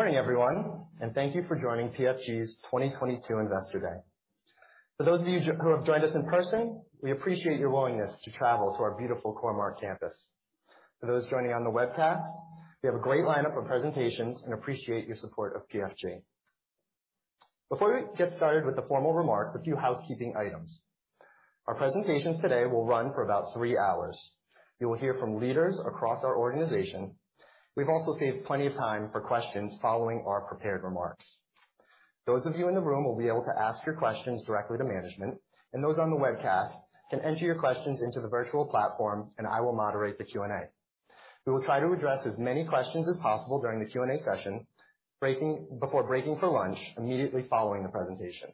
Morning everyone, and thank you for joining PFG's 2022 Investor Day. For those of you who have joined us in person, we appreciate your willingness to travel to our beautiful Core-Mark campus. For those joining on the webcast, we have a great lineup of presentations and appreciate your support of PFG. Before we get started with the formal remarks, a few housekeeping items. Our presentations today will run for about three hours. You will hear from leaders across our organization. We've also saved plenty of time for questions following our prepared remarks. Those of you in the room will be able to ask your questions directly to management, and those on the webcast can enter your questions into the virtual platform and I will moderate the Q&A. We will try to address as many questions as possible during the Q&A session, before breaking for lunch immediately following the presentation.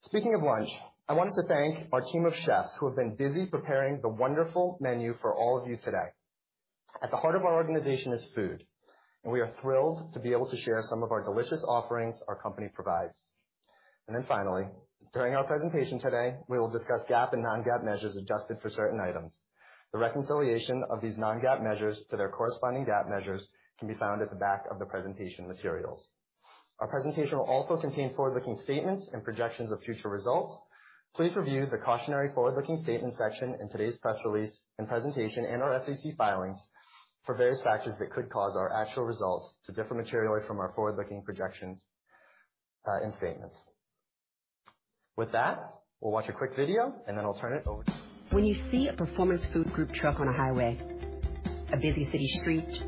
Speaking of lunch, I wanted to thank our team of chefs who have been busy preparing the wonderful menu for all of you today. At the heart of our organization is food, and we are thrilled to be able to share some of our delicious offerings our company provides. Finally, during our presentation today, we will discuss GAAP and non-GAAP measures adjusted for certain items. The reconciliation of these non-GAAP measures to their corresponding GAAP measures can be found at the back of the presentation materials. Our presentation will also contain forward-looking statements and projections of future results. Please review the cautionary forward-looking statement section in today's press release and presentation and our SEC filings for various factors that could cause our actual results to differ materially from our forward-looking projections, and statements. With that, we'll watch a quick video, and then I'll turn it over to. When you see a Performance Food Group truck on a highway, a busy city street,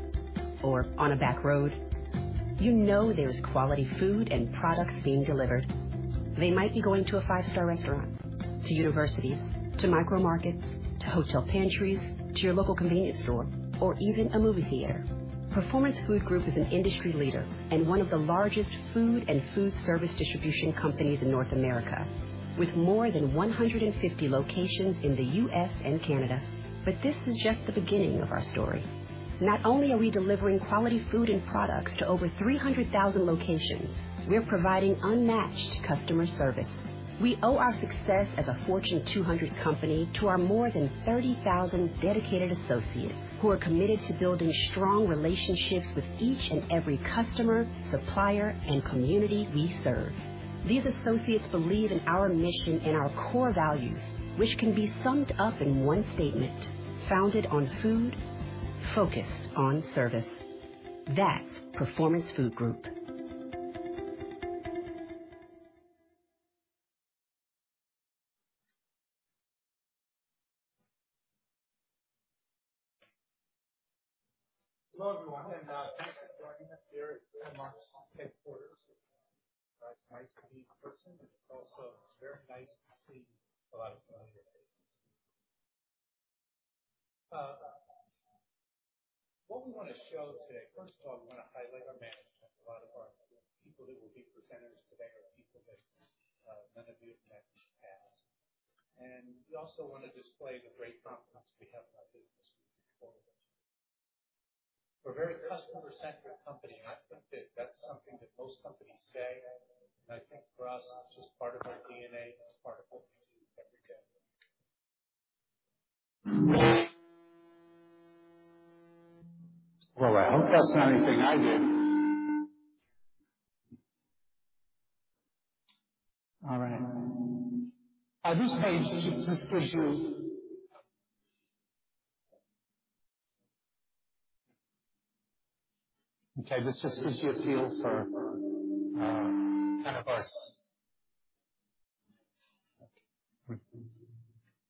or on a back road, you know there's quality food and products being delivered. They might be going to a five-star restaurant, to universities, to micro markets, to hotel pantries, to your local convenience store, or even a movie theater. Performance Food Group is an industry leader and one of the largest food and foodservice distribution companies in North America, with more than 150 locations in the U.S. and Canada. This is just the beginning of our story. Not only are we delivering quality food and products to over 300,000 locations, we're providing unmatched customer service. We owe our success as a Fortune 200 company to our more than 30,000 dedicated associates who are committed to building strong relationships with each and every customer, supplier, and community we serve. These associates believe in our mission and our core values, which can be summed up in one statement: Founded on Food, Focused on Service. That's Performance Food Group. Hello, everyone, and thanks for joining us here at Core-Mark's headquarters. It's nice to meet in person, but it's also very nice to see a lot of familiar faces. What we wanna show today, first of all, we wanna highlight our management. A lot of our people who will be presenters today are people that many of you have met in the past. We also wanna display the great confidence we have in our business moving forward. We're a very customer-centric company, and I think that that's something that most companies say, and I think for us, it's just part of our DNA. It's part of what we do every day. Well, I hope that's not anything I did. All right. This page just gives you a feel for kind of our.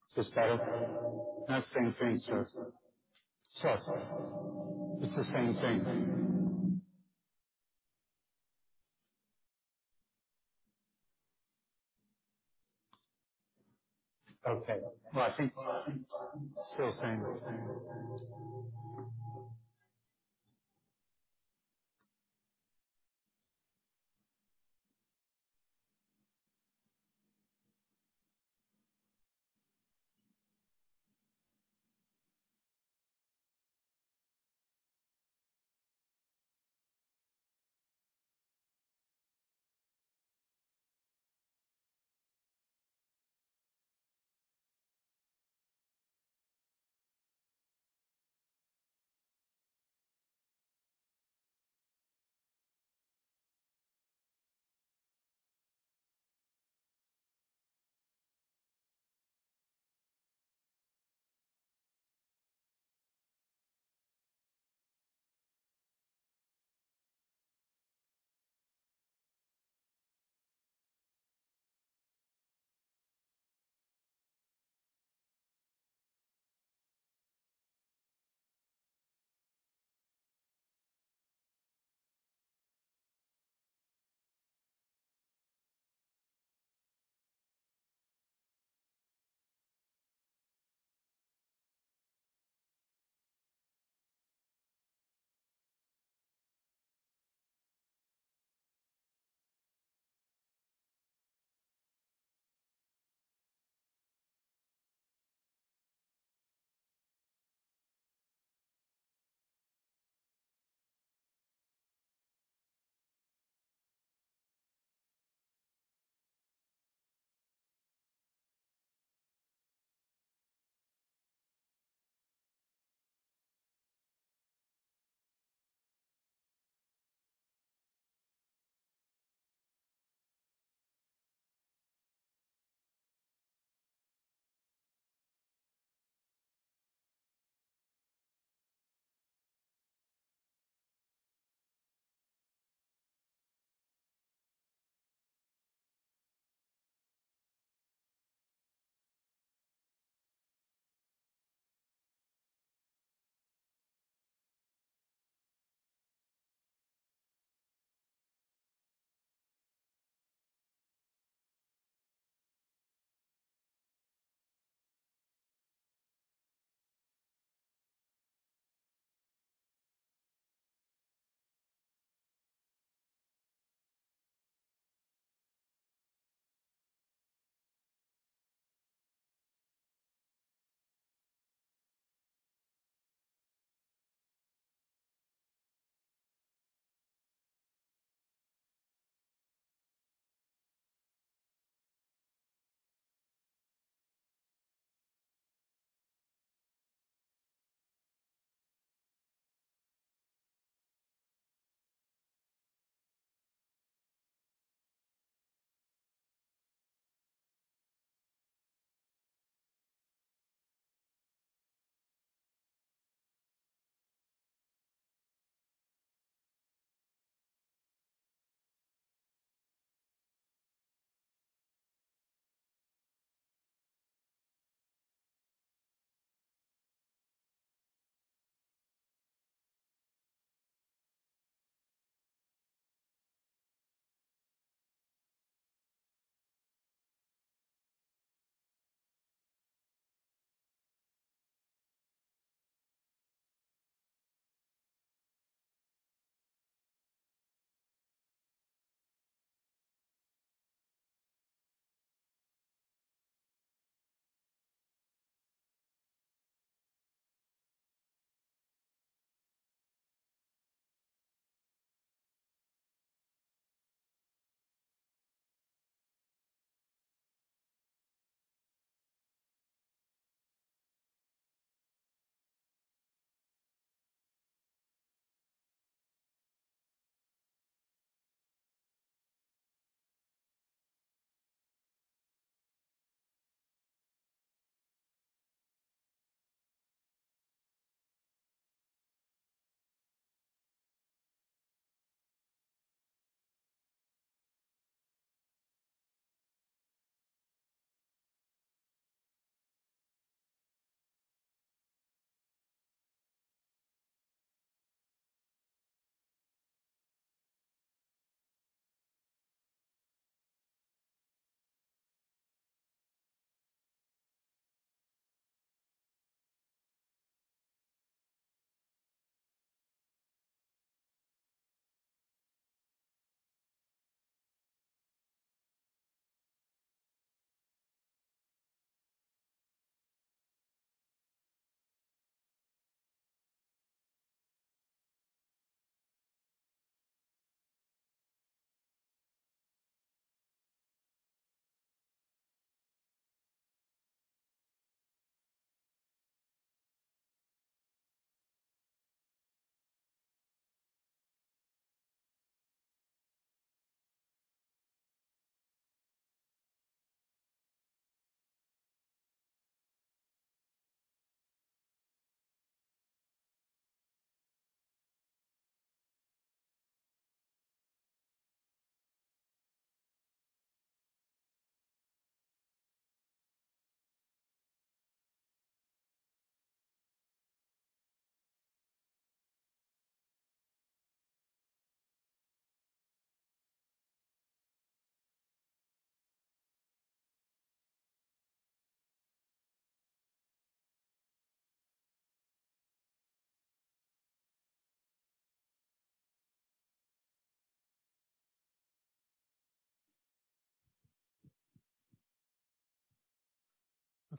Is this better? No, same thing still. It's the same thing. Okay. Well, I think it's still the same.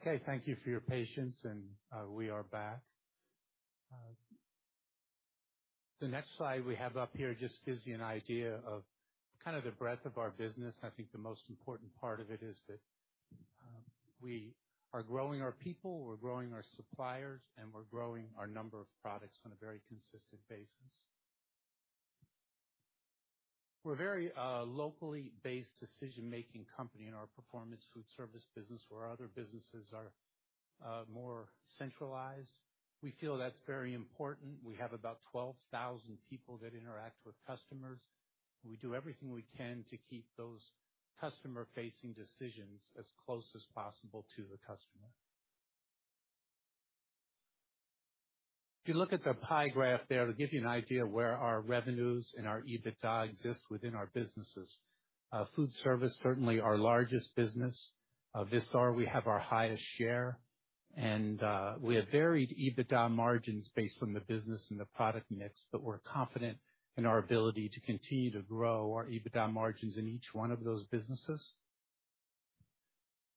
Okay, thank you for your patience, and we are back. The next slide we have up here just gives you an idea of kind of the breadth of our business. I think the most important part of it is that we are growing our people, we're growing our suppliers, and we're growing our number of products on a very consistent basis. We're a very locally based decision-making company in our Performance Foodservice business, where other businesses are more centralized. We feel that's very important. We have about 12,000 people that interact with customers. We do everything we can to keep those customer-facing decisions as close as possible to the customer. If you look at the pie graph there, it'll give you an idea where our revenues and our EBITDA exist within our businesses. Foodservice, certainly our largest business. Vistar, we have our highest share. We have varied EBITDA margins based on the business and the product mix, but we're confident in our ability to continue to grow our EBITDA margins in each one of those businesses.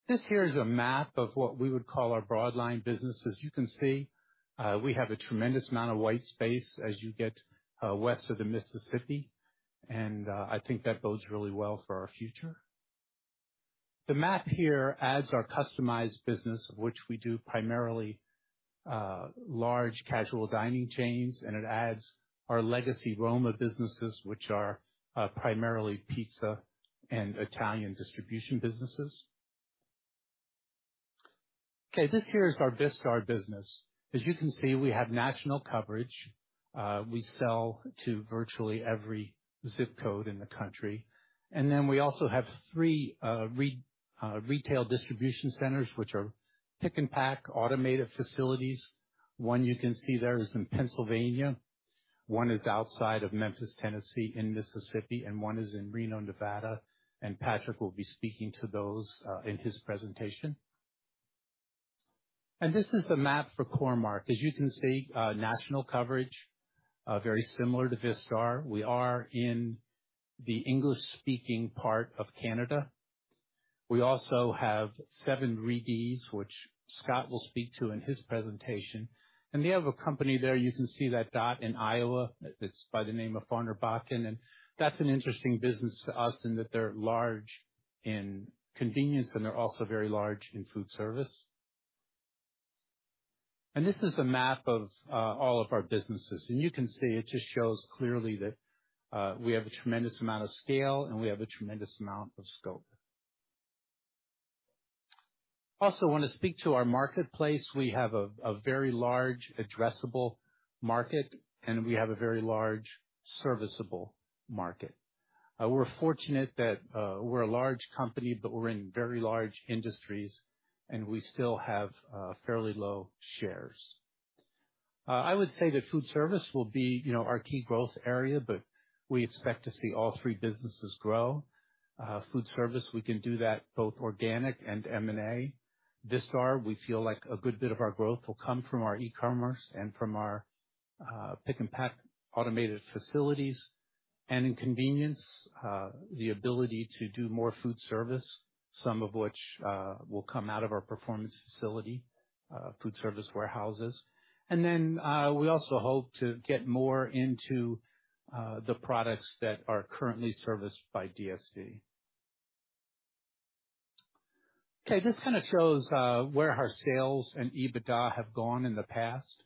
This here is a map of what we would call our broad line businesses. You can see, we have a tremendous amount of white space as you get, west of the Mississippi. I think that bodes really well for our future. The map here adds our Customized business, which we do primarily, large casual dining chains, and it adds our legacy Roma businesses, which are, primarily pizza and Italian distribution businesses. Okay, this here is our Vistar business. As you can see, we have national coverage. We sell to virtually every ZIP code in the country. We also have three retail distribution centers, which are pick and pack automated facilities. One you can see there is in Pennsylvania, one is outside of Memphis, Tennessee, in Mississippi, and one is in Reno, Nevada. Patrick will be speaking to those in his presentation. This is the map for Core-Mark. As you can see, national coverage very similar to Vistar. We are in the English-speaking part of Canada. We also have seven RDs, which Scott will speak to in his presentation. We have a company there, you can see that dot in Iowa. It's by the name of Farner-Bocken, and that's an interesting business to us in that they're large in convenience and they're also very large in Foodservice. This is the map of all of our businesses. You can see it just shows clearly that we have a tremendous amount of scale, and we have a tremendous amount of scope. Also wanna speak to our marketplace. We have a very large addressable market, and we have a very large serviceable market. We're fortunate that we're a large company, but we're in very large industries, and we still have fairly low shares. I would say that Foodservice will be, you know, our key growth area, but we expect to see all three businesses grow. Foodservice, we can do that both organic and M&A. Vistar, we feel like a good bit of our growth will come from our e-commerce and from our pick and pack automated facilities. In convenience, the ability to do more Foodservice, some of which will come out of our Performance facility, Foodservice warehouses. We also hope to get more into the products that are currently serviced by DSD. Okay, this kinda shows where our sales and EBITDA have gone in the past.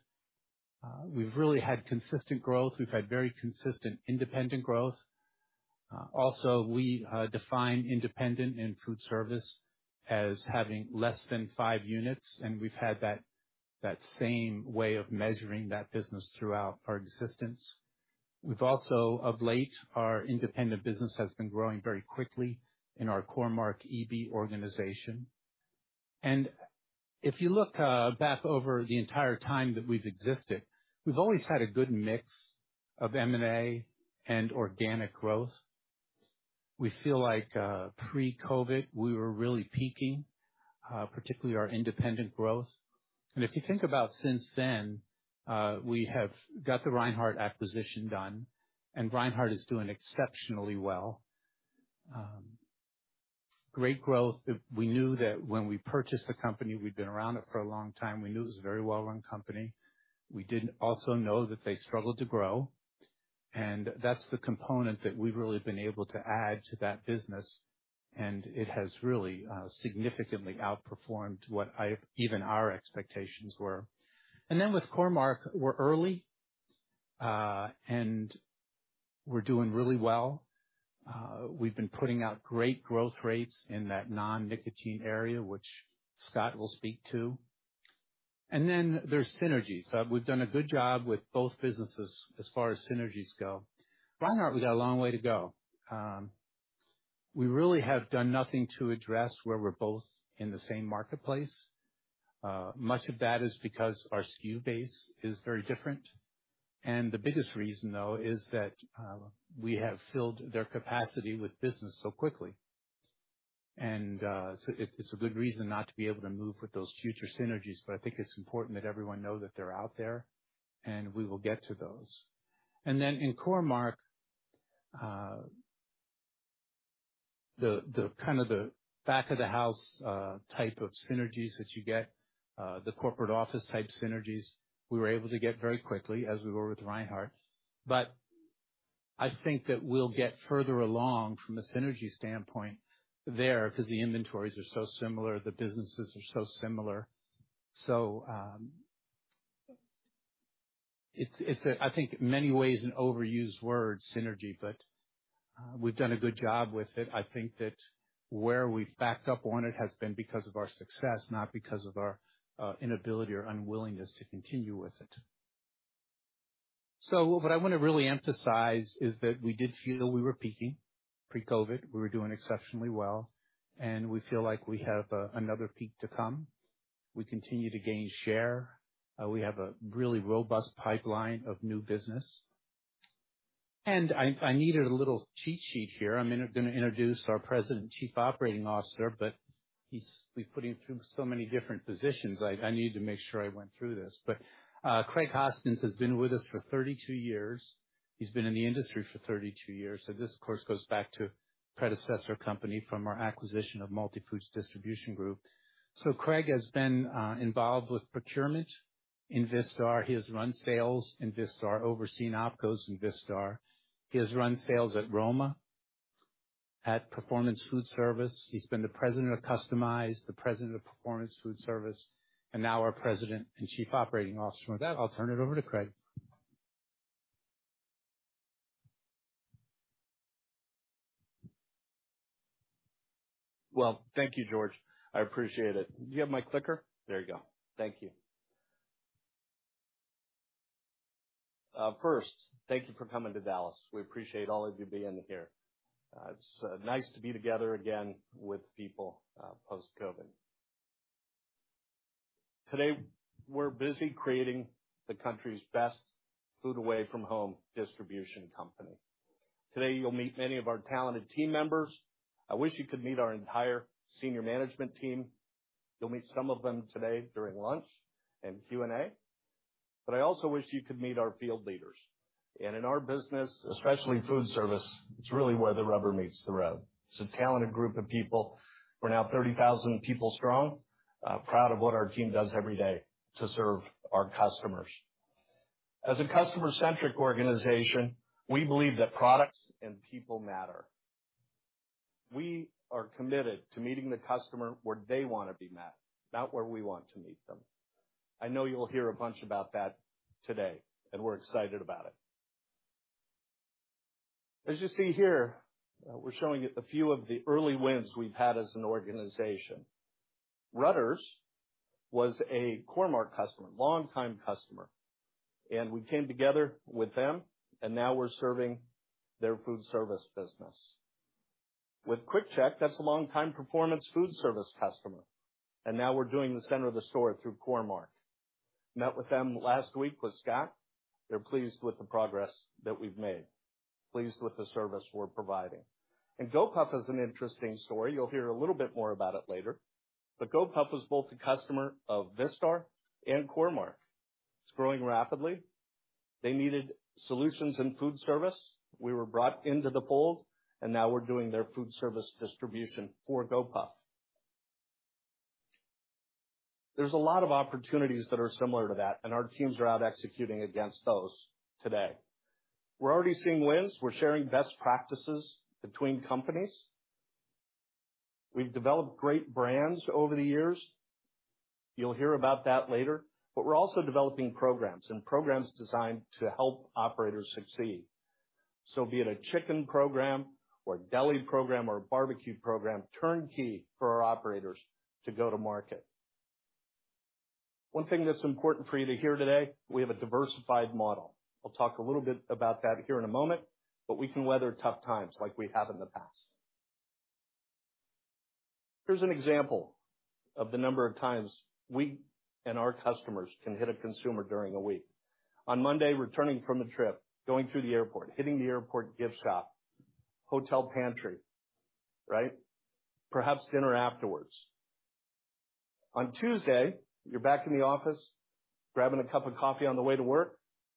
We've really had consistent growth. We've had very consistent independent growth. Also, we define independent and Foodservice as having less than 5 units, and we've had that same way of measuring that business throughout our existence. We've also, of late, our independent business has been growing very quickly in our Core-Mark Eby organization. If you look back over the entire time that we've existed, we've always had a good mix of M&A and organic growth. We feel like, pre-COVID, we were really peaking, particularly our independent growth. If you think about since then, we have got the Reinhart acquisition done, and Reinhart is doing exceptionally well. Great growth. We knew that when we purchased the company, we'd been around it for a long time. We knew it was a very well-run company. We didn't also know that they struggled to grow. That's the component that we've really been able to add to that business, and it has really significantly outperformed even our expectations were. Then with Core-Mark, we're early, and we're doing really well. We've been putting out great growth rates in that non-nicotine area, which Scott will speak to. Then there's synergies. We've done a good job with both businesses as far as synergies go. Reinhart, we got a long way to go. We really have done nothing to address where we're both in the same marketplace. Much of that is because our SKU base is very different. The biggest reason, though, is that we have filled their capacity with business so quickly. It's a good reason not to be able to move with those future synergies, but I think it's important that everyone know that they're out there, and we will get to those. Then in Core-Mark, the kind of back-of-the-house type of synergies that you get, the corporate office type synergies, we were able to get very quickly as we were with Reinhart. I think that we'll get further along from a synergy standpoint there because the inventories are so similar, the businesses are so similar. It's many ways an overused word, synergy, but we've done a good job with it. I think that where we've backed up on it has been because of our success, not because of our inability or unwillingness to continue with it. What I wanna really emphasize is that we did feel we were peaking pre-COVID. We were doing exceptionally well, and we feel like we have another peak to come. We continue to gain share. We have a really robust pipeline of new business. I needed a little cheat sheet here. I'm gonna introduce our President Chief Operating Officer, but we put him through so many different positions. I need to make sure I went through this. Craig Hoskins has been with us for 32 years. He's been in the industry for 32 years. This of course goes back to predecessor company from our acquisition of Multifoods Distribution Group. Craig has been involved with procurement. In Vistar, he has run sales in Vistar, overseen OpCos in Vistar. He has run sales at Roma, at Performance Foodservice. He's been the president of Customized, the president of Performance Foodservice, and now our president and chief operating officer. With that, I'll turn it over to Craig. Well, thank you, George. I appreciate it. Do you have my clicker? There you go. Thank you. First, thank you for coming to Dallas. We appreciate all of you being here. It's nice to be together again with people post-COVID. Today, we're busy creating the country's best food away from home distribution company. Today, you'll meet many of our talented team members. I wish you could meet our entire senior management team. You'll meet some of them today during lunch and Q&A. I also wish you could meet our field leaders. In our business, especially Foodservice, it's really where the rubber meets the road. It's a talented group of people. We're now 30,000 people strong. Proud of what our team does every day to serve our customers. As a customer-centric organization, we believe that products and people matter. We are committed to meeting the customer where they wanna be met, not where we want to meet them. I know you'll hear a bunch about that today, and we're excited about it. As you see here, we're showing a few of the early wins we've had as an organization. Rutter's was a Core-Mark customer, longtime customer, and we came together with them, and now we're serving their foodservice business. With QuickChek, that's a longtime Performance Foodservice customer, and now we're doing the center of the store through Core-Mark. Met with them last week, with Scott. They're pleased with the progress that we've made, pleased with the service we're providing. Gopuff is an interesting story. You'll hear a little bit more about it later. Gopuff was both a customer of Vistar and Core-Mark. It's growing rapidly. They needed solutions in foodservice. We were brought into the fold, and now we're doing their foodservice distribution for Gopuff. There's a lot of opportunities that are similar to that, and our teams are out executing against those today. We're already seeing wins. We're sharing best practices between companies. We've developed great brands over the years. You'll hear about that later, but we're also developing programs designed to help operators succeed. So be it a chicken program or a deli program or a barbecue program, turnkey for our operators to go to market. One thing that's important for you to hear today, we have a diversified model. I'll talk a little bit about that here in a moment, but we can weather tough times like we have in the past. Here's an example of the number of times we and our customers can hit a consumer during a week. On Monday, returning from a trip, going through the airport, hitting the airport gift shop, hotel pantry, right? Perhaps dinner afterwards. On Tuesday, you're back in the office, grabbing a cup of coffee on the way to work,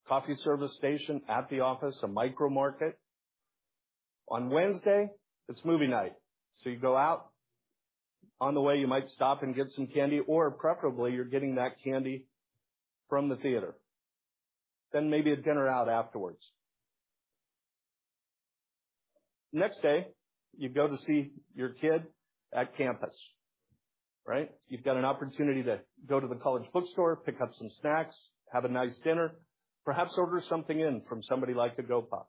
coffee service station at the office, a micro market. On Wednesday, it's movie night, so you go out. On the way, you might stop and get some candy, or preferably, you're getting that candy from the theater. Maybe a dinner out afterwards. Next day, you go to see your kid at campus, right? You've got an opportunity to go to the college bookstore, pick up some snacks, have a nice dinner, perhaps order something in from somebody like a Gopuff.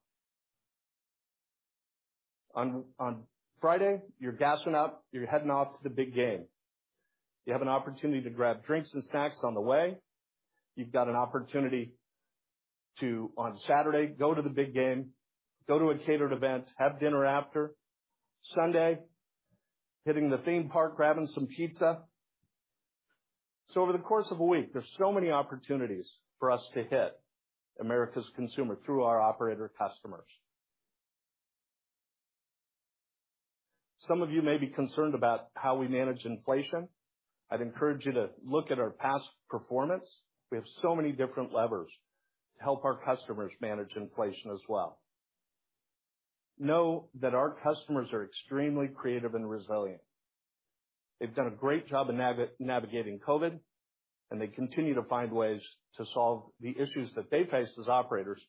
On Friday, you're gassing up, you're heading off to the big game. You have an opportunity to grab drinks and snacks on the way. You've got an opportunity to, on Saturday, go to the big game, go to a catered event, have dinner after. Sunday, hitting the theme park, grabbing some pizza. Over the course of a week, there's so many opportunities for us to hit America's consumer through our operator customers. Some of you may be concerned about how we manage inflation. I'd encourage you to look at our past performance. We have so many different levers to help our customers manage inflation as well. Know that our customers are extremely creative and resilient. They've done a great job in navigating COVID, and they continue to find ways to solve the issues that they face as operators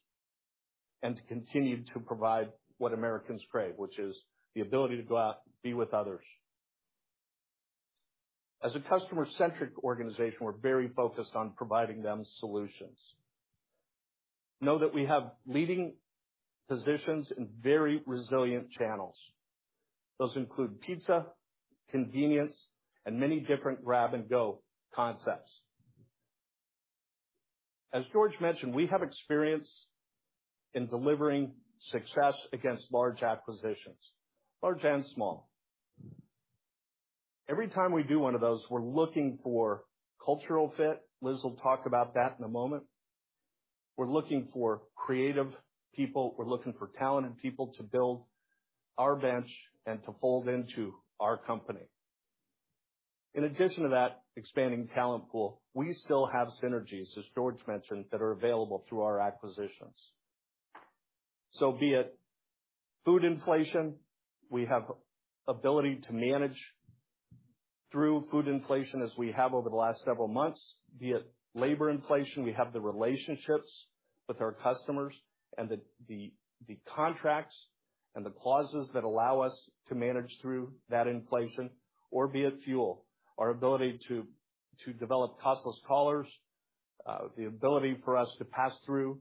and to continue to provide what Americans crave, which is the ability to go out, be with others. As a customer-centric organization, we're very focused on providing them solutions. Know that we have leading positions in very resilient channels. Those include pizza, convenience, and many different grab-and-go concepts. As George mentioned, we have experience in delivering success against large acquisitions, large and small. Every time we do one of those, we're looking for cultural fit. Liz will talk about that in a moment. We're looking for creative people. We're looking for talented people to build our bench and to fold into our company. In addition to that expanding talent pool, we still have synergies, as George mentioned, that are available through our acquisitions. Be it food inflation, we have ability to manage through food inflation as we have over the last several months. Be it labor inflation, we have the relationships with our customers and the contracts and the clauses that allow us to manage through that inflation, or be it fuel, our ability to develop costless collars, the ability for us to pass through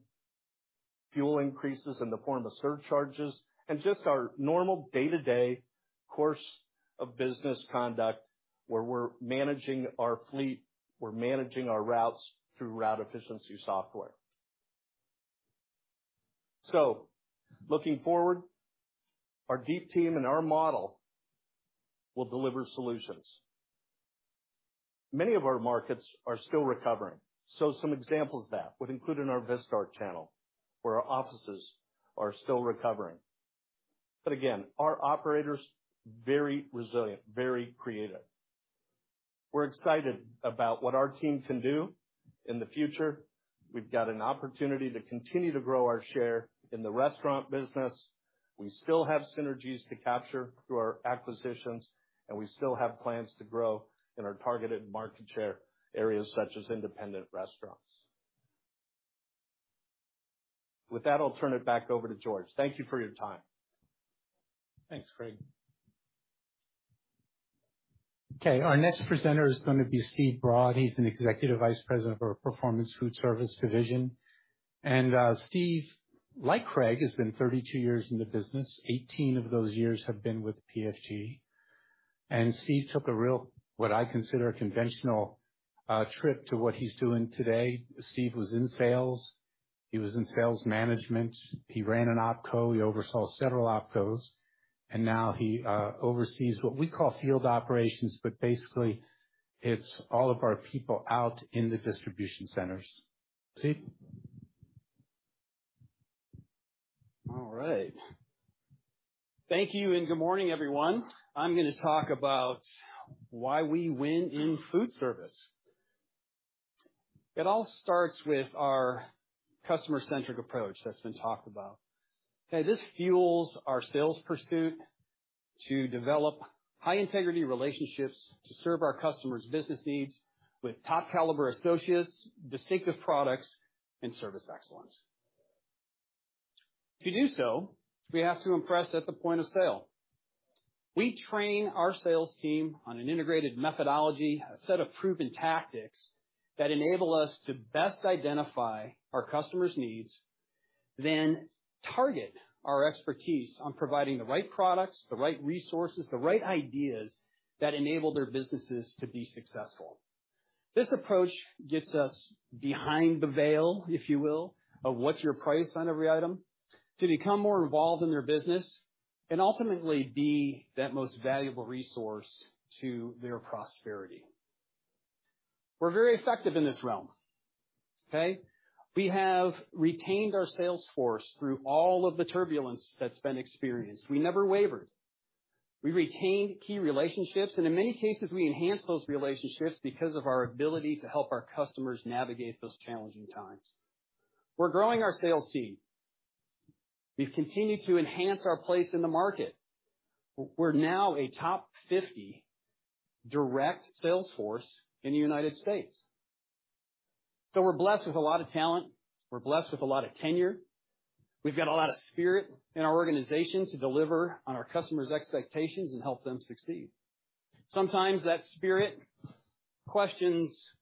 fuel increases in the form of surcharges, and just our normal day-to-day course of business conduct where we're managing our fleet, we're managing our routes through route efficiency software. Looking forward, our deep team and our model will deliver solutions. Many of our markets are still recovering. Some examples of that would include in our Vistar channel, where our offices are still recovering. Again, our operator's very resilient, very creative. We're excited about what our team can do in the future. We've got an opportunity to continue to grow our share in the restaurant business. We still have synergies to capture through our acquisitions, and we still have plans to grow in our targeted market share areas such as independent restaurants. With that, I'll turn it back over to George. Thank you for your time. Thanks, Craig. Okay, our next presenter is gonna be Steve Broad. He's an executive vice president for our Performance Foodservice division. Steve, like Craig, has been 32 years in the business. 18 of those years have been with PFG. Steve took a real, what I consider a conventional, trip to what he's doing today. Steve was in sales. He was in sales management. He ran an OpCo. He oversaw several OpCos, and now he oversees what we call field operations, but basically it's all of our people out in the distribution centers. Steve? All right. Thank you, and good morning, everyone. I'm gonna talk about why we win in foodservice. It all starts with our customer-centric approach that's been talked about. Okay, this fuels our sales pursuit to develop high-integrity relationships to serve our customers' business needs with top-caliber associates, distinctive products and service excellence. To do so, we have to impress at the point of sale. We train our sales team on an integrated methodology, a set of proven tactics that enable us to best identify our customer's needs, then target our expertise on providing the right products, the right resources, the right ideas that enable their businesses to be successful. This approach gets us behind the veil, if you will, of what's your price on every item to become more involved in their business and ultimately be that most valuable resource to their prosperity. We're very effective in this realm, okay? We have retained our sales force through all of the turbulence that's been experienced. We never wavered. We retained key relationships, and in many cases, we enhanced those relationships because of our ability to help our customers navigate those challenging times. We're growing our sales team. We've continued to enhance our place in the market. We're now a top 50 direct sales force in the United States. So we're blessed with a lot of talent, we're blessed with a lot of tenure. We've got a lot of spirit in our organization to deliver on our customers' expectations and help them succeed. Sometimes that spirit questions,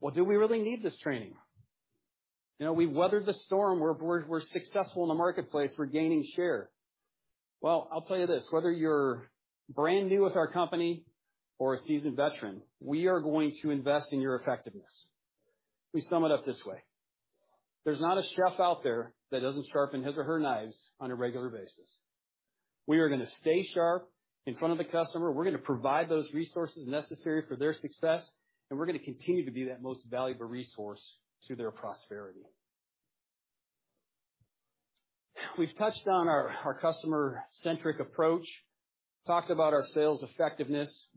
"Well, do we really need this training? You know, we weathered the storm. We're successful in the marketplace. We're gaining share." Well, I'll tell you this, whether you're brand new with our company or a seasoned veteran, we are going to invest in your effectiveness. We sum it up this way. There's not a chef out there that doesn't sharpen his or her knives on a regular basis. We are gonna stay sharp in front of the customer. We're gonna provide those resources necessary for their success, and we're gonna continue to be that most valuable resource to their prosperity. We've touched on our customer-centric approach, talked about our sales effectiveness.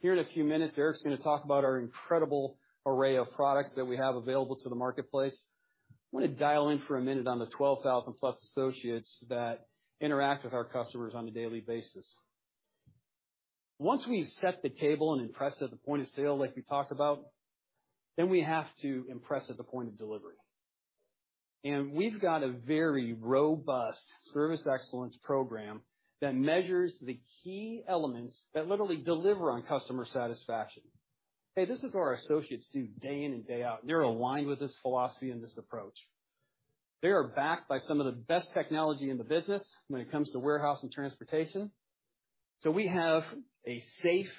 Here in a few minutes, Eric's gonna talk about our incredible array of products that we have available to the marketplace. I wanna dial in for a minute on the 12,000+ associates that interact with our customers on a daily basis. Once we set the table and impress at the point of sale, like we talked about, then we have to impress at the point of delivery. We've got a very robust service excellence program that measures the key elements that literally deliver on customer satisfaction. Okay, this is what our associates do day in and day out. They're aligned with this philosophy and this approach. They are backed by some of the best technology in the business when it comes to warehouse and transportation. We have a safe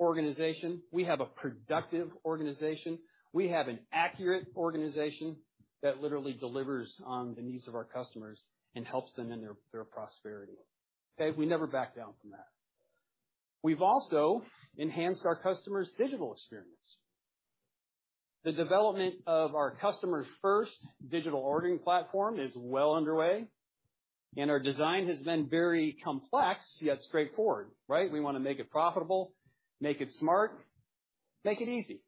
organization. We have a productive organization. We have an accurate organization that literally delivers on the needs of our customers and helps them in their prosperity. Okay? We never back down from that. We've also enhanced our customers' digital experience. The development of our customers' first digital ordering platform is well underway, and our design has been very complex, yet straightforward, right? We wanna make it profitable, make it smart, make it easy.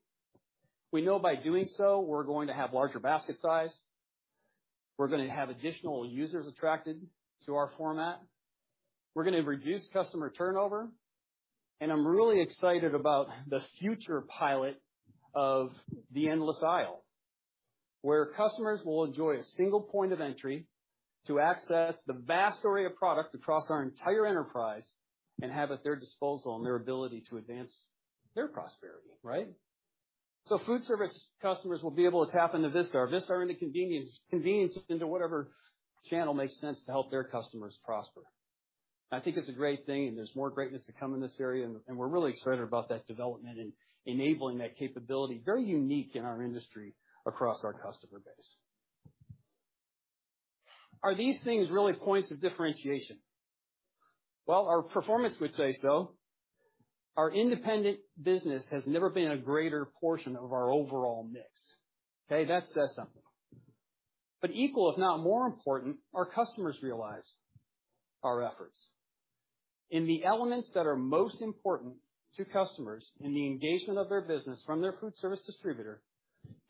We know by doing so we're going to have larger basket size, we're gonna have additional users attracted to our format, we're gonna reduce customer turnover, and I'm really excited about the future pilot of the endless aisle, where customers will enjoy a single point of entry to access the vast array of product across our entire enterprise and have at their disposal and their ability to advance their prosperity, right? So Foodservice customers will be able to tap into Vistar or Vistar into convenience into whatever channel makes sense to help their customers prosper. I think it's a great thing, and there's more greatness to come in this area, and we're really excited about that development and enabling that capability, very unique in our industry across our customer base. Are these things really points of differentiation? Well, our performance would say so. Our independent business has never been a greater portion of our overall mix. Okay, that says something. Equal, if not more important, our customers realize our efforts. In the elements that are most important to customers in the engagement of their business from their foodservice distributor,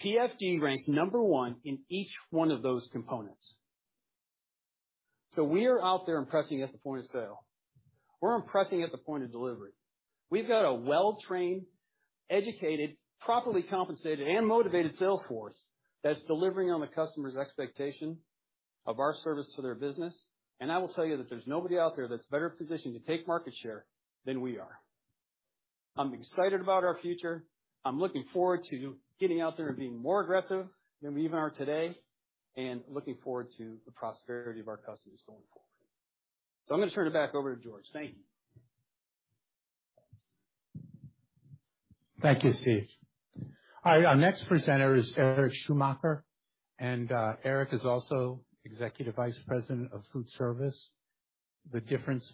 PFG ranks number one in each one of those components. We are out there impressing at the point of sale. We're impressing at the point of delivery. We've got a well-trained, educated, properly compensated, and motivated sales force that's delivering on the customer's expectation of our service to their business. I will tell you that there's nobody out there that's better positioned to take market share than we are. I'm excited about our future. I'm looking forward to getting out there and being more aggressive than we even are today and looking forward to the prosperity of our customers going forward. I'm gonna turn it back over to George. Thank you. Thank you, Steve. All right, our next presenter is Erich Schumann, and Eric is also Executive Vice President of Foodservice. The difference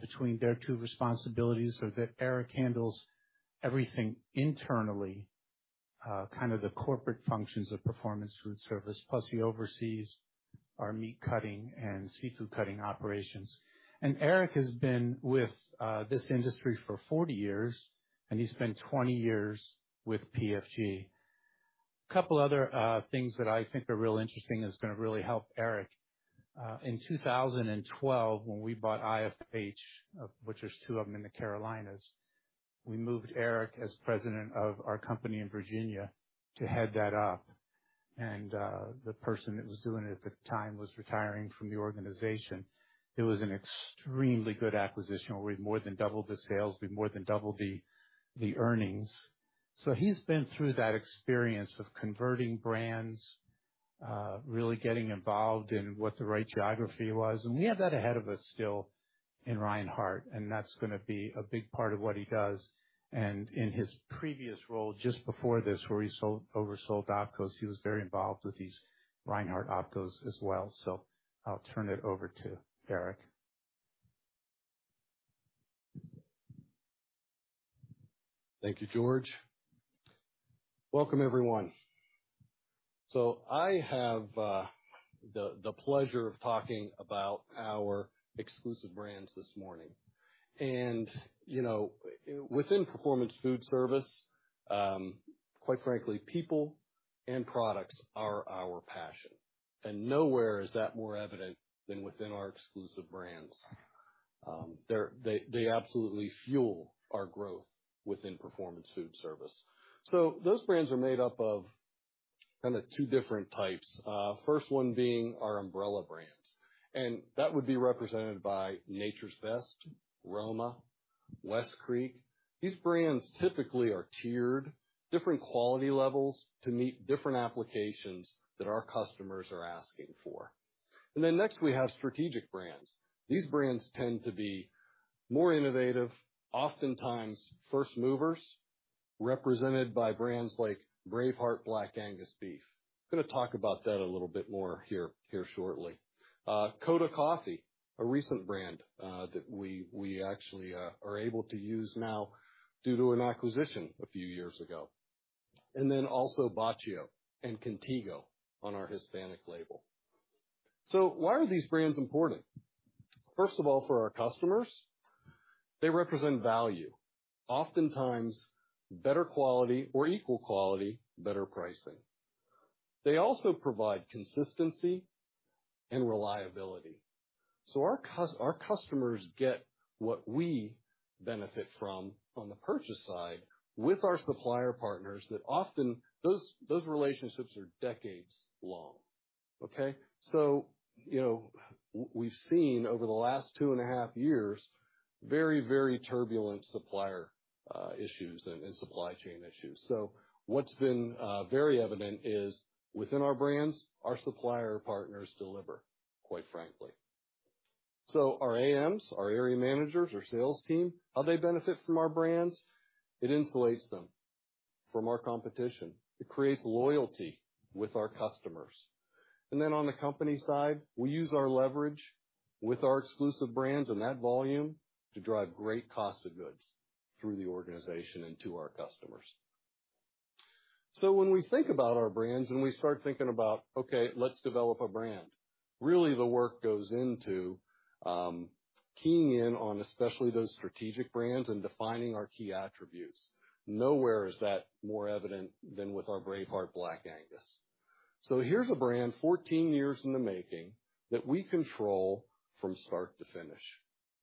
between their two responsibilities are that Eric handles everything internally, kind of the corporate functions of Performance Foodservice, plus he oversees our meat cutting and seafood cutting operations. Eric has been with this industry for 40 years, and he spent 20 years with PFG. Couple other things that I think are real interesting that's gonna really help Eric. In 2012, when we bought IFH, of which there's two of them in the Carolinas, we moved Eric as president of our company in Virginia to head that up. The person that was doing it at the time was retiring from the organization. It was an extremely good acquisition, where we more than doubled the sales, we more than doubled the earnings. He's been through that experience of converting brands, really getting involved in what the right geography was. We have that ahead of us still in Reinhart, and that's gonna be a big part of what he does. In his previous role, just before this, where he oversaw OpCos, he was very involved with these Reinhart OpCos as well. I'll turn it over to Eric. Thank you, George. Welcome, everyone. I have the pleasure of talking about our exclusive brands this morning. You know, within Performance Foodservice, quite frankly, people and products are our passion. Nowhere is that more evident than within our exclusive brands. They absolutely fuel our growth within Performance Foodservice. Those brands are made up of kinda two different types. First one being our umbrella brands, and that would be represented by Nature's Best, Roma, West Creek. These brands typically are tiered, different quality levels to meet different applications that our customers are asking for. Then next, we have strategic brands. These brands tend to be more innovative, oftentimes first movers, represented by brands like Braveheart Black Angus Beef. Gonna talk about that a little bit more here shortly. Coda Coffee, a recent brand that we actually are able to use now due to an acquisition a few years ago. Then also Bacio and Contigo on our Hispanic label. Why are these brands important? First of all, for our customers, they represent value, oftentimes better quality or equal quality, better pricing. They also provide consistency and reliability. Our customers get what we benefit from on the purchase side with our supplier partners that often those relationships are decades long, okay? You know, we've seen over the last 2.5 years, very turbulent supplier issues and supply chain issues. What's been very evident is within our brands, our supplier partners deliver, quite frankly. Our AMs, our area managers, our sales team, how they benefit from our brands, it insulates them from our competition. It creates loyalty with our customers. Then on the company side, we use our leverage with our exclusive brands and that volume to drive great cost of goods through the organization and to our customers. When we think about our brands and we start thinking about, okay, let's develop a brand. Really the work goes into keying in on especially those strategic brands and defining our key attributes. Nowhere is that more evident than with our Braveheart Black Angus. Here's a brand 14 years in the making that we control from start to finish,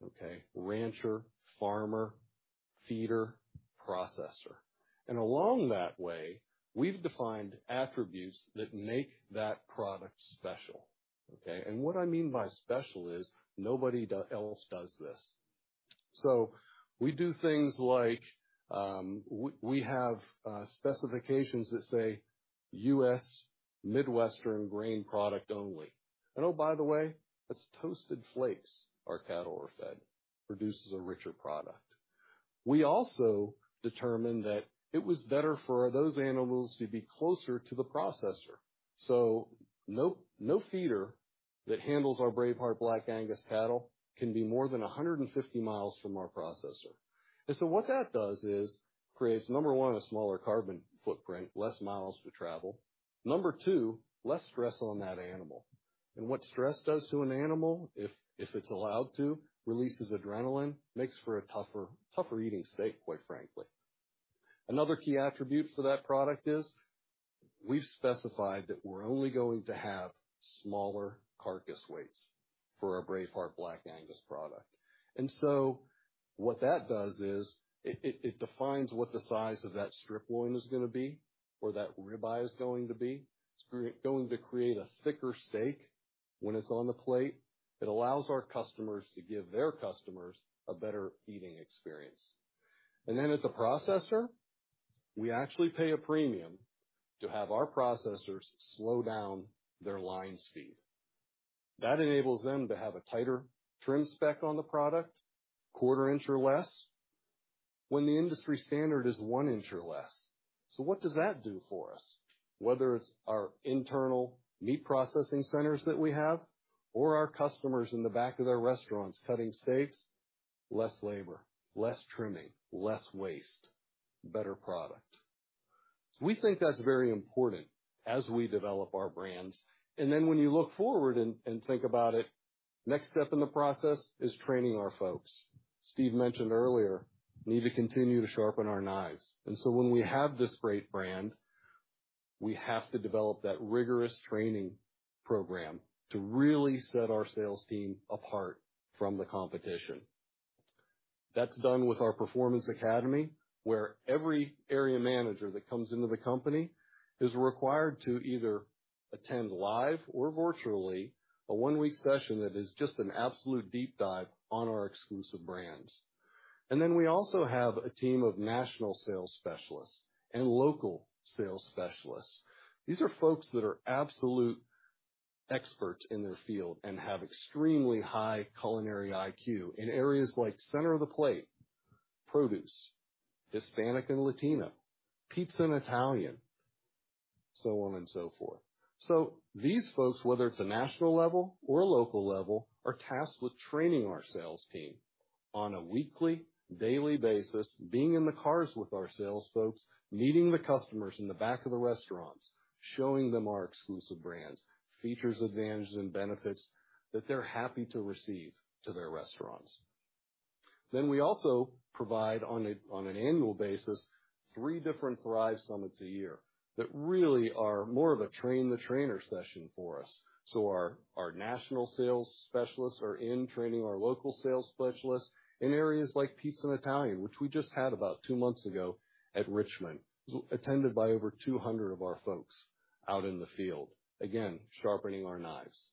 okay? Rancher, farmer, feeder, processor. Along that way, we've defined attributes that make that product special, okay. What I mean by special is nobody else does this. We do things like, we have specifications that say U.S. Midwestern grain product only. Oh, by the way, it's toasted flakes our cattle are fed, produces a richer product. We also determined that it was better for those animals to be closer to the processor. No feeder that handles our Braveheart Black Angus cattle can be more than 150 mi from our processor. What that does is creates, number one, a smaller carbon footprint, less miles to travel. Number two, less stress on that animal. What stress does to an animal if it's allowed to releases adrenaline, makes for a tougher eating steak, quite frankly. Another key attribute for that product is we've specified that we're only going to have smaller carcass weights for our Braveheart Black Angus product. What that does is it defines what the size of that strip loin is gonna be or that rib eye is going to be. It's going to create a thicker steak when it's on the plate. It allows our customers to give their customers a better eating experience. As a processor, we actually pay a premium to have our processors slow down their line speed. That enables them to have a tighter trim spec on the product, quarter inch or less, when the industry standard is one inch or less. What does that do for us? Whether it's our internal meat processing centers that we have or our customers in the back of their restaurants cutting steaks, less labor, less trimming, less waste, better product. We think that's very important as we develop our brands. Then when you look forward and think about it, next step in the process is training our folks. Steve mentioned earlier, we need to continue to sharpen our knives. When we have this great brand, we have to develop that rigorous training program to really set our sales team apart from the competition. That's done with our performance academy, where every area manager that comes into the company is required to either attend live or virtually a one-week session that is just an absolute deep dive on our exclusive brands. We also have a team of national sales specialists and local sales specialists. These are folks that are absolute experts in their field and have extremely high culinary IQ in areas like center of the plate, produce, Hispanic and Latino, pizza and Italian, so on and so forth. These folks, whether it's a national level or a local level, are tasked with training our sales team on a weekly, daily basis, being in the cars with our sales folks, meeting the customers in the back of the restaurants, showing them our exclusive brands, features, advantages, and benefits that they're happy to receive to their restaurants. We also provide on an annual basis, three different THRIVE summits a year that really are more of a train-the-trainer session for us. Our national sales specialists are in training our local sales specialists in areas like pizza and Italian, which we just had about two months ago at Richmond. Attended by over 200 of our folks out in the field, again, sharpening our knives.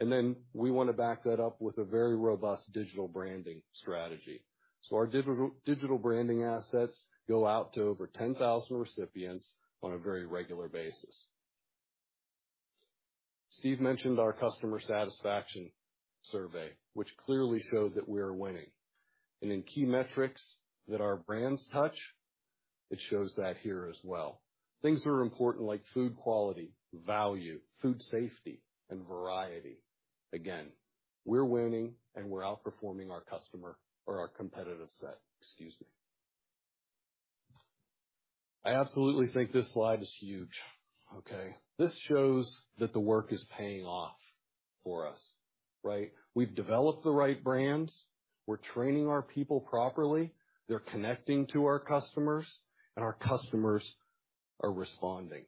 We wanna back that up with a very robust digital branding strategy. Our digital branding assets go out to over 10,000 recipients on a very regular basis. Steve mentioned our customer satisfaction survey, which clearly showed that we are winning. In key metrics that our brands touch, it shows that here as well. Things that are important like food quality, value, food safety, and variety. Again, we're winning, and we're outperforming our customer or our competitive set, excuse me. I absolutely think this slide is huge, okay. This shows that the work is paying off for us, right? We've developed the right brands, we're training our people properly, they're connecting to our customers, and our customers are responding.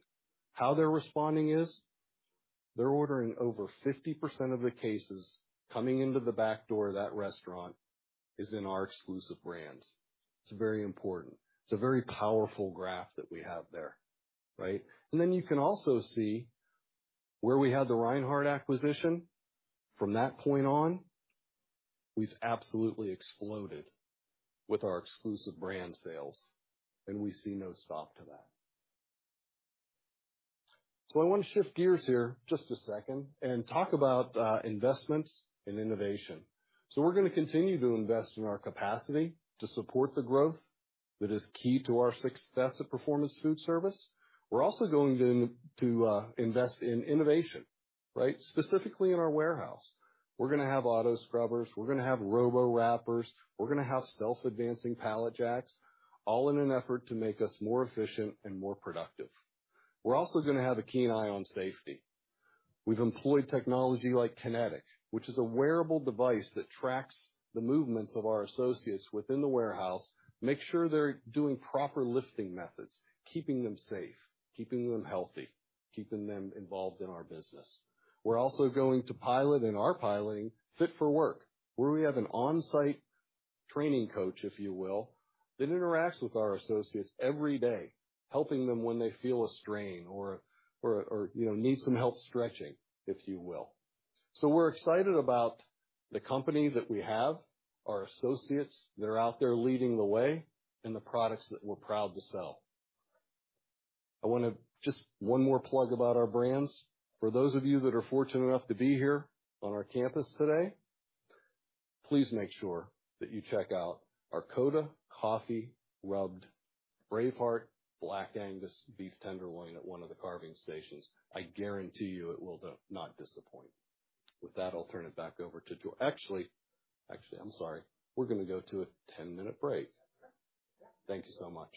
How they're responding is they're ordering over 50% of the cases coming into the back door of that restaurant is in our exclusive brands. It's very important. It's a very powerful graph that we have there, right? Then you can also see where we had the Reinhart acquisition. From that point on, we've absolutely exploded with our exclusive brand sales, and we see no stop to that. I wanna shift gears here just a second and talk about investments and innovation. We're gonna continue to invest in our capacity to support the growth that is key to our success at Performance Foodservice. We're also going to invest in innovation, right? Specifically in our warehouse. We're gonna have auto scrubbers, we're gonna have robo wrappers, we're gonna have self-advancing pallet jacks, all in an effort to make us more efficient and more productive. We're also gonna have a keen eye on safety. We've employed technology like Kinetic, which is a wearable device that tracks the movements of our associates within the warehouse, make sure they're doing proper lifting methods, keeping them safe, keeping them healthy, keeping them involved in our business. We're also going to pilot and are piloting Fit For Work, where we have an on-site training coach, if you will, that interacts with our associates every day, helping them when they feel a strain or, you know, need some help stretching, if you will. We're excited about the company that we have, our associates that are out there leading the way, and the products that we're proud to sell. I wanna just one more plug about our brands. For those of you that are fortunate enough to be here on our campus today, please make sure that you check out our Coda Coffee rubbed Braveheart Black Angus Beef tenderloin at one of the carving stations. I guarantee you it will not disappoint. With that, I'll turn it back over to George. Actually, I'm sorry. We're gonna go to a 10-minute break. Thank you so much.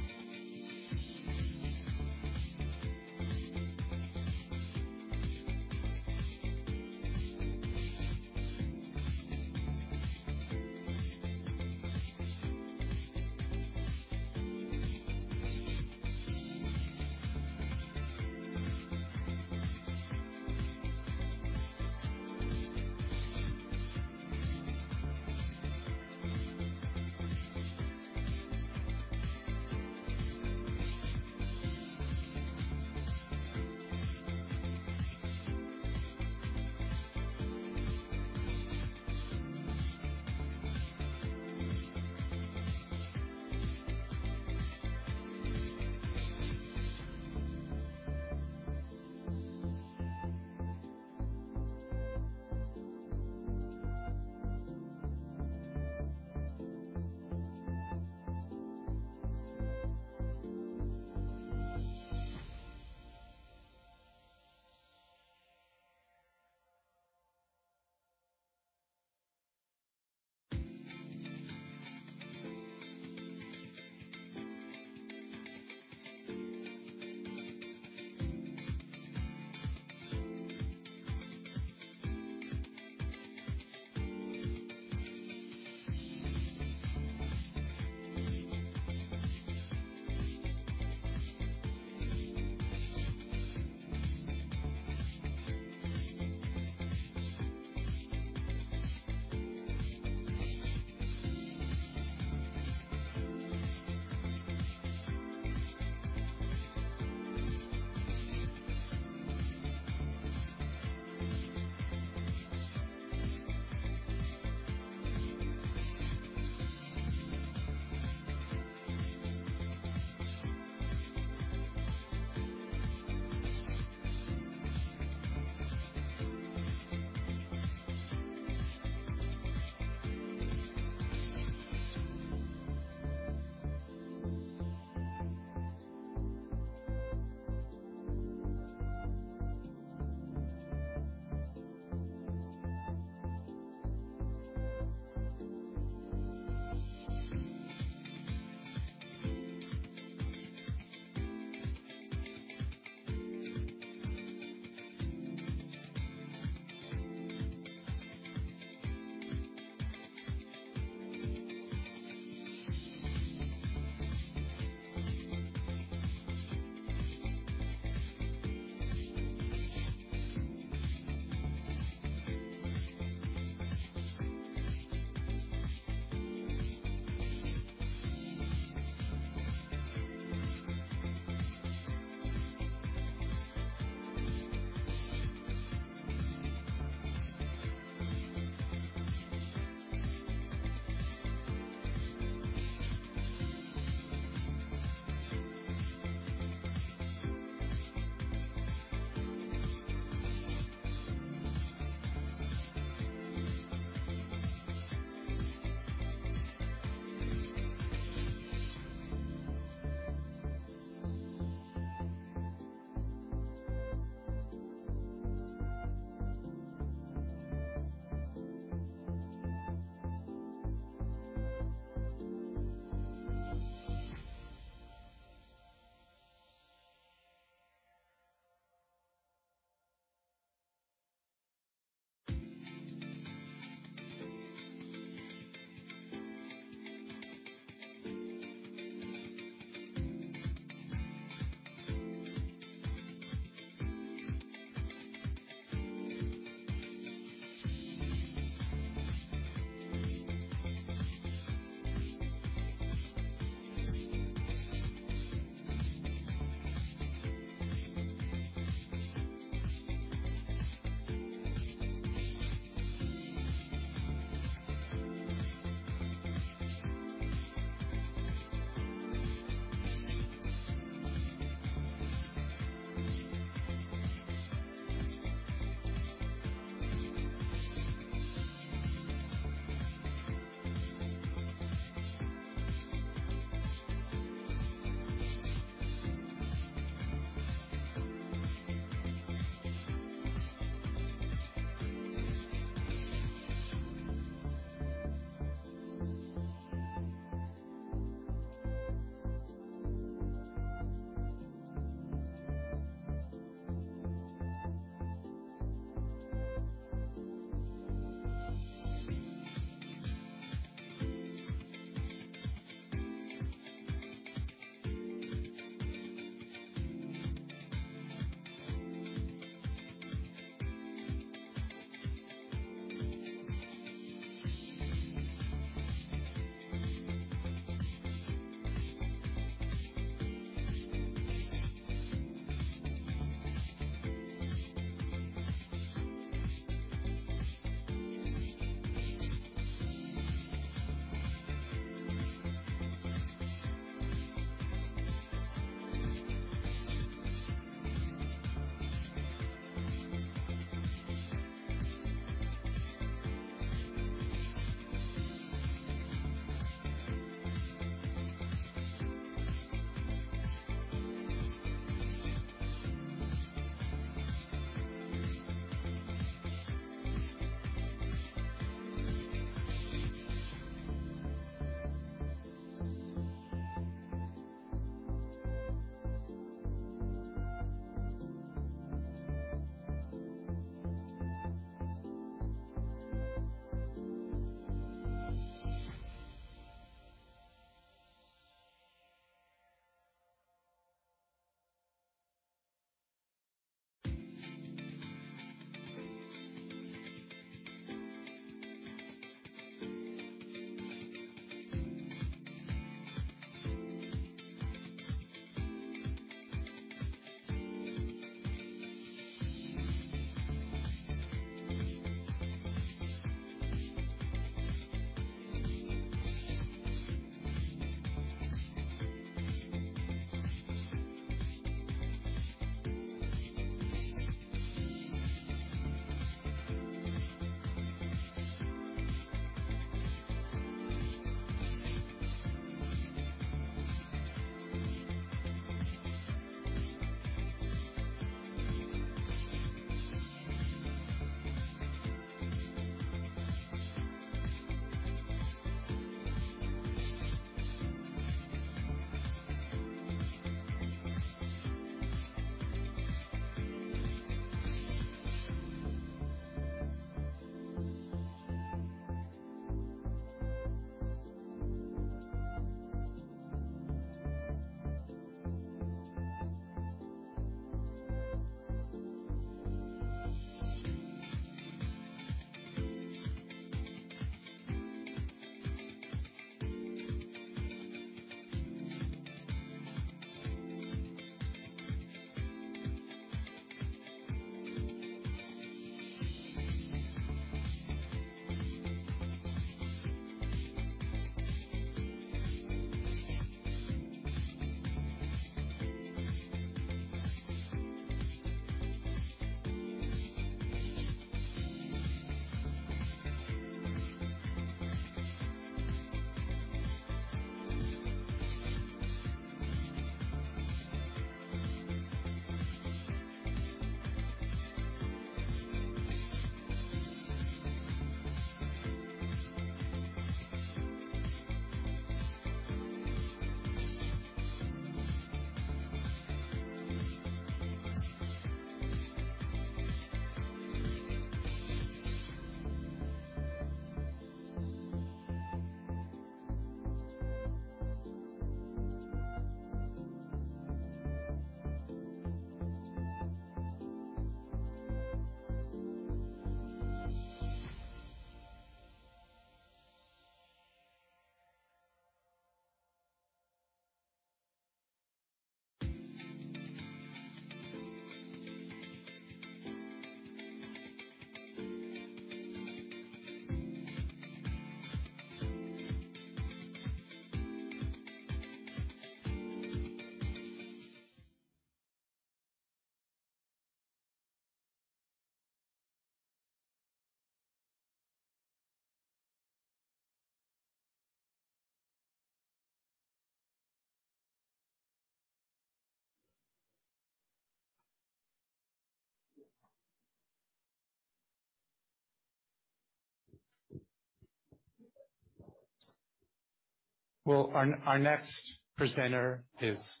Well, our next presenter is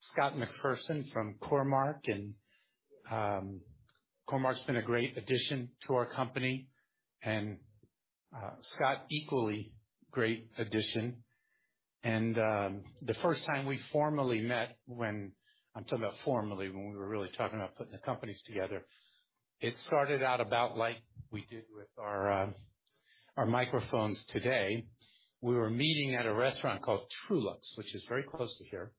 Scott McPherson from Core-Mark, and Core-Mark's been a great addition to our company and Scott equally great addition. The first time we formally met when I'm talking about formally when we were really talking about putting the companies together, it started out about like we did with our microphones today. We were meeting at a restaurant called Truluck's, which is very close to here,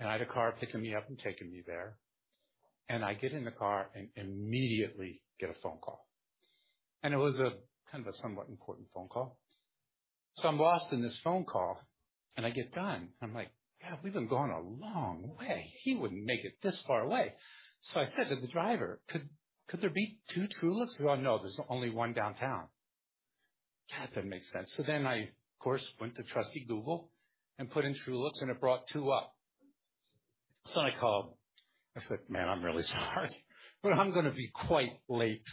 and I had a car picking me up and taking me there. I get in the car and immediately get a phone call. It was a kind of a somewhat important phone call. I'm lost in this phone call, and I get done. I'm like, "God, we've been gone a long way. He wouldn't make it this far away." I said to the driver, "Could there be two Truluck's?" He goes, "No, there's only one downtown." God, that makes sense. I, of course, went to trusty Google and put in Truluck's, and it brought two up. I called. I said, "Man, I'm really sorry, but I'm gonna be quite late."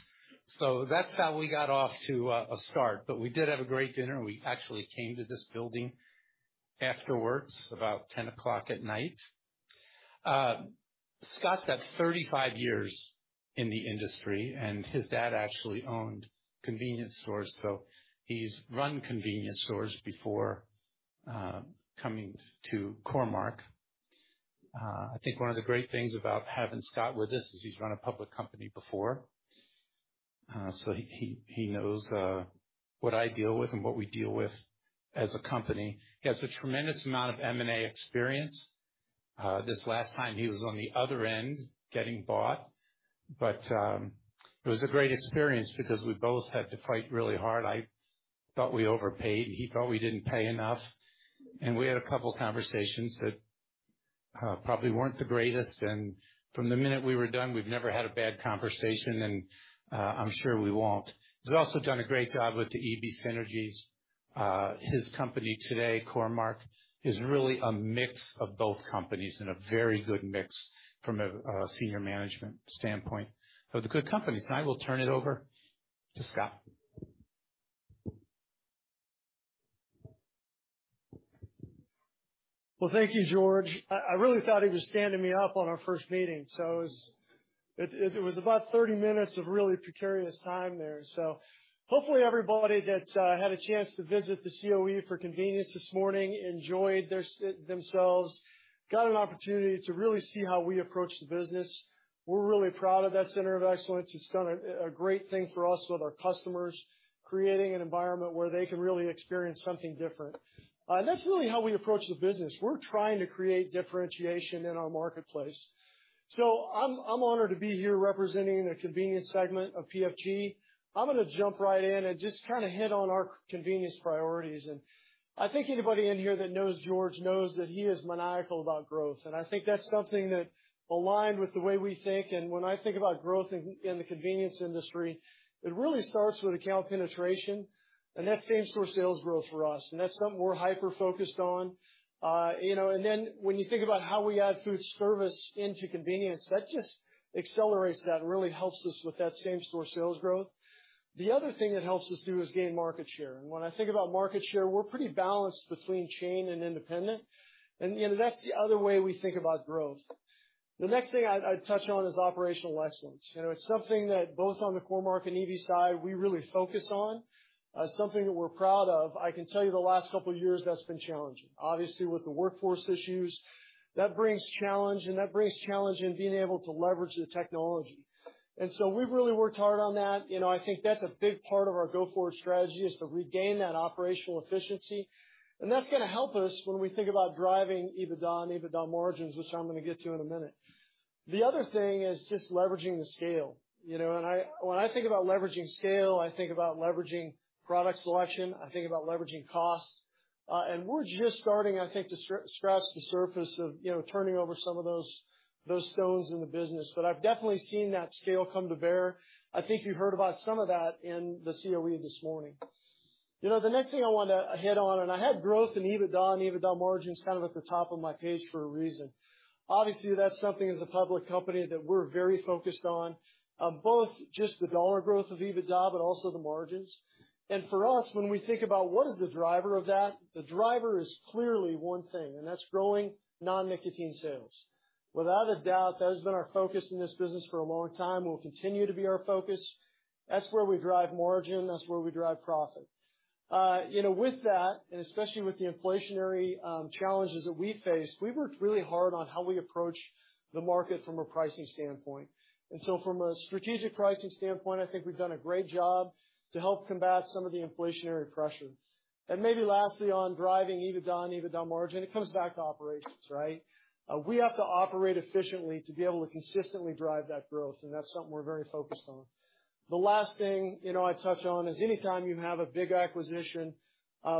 That's how we got off to a start. We did have a great dinner. We actually came to this building afterwards, about 10:00 P.M. Scott's got 35 years in the industry, and his dad actually owned convenience stores, so he's run convenience stores before, coming to Core-Mark. I think one of the great things about having Scott with us is he's run a public company before. He knows what I deal with and what we deal with as a company. He has a tremendous amount of M&A experience. This last time he was on the other end, getting bought. It was a great experience because we both had to fight really hard. I thought we overpaid, and he thought we didn't pay enough. We had a couple conversations that probably weren't the greatest, and from the minute we were done, we've never had a bad conversation, and I'm sure we won't. He's also done a great job with the EBITDA synergies. His company today, Core-Mark, is really a mix of both companies and a very good mix from a senior management standpoint. It's a good company. I will turn it over to Scott. Well, thank you, George. I really thought he was standing me up on our first meeting, so it was about 30 minutes of really precarious time there. Hopefully everybody that had a chance to visit the COE for convenience this morning enjoyed themselves, got an opportunity to really see how we approach the business. We're really proud of that Center of Excellence. It's done a great thing for us with our customers, creating an environment where they can really experience something different. That's really how we approach the business. We're trying to create differentiation in our marketplace. I'm honored to be here representing the convenience segment of PFG. I'm gonna jump right in and just kinda hit on our convenience priorities. I think anybody in here that knows George knows that he is maniacal about growth. I think that's something that aligned with the way we think. When I think about growth in the convenience industry, it really starts with account penetration. That's same-store sales growth for us. That's something we're hyper-focused on. You know, then when you think about how we add Foodservice into convenience, that just accelerates that and really helps us with that same-store sales growth. The other thing that helps us too is gain market share. When I think about market share, we're pretty balanced between chain and independent. You know, that's the other way we think about growth. The next thing I'd touch on is operational excellence. You know, it's something that both on the Core-Mark and Eby side, we really focus on. It's something that we're proud of. I can tell you the last couple years, that's been challenging. Obviously, with the workforce issues, that brings challenge, and that brings challenge in being able to leverage the technology. We've really worked hard on that. You know, I think that's a big part of our go-forward strategy is to regain that operational efficiency. That's gonna help us when we think about driving EBITDA and EBITDA margins, which I'm gonna get to in a minute. The other thing is just leveraging the scale, you know. When I think about leveraging scale, I think about leveraging product selection. I think about leveraging cost. We're just starting, I think, to scratch the surface of, you know, turning over some of those stones in the business. I've definitely seen that scale come to bear. I think you heard about some of that in the COE this morning. You know, the next thing I wanna hit on, and I had growth and EBITDA and EBITDA margins kind of at the top of my page for a reason. Obviously, that's something as a public company that we're very focused on, both just the dollar growth of EBITDA but also the margins. For us, when we think about what is the driver of that, the driver is clearly one thing, and that's growing non-nicotine sales. Without a doubt, that has been our focus in this business for a long time, will continue to be our focus. That's where we drive margin, that's where we drive profit. You know, with that, and especially with the inflationary challenges that we face, we worked really hard on how we approach the market from a pricing standpoint. From a strategic pricing standpoint, I think we've done a great job to help combat some of the inflationary pressure. Maybe lastly, on driving EBITDA and EBITDA margin, it comes back to operations, right? We have to operate efficiently to be able to consistently drive that growth, and that's something we're very focused on. The last thing, you know, I touch on is anytime you have a big acquisition,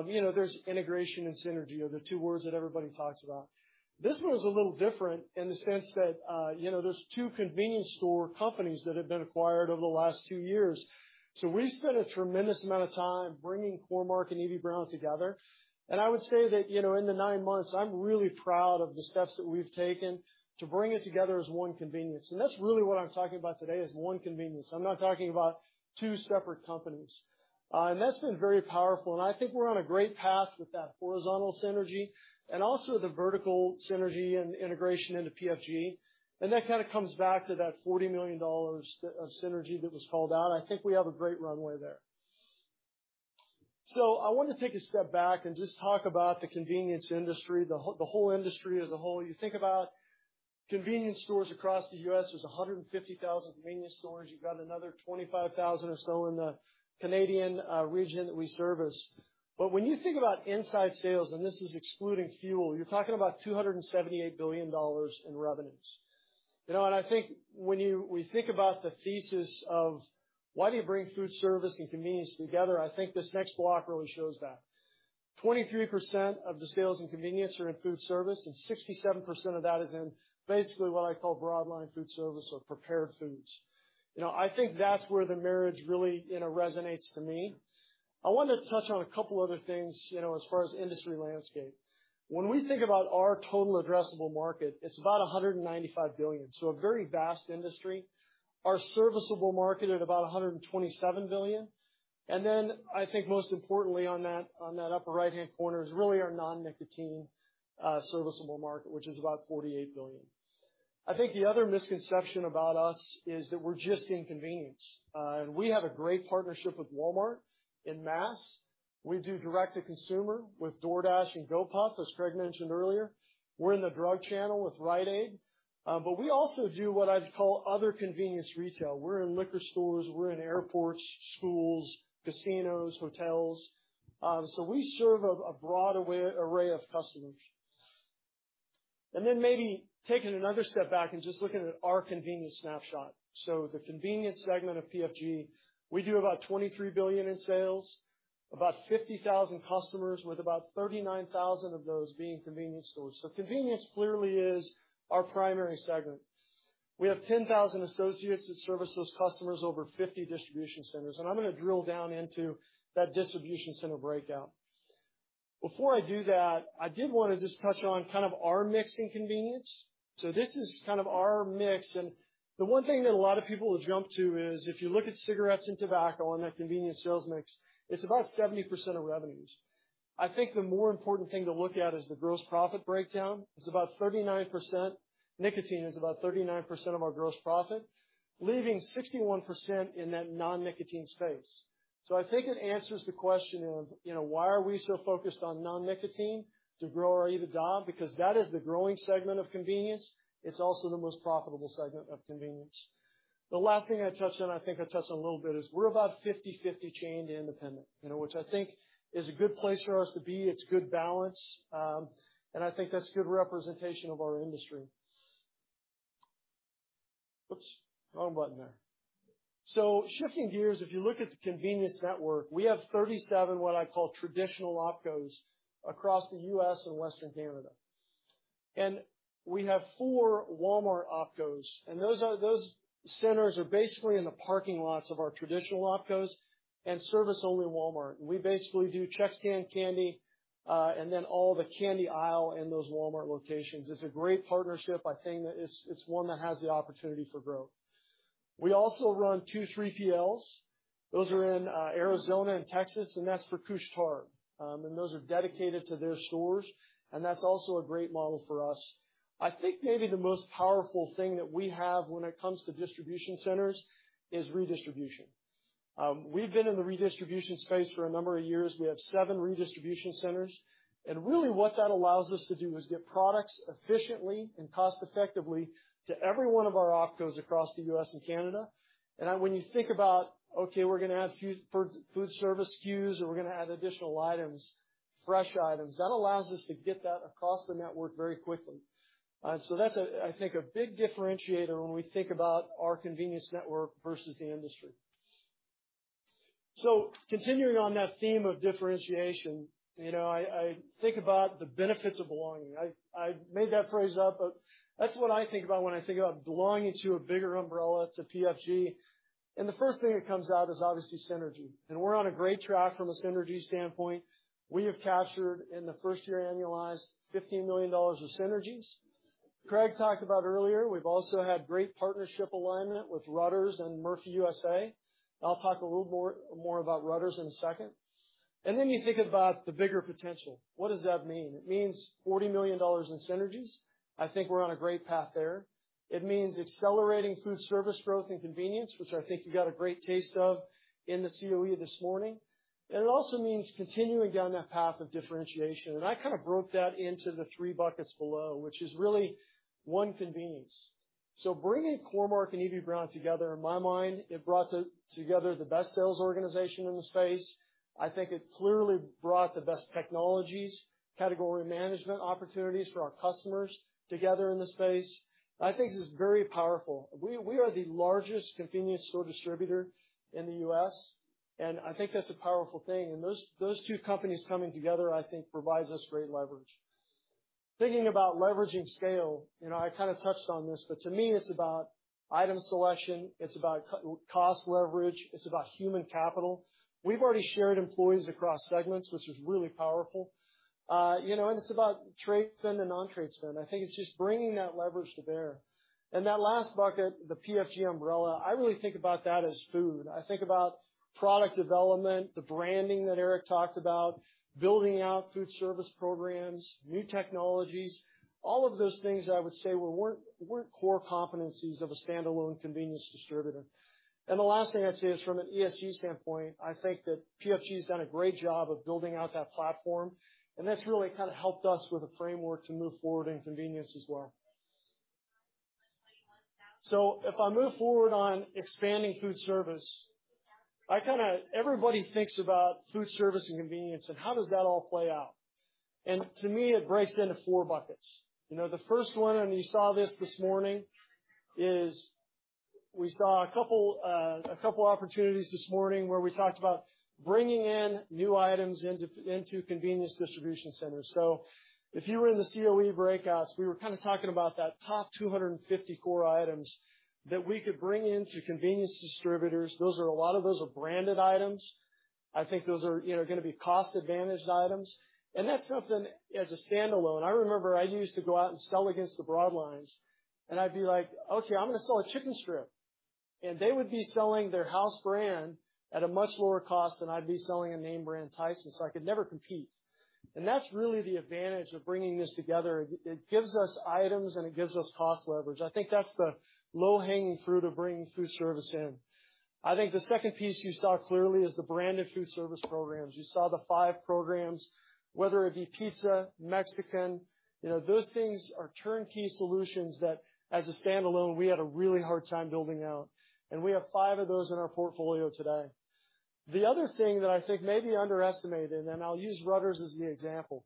you know, there's integration and synergy are the two words that everybody talks about. This one is a little different in the sense that, you know, there's two convenience store companies that have been acquired over the last two years. We spent a tremendous amount of time bringing Core-Mark and Eby-Brown together. I would say that, you know, in the nine months, I'm really proud of the steps that we've taken to bring it together as one convenience. That's really what I'm talking about today is one convenience. I'm not talking about two separate companies. That's been very powerful, and I think we're on a great path with that horizontal synergy and also the vertical synergy and integration into PFG. That kinda comes back to that $40 million of synergy that was called out. I think we have a great runway there. I wanna take a step back and just talk about the convenience industry, the whole industry as a whole. You think about convenience stores across the U.S., there's 150,000 convenience stores. You've got another 25,000 or so in the Canadian region that we service. When you think about inside sales, and this is excluding fuel, you're talking about $278 billion in revenues. You know, I think when you think about the thesis of why do you bring foodservice and convenience together, I think this next block really shows that. 23% of the sales in convenience are in foodservice, and 67% of that is in basically what I call broad line foodservice or prepared foods. You know, I think that's where the marriage really, you know, resonates to me. I wanted to touch on a couple other things, you know, as far as industry landscape. When we think about our total addressable market, it's about $195 billion. So a very vast industry. Our serviceable market at about $127 billion. I think most importantly on that, on that upper right-hand corner is really our non-nicotine serviceable market, which is about $48 billion. I think the other misconception about us is that we're just in convenience. We have a great partnership with Walmart in mass. We do direct to consumer with DoorDash and Gopuff, as Craig mentioned earlier. We're in the drug channel with Rite Aid. We also do what I'd call other convenience retail. We're in liquor stores, we're in airports, schools, casinos, hotels. We serve a broad array of customers. Maybe taking another step back and just looking at our convenience snapshot. The convenience segment of PFG, we do about $23 billion in sales, about 50,000 customers, with about 39,000 of those being convenience stores. convenience clearly is our primary segment. We have 10,000 associates that service those customers over 50 distribution centers, and I'm gonna drill down into that distribution center breakdown. Before I do that, I did wanna just touch on kind of our mix in convenience. This is kind of our mix, and the one thing that a lot of people will jump to is if you look at cigarettes and tobacco in that convenience sales mix, it's about 70% of revenues. I think the more important thing to look at is the gross profit breakdown. It's about 39%. Nicotine is about 39% of our gross profit, leaving 61% in that non-nicotine space. I think it answers the question of, you know, why are we so focused on non-nicotine to grow our EBITDA, because that is the growing segment of convenience. It's also the most profitable segment of convenience. The last thing I touch on, I think I touched on a little bit, is we're about 50/50 chain to independent, you know, which I think is a good place for us to be. It's good balance. I think that's good representation of our industry. Oops, wrong button there. Shifting gears, if you look at the convenience network, we have 37, what I call traditional OpCos across the U.S. and Western Canada. We have four Walmart OpCos, and those centers are basically in the parking lots of our traditional OpCos and service only Walmart. We basically do chips, candy, and then all the candy aisle in those Walmart locations. It's a great partnership. I think it's one that has the opportunity for growth. We also run two 3PLs. Those are in Arizona and Texas, and that's for Couche-Tard. Those are dedicated to their stores, and that's also a great model for us. I think maybe the most powerful thing that we have when it comes to distribution centers is redistribution. We've been in the redistribution space for a number of years. We have seven redistribution centers. Really what that allows us to do is get products efficiently and cost effectively to every one of our OpCos across the U.S. and Canada. When you think about, okay, we're gonna add foodservice SKUs, or we're gonna add additional items, fresh items, that allows us to get that across the network very quickly. That's, I think, a big differentiator when we think about our convenience network versus the industry. Continuing on that theme of differentiation, you know, I think about the benefits of belonging. I made that phrase up, but that's what I think about when I think about belonging to a bigger umbrella, to PFG. The first thing that comes out is obviously synergy. We're on a great track from a synergy standpoint. We have captured in the first year annualized $15 million of synergies. Craig talked about earlier. We've also had great partnership alignment with Rutter's and Murphy USA. I'll talk a little more about Rutter's in a second. Then you think about the bigger potential. What does that mean? It means $40 million in synergies. I think we're on a great path there. It means accelerating foodservice growth and convenience, which I think you got a great taste of in the COE this morning. It also means continuing down that path of differentiation. I kind of broke that into the three buckets below, which is really, one, convenience. Bringing Core-Mark and Eby-Brown together, in my mind, it brought together the best sales organization in the space. I think it clearly brought the best technologies, category management opportunities for our customers together in the space. I think this is very powerful. We are the largest convenience store distributor in the U.S., and I think that's a powerful thing. Those two companies coming together, I think, provides us great leverage. Thinking about leveraging scale, you know, I kinda touched on this, but to me, it's about item selection, it's about cost leverage, it's about human capital. We've already shared employees across segments, which is really powerful. You know, it's about trade spend and non-trade spend. I think it's just bringing that leverage to bear. That last bucket, the PFG umbrella, I really think about that as food. I think about product development, the branding that Eric talked about, building out foodservice programs, new technologies, all of those things I would say weren't core competencies of a standalone convenience distributor. The last thing I'd say is from an ESG standpoint, I think that PFG has done a great job of building out that platform, and that's really kind of helped us with a framework to move forward in convenience as well. If I move forward on expanding foodservice, I kinda everybody thinks about foodservice and convenience and how does that all play out. To me, it breaks into four buckets. You know, the first one, and you saw this this morning, is we saw a couple opportunities this morning where we talked about bringing in new items into convenience distribution centers. If you were in the COE breakouts, we were kinda talking about that top 250 core items that we could bring into convenience distributors. A lot of those are branded items. I think those are, you know, gonna be cost-advantaged items. That's something as a standalone, I remember I used to go out and sell against the broadlines, and I'd be like, "Okay, I'm gonna sell a chicken strip." They would be selling their house brand at a much lower cost than I'd be selling a name brand Tyson, so I could never compete. That's really the advantage of bringing this together. It gives us items, and it gives us cost leverage. I think that's the low-hanging fruit of bringing foodservice in. I think the second piece you saw clearly is the branded foodservice programs. You saw the five programs, whether it be pizza, Mexican, you know, those things are turnkey solutions that as a standalone, we had a really hard time building out. We have five of those in our portfolio today. The other thing that I think may be underestimated, and I'll use Rutter's as the example,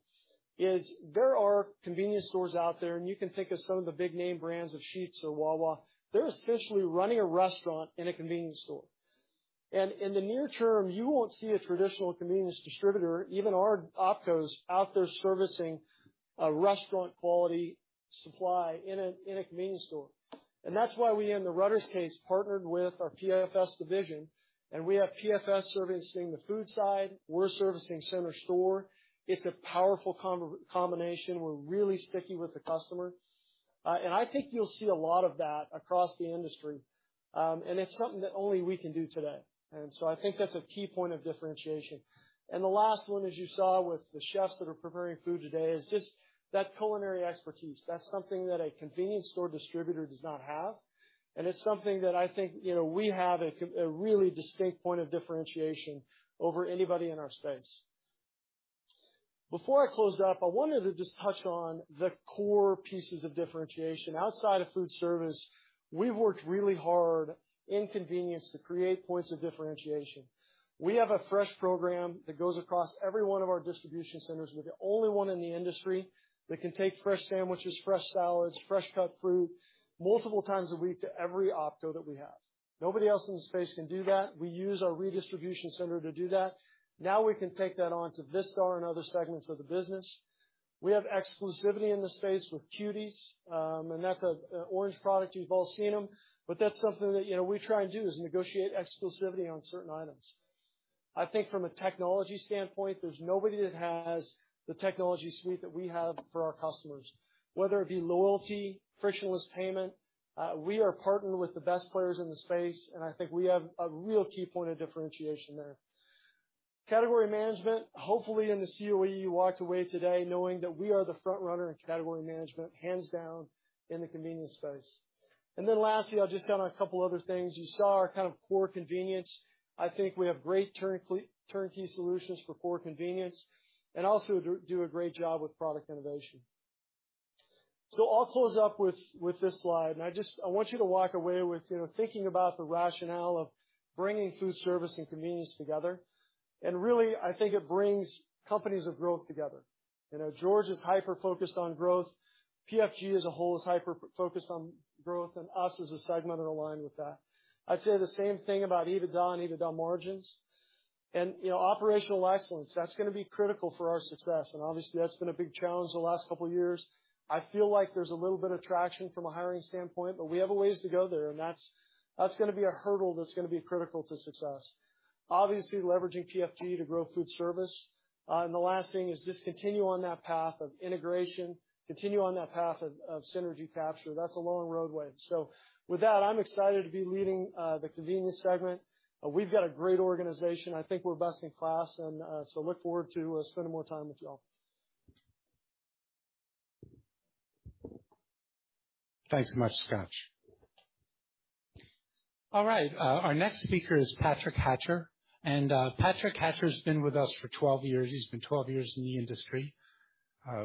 is there are convenience stores out there, and you can think of some of the big name brands of Sheetz or Wawa. They're essentially running a restaurant in a convenience store. In the near term, you won't see a traditional convenience distributor, even our OpCos out there servicing a restaurant-quality supply in a convenience store.` That's why we, in the Rutter's case, partnered with our PFS division, and we have PFS servicing the food side. We're servicing center store. It's a powerful combination. We're really sticky with the customer. I think you'll see a lot of that across the industry, and it's something that only we can do today. I think that's a key point of differentiation. The last one, as you saw with the chefs that are preparing food today, is just that culinary expertise. That's something that a convenience store distributor does not have. It's something that I think, you know, we have a really distinct point of differentiation over anybody in our space. Before I close up, I wanted to just touch on the core pieces of differentiation. Outside of foodservice, we've worked really hard in convenience to create points of differentiation. We have a fresh program that goes across every one of our distribution centers. We're the only one in the industry that can take fresh sandwiches, fresh salads, fresh cut fruit multiple times a week to every OpCo that we have. Nobody else in the space can do that. We use our redistribution center to do that. Now we can take that on to Vistar and other segments of the business. We have exclusivity in the space with Cuties, and that's an orange product. You've all seen them, but that's something that, you know, we try and do is negotiate exclusivity on certain items. I think from a technology standpoint, there's nobody that has the technology suite that we have for our customers. Whether it be loyalty, frictionless payment, we are partnered with the best players in the space, and I think we have a real key point of differentiation there. Category management, hopefully in the COE, you walked away today knowing that we are the front runner in category management, hands down, in the convenience space. Then lastly, I'll just hit on a couple other things. You saw our kind of core convenience. I think we have great turnkey solutions for core convenience and also do a great job with product innovation. I'll close up with this slide, and I just want you to walk away with, you know, thinking about the rationale of bringing foodservice and convenience together. Really, I think it brings companies of growth together. You know, George is hyper-focused on growth. PFG as a whole is hyper-focused on growth and us as a segment are aligned with that. I'd say the same thing about EBITDA and EBITDA margins. You know, operational excellence, that's gonna be critical for our success. Obviously, that's been a big challenge the last couple years. I feel like there's a little bit of traction from a hiring standpoint, but we have a ways to go there. That's gonna be a hurdle that's gonna be critical to success. Obviously leveraging PFG to grow foodservice. The last thing is just continue on that path of integration, continue on that path of synergy capture. That's a long roadway. With that, I'm excited to be leading the convenience segment. We've got a great organization. I think we're best in class and so look forward to spending more time with you all. Thanks so much, Scott. All right, our next speaker is Patrick Hatcher. Patrick Hatcher has been with us for 12 years. He's been 12 years in the industry.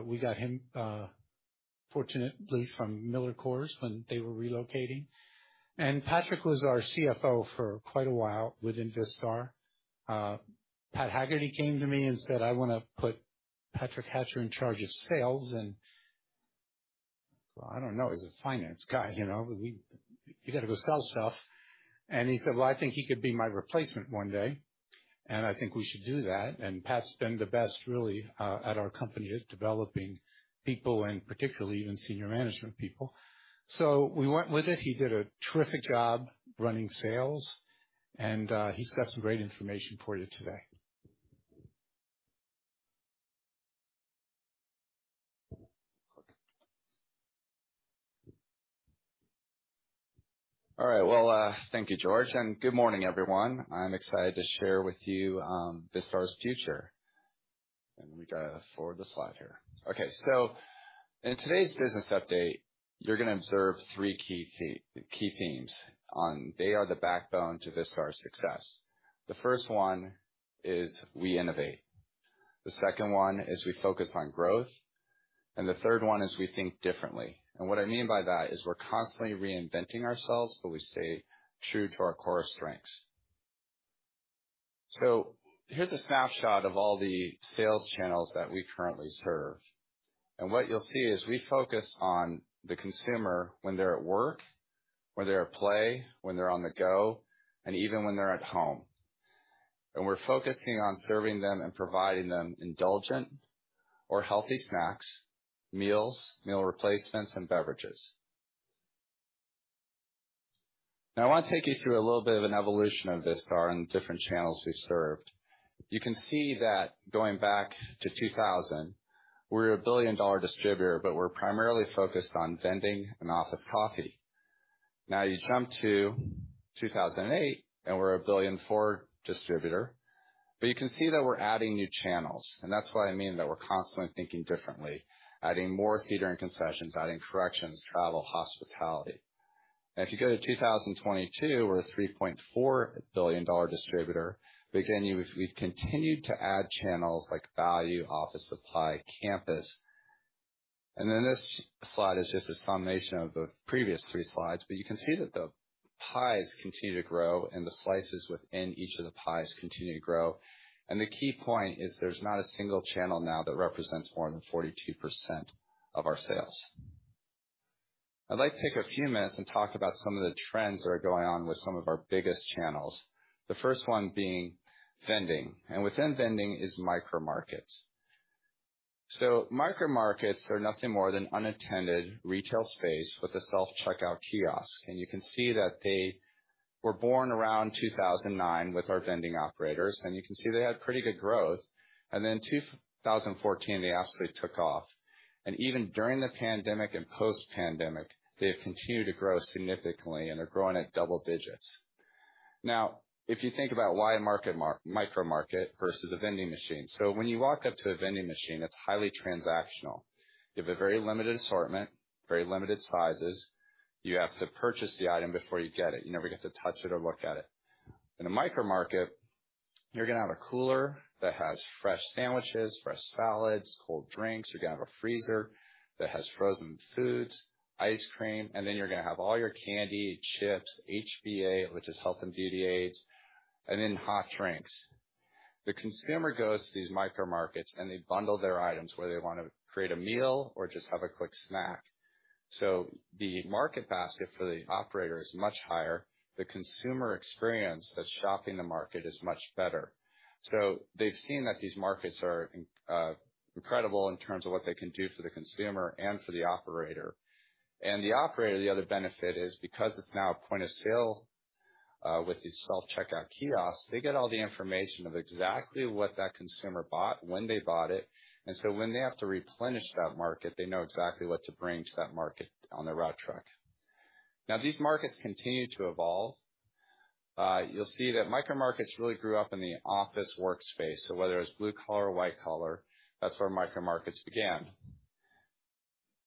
We got him, fortunately, from MillerCoors when they were relocating. Patrick was our CFO for quite a while within Vistar. Pat Hagerty came to me and said, "I wanna put Patrick Hatcher in charge of sales." Well, I don't know. He's a finance guy, you know. You gotta go sell stuff. He said, "Well, I think he could be my replacement one day, and I think we should do that." Pat's been the best, really, at our company at developing people and particularly even senior management people. We went with it. He did a terrific job running sales, and he's got some great information for you today. All right. Well, thank you, George, and good morning, everyone. I'm excited to share with you Vistar's future. Let me go forward the slide here. Okay, in today's business update, you're gonna observe three key themes. They are the backbone to Vistar success. The first one is we innovate, the second one is we focus on growth, and the third one is we think differently. What I mean by that is we're constantly reinventing ourselves, but we stay true to our core strengths. Here's a snapshot of all the sales channels that we currently serve. What you'll see is we focus on the consumer when they're at work, when they're at play, when they're on the go, and even when they're at home. We're focusing on serving them and providing them indulgent or healthy snacks, meals, meal replacements and beverages. Now I wanna take you through a little bit of an evolution of Vistar and the different channels we served. You can see that going back to 2000, we're a $1 billion distributor, but we're primarily focused on vending and office coffee. Now you jump to 2008 and we're a $1 billion distributor, but you can see that we're adding new channels. That's what I mean that we're constantly thinking differently, adding more theater and concessions, adding c-stores, travel, hospitality. Now if you go to 2022, we're a $3.4 billion distributor. Again, we've continued to add channels like value, office supply, campus. This slide is just a summation of the previous three slides, but you can see that the pies continue to grow and the slices within each of the pies continue to grow. The key point is there's not a single channel now that represents more than 42% of our sales. I'd like to take a few minutes and talk about some of the trends that are going on with some of our biggest channels. The first one being vending. Within vending is micro markets. Micro markets are nothing more than unattended retail space with a self-checkout kiosk. You can see that they were born around 2009 with our vending operators, and you can see they had pretty good growth. 2014, they absolutely took off. Even during the pandemic and post-pandemic, they have continued to grow significantly and are growing at double-digits. Now, if you think about why micro market versus a vending machine. When you walk up to a vending machine, it's highly transactional. You have a very limited assortment, very limited sizes. You have to purchase the item before you get it. You never get to touch it or look at it. In a micro market, you're gonna have a cooler that has fresh sandwiches, fresh salads, cold drinks. You're gonna have a freezer that has frozen foods, ice cream, and then you're gonna have all your candy, chips, HBA, which is health and beauty aids, and then hot drinks. The consumer goes to these micro markets, and they bundle their items, whether they wanna create a meal or just have a quick snack. The market basket for the operator is much higher. The consumer experience that's shopping the market is much better. They've seen that these markets are incredible in terms of what they can do for the consumer and for the operator. The operator, the other benefit is because it's now a point of sale with these self-checkout kiosks, they get all the information of exactly what that consumer bought, when they bought it. When they have to replenish that market, they know exactly what to bring to that market on the route truck. Now, these markets continue to evolve. You'll see that micro markets really grew up in the office workspace. So whether it's blue collar or white collar, that's where micro markets began.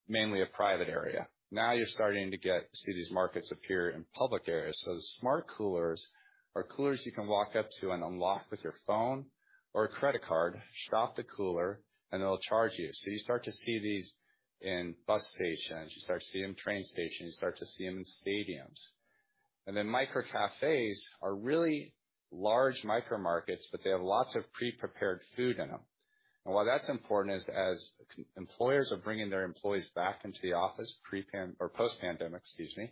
Mainly a private area. Now you're starting to get to see these markets appear in public areas. So the smart coolers are coolers you can walk up to and unlock with your phone or a credit card, stock the cooler, and it'll charge you. You start to see these in bus stations, you start to see them in train stations, you start to see them in stadiums. Then micro cafes are really large micro markets, but they have lots of pre-prepared food in them. Why that's important is as employers are bringing their employees back into the office post-pandemic, excuse me,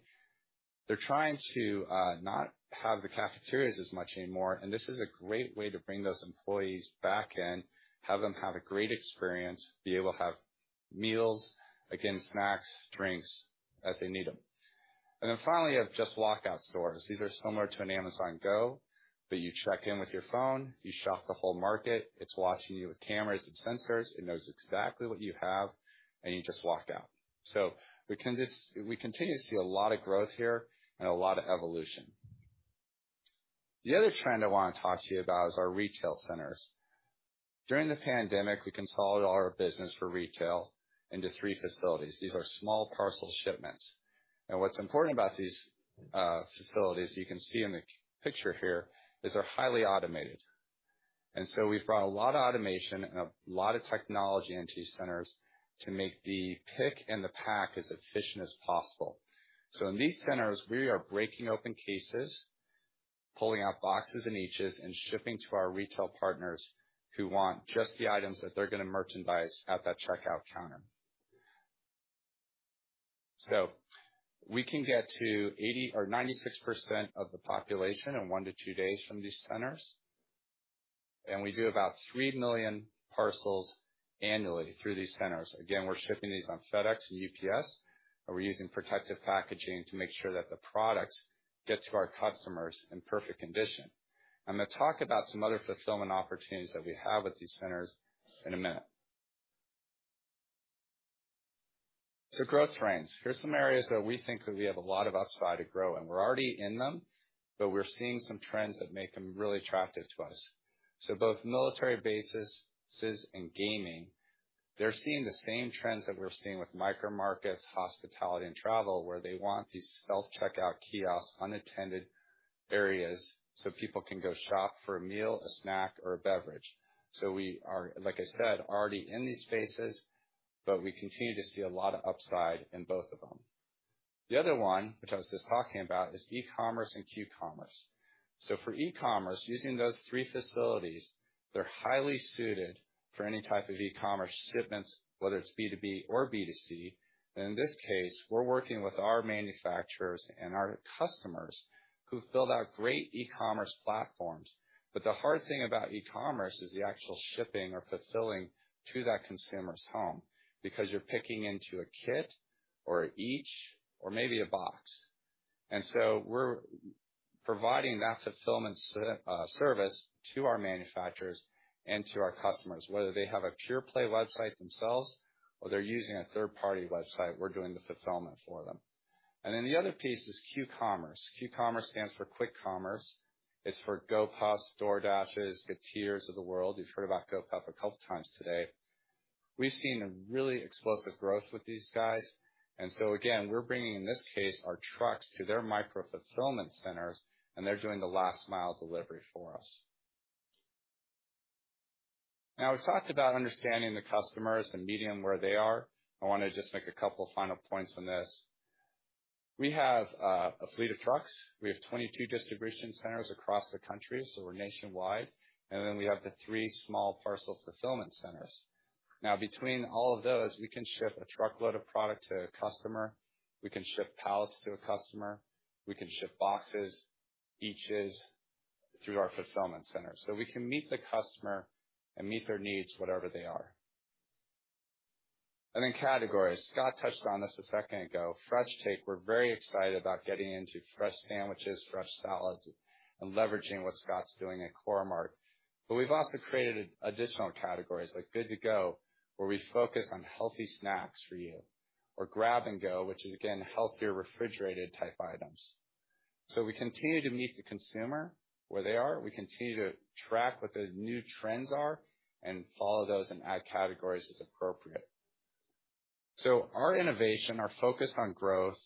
they're trying to not have the cafeterias as much anymore, and this is a great way to bring those employees back in, have them have a great experience, be able to have meals, again, snacks, drinks as they need them. Then finally, you have just walkout stores. These are similar to an Amazon Go, but you check in with your phone, you shop the whole market, it's watching you with cameras and sensors. It knows exactly what you have, and you just walk out. We continue to see a lot of growth here and a lot of evolution. The other trend I wanna talk to you about is our retail centers. During the pandemic, we consolidated all of our business for retail into three facilities. These are small parcel shipments. What's important about these facilities, you can see in the picture here, is they're highly automated. We've brought a lot of automation and a lot of technology into these centers to make the pick and the pack as efficient as possible. In these centers, we are breaking open cases, pulling out boxes and niches, and shipping to our retail partners who want just the items that they're gonna merchandise at that checkout counter. We can get to 80% or 96% of the population in one to two days from these centers. We do about 3 million parcels annually through these centers. Again, we're shipping these on FedEx and UPS, and we're using protective packaging to make sure that the products get to our customers in perfect condition. I'm gonna talk about some other fulfillment opportunities that we have at these centers in a minute. Growth trends. Here's some areas that we think that we have a lot of upside to grow, and we're already in them, but we're seeing some trends that make them really attractive to us. Both military bases and gaming, they're seeing the same trends that we're seeing with micro markets, hospitality, and travel, where they want these self-checkout kiosks, unattended areas, so people can go shop for a meal, a snack, or a beverage. We are, like I said, already in these spaces, but we continue to see a lot of upside in both of them. The other one, which I was just talking about, is e-commerce and Q-commerce. For e-commerce, using those three facilities, they're highly suited for any type of e-commerce shipments, whether it's B2B or B2C. In this case, we're working with our manufacturers and our customers who've built out great e-commerce platforms. The hard thing about e-commerce is the actual shipping or fulfilling to that consumer's home because you're picking into a kit or each or maybe a box. We're providing that fulfillment service to our manufacturers and to our customers, whether they have a pure-play website themselves or they're using a third-party website, we're doing the fulfillment for them. The other piece is Q-commerce. Q-commerce stands for quick commerce. It's for Gopuff, DoorDash, the Getirs of the world. You've heard about Gopuff a couple times today. We've seen a really explosive growth with these guys. We're bringing, in this case, our trucks to their micro fulfillment centers, and they're doing the last mile delivery for us. We've talked about understanding the customers and meeting them where they are. I wanna just make a couple of final points on this. We have a fleet of trucks. We have 22 distribution centers across the country, so we're nationwide. We have the three small parcel fulfillment centers. Between all of those, we can ship a truckload of product to a customer, we can ship pallets to a customer, we can ship boxes, each is through our fulfillment center. We can meet the customer and meet their needs, whatever they are. Categories. Scott touched on this a second ago. Fresh Take, we're very excited about getting into fresh sandwiches, fresh salads, and leveraging what Scott's doing at Core-Mark. We've also created additional categories like Good To Go, where we focus on healthy snacks for you, or Grab & Go, which is, again, healthier, refrigerated type items. We continue to meet the consumer where they are. We continue to track what the new trends are and follow those and add categories as appropriate. Our innovation, our focus on growth,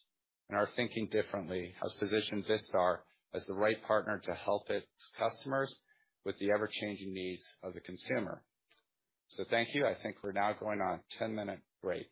and our thinking differently has positioned Vistar as the right partner to help its customers with the ever-changing needs of the consumer. Thank you. I think we're now going on a 10-minute break.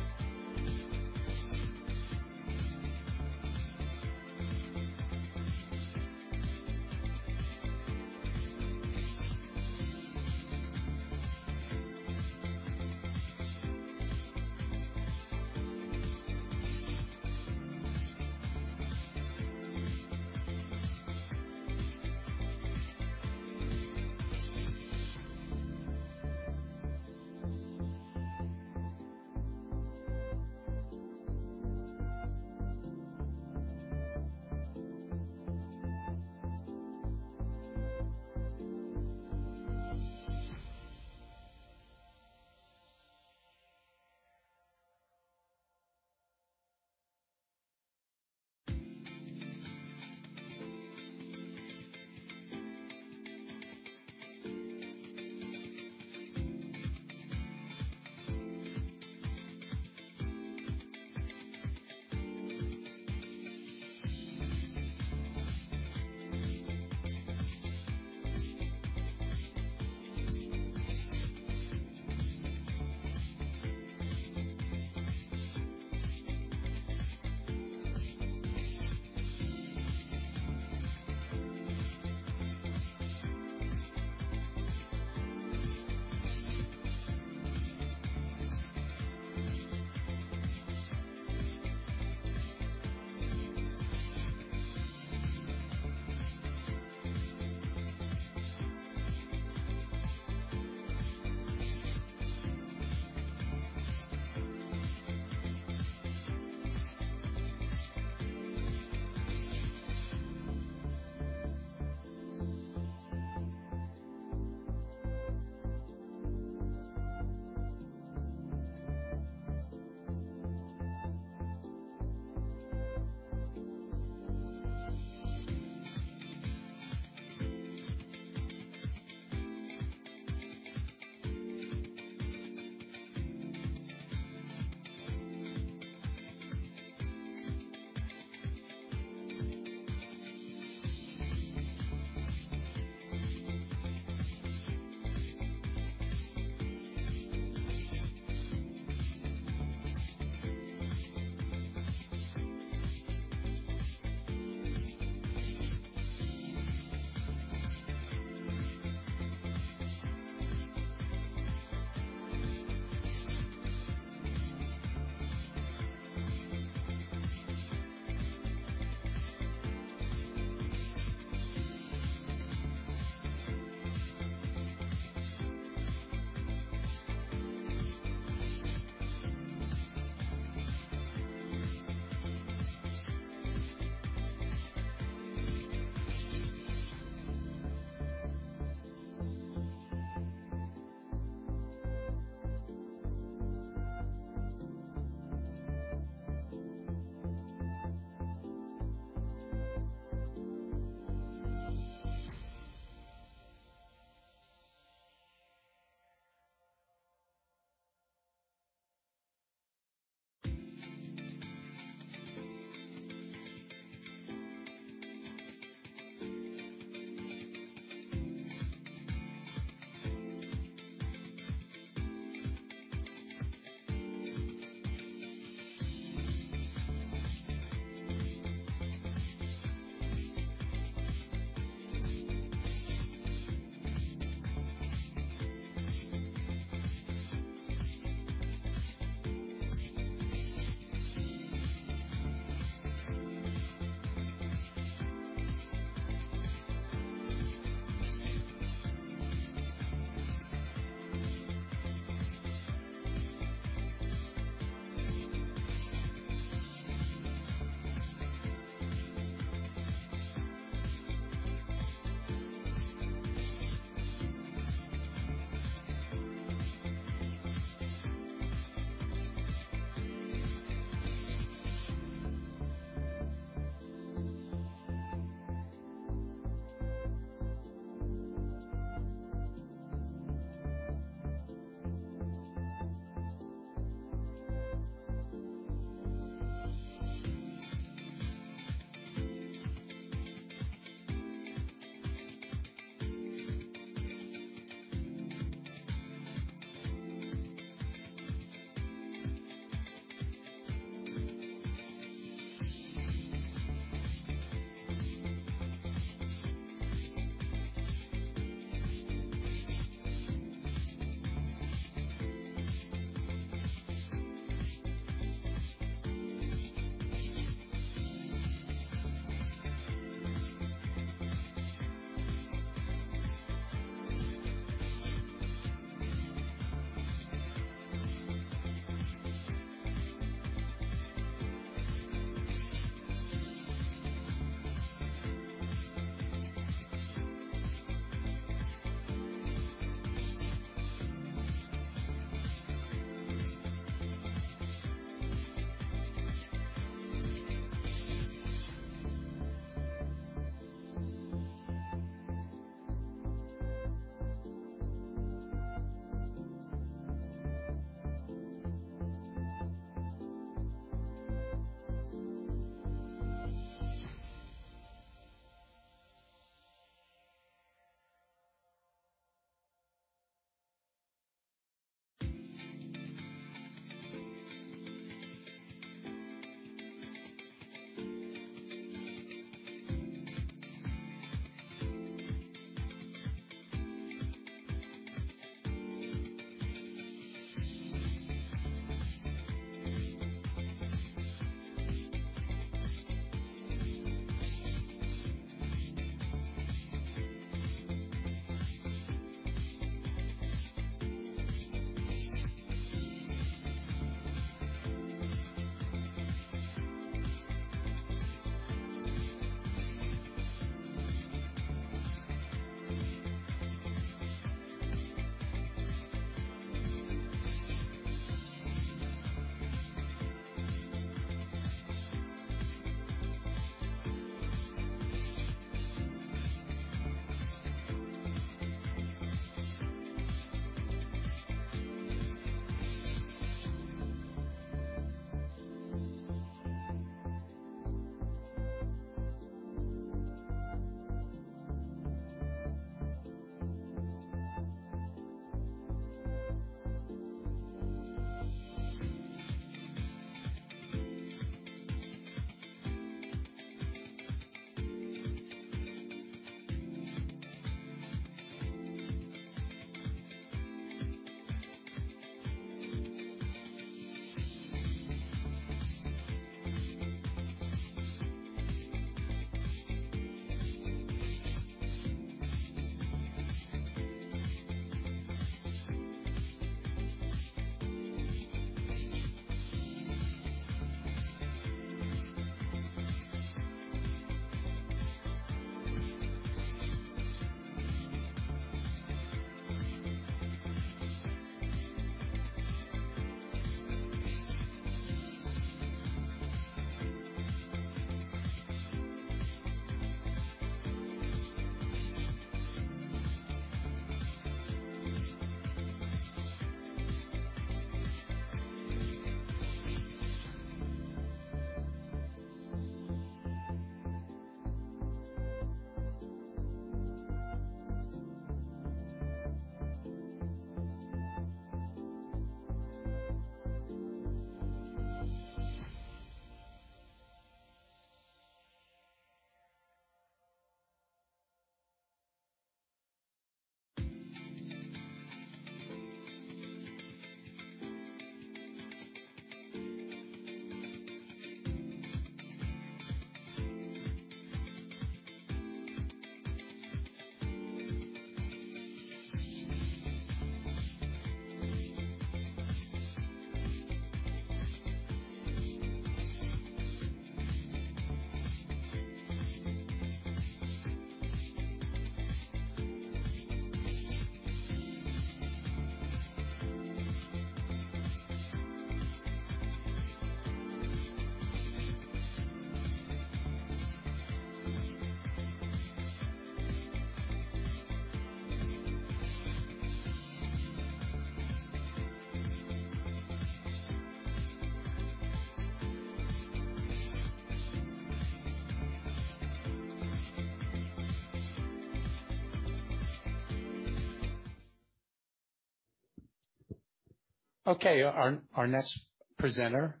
Okay. Our next presenter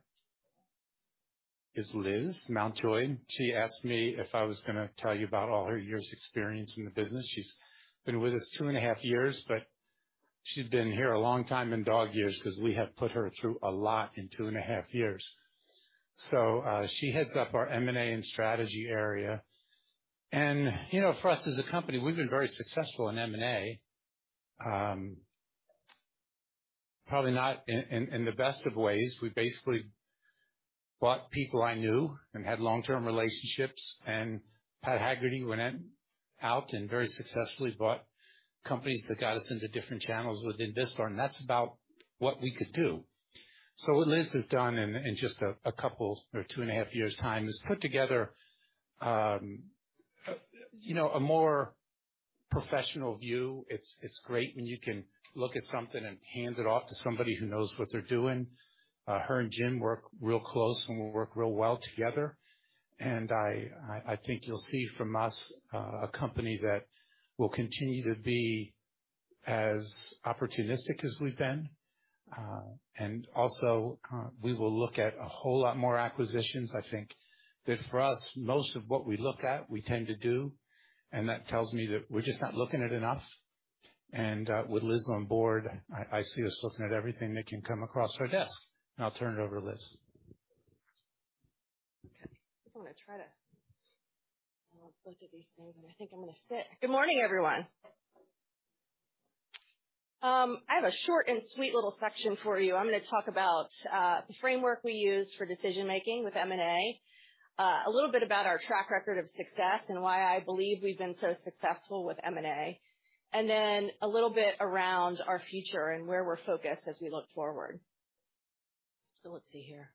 is Liz Mountjoy. She asked me if I was gonna tell you about all her years' experience in the business. She's been with us two and a half years, but she's been here a long time in dog years 'cause we have put her through a lot in two and a half years. She heads up our M&A and strategy area. You know, for us as a company, we've been very successful in M&A. Probably not in the best of ways. We basically bought people I knew and had long-term relationships, and Pat Hagerty went out and very successfully bought companies that got us into different channels within discount, and that's about what we could do. What Liz has done in just a couple or two and a half years' time is put together a more professional view. It's great when you can look at something and hand it off to somebody who knows what they're doing. Her and Jim work real close and work real well together. I think you'll see from us a company that will continue to be as opportunistic as we've been. Also, we will look at a whole lot more acquisitions. I think that for us, most of what we look at, we tend to do, and that tells me that we're just not looking at enough. With Liz on board, I see us looking at everything that can come across her desk. I'll turn it over to Liz. Okay. I'm gonna try to look at these things, and I think I'm gonna sit. Good morning, everyone. I have a short and sweet little section for you. I'm gonna talk about the framework we use for decision-making with M&A. A little bit about our track record of success and why I believe we've been so successful with M&A. Then a little bit around our future and where we're focused as we look forward. Let's see here.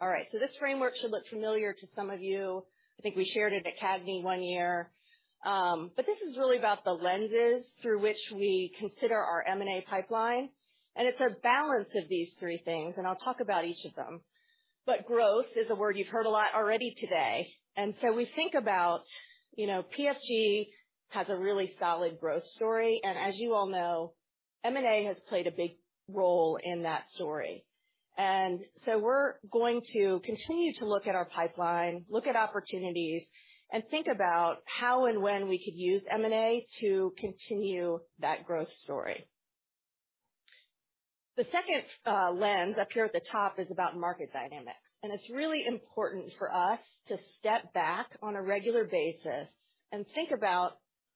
All right. This framework should look familiar to some of you. I think we shared it at CAGNY one year. This is really about the lenses through which we consider our M&A pipeline. It's a balance of these three things, and I'll talk about each of them. Growth is a word you've heard a lot already today. We think about, you know, PFG has a really solid growth story. As you all know, M&A has played a big role in that story. We're going to continue to look at our pipeline, look at opportunities, and think about how and when we could use M&A to continue that growth story. The second lens up here at the top is about market dynamics, and it's really important for us to step back on a regular basis and think about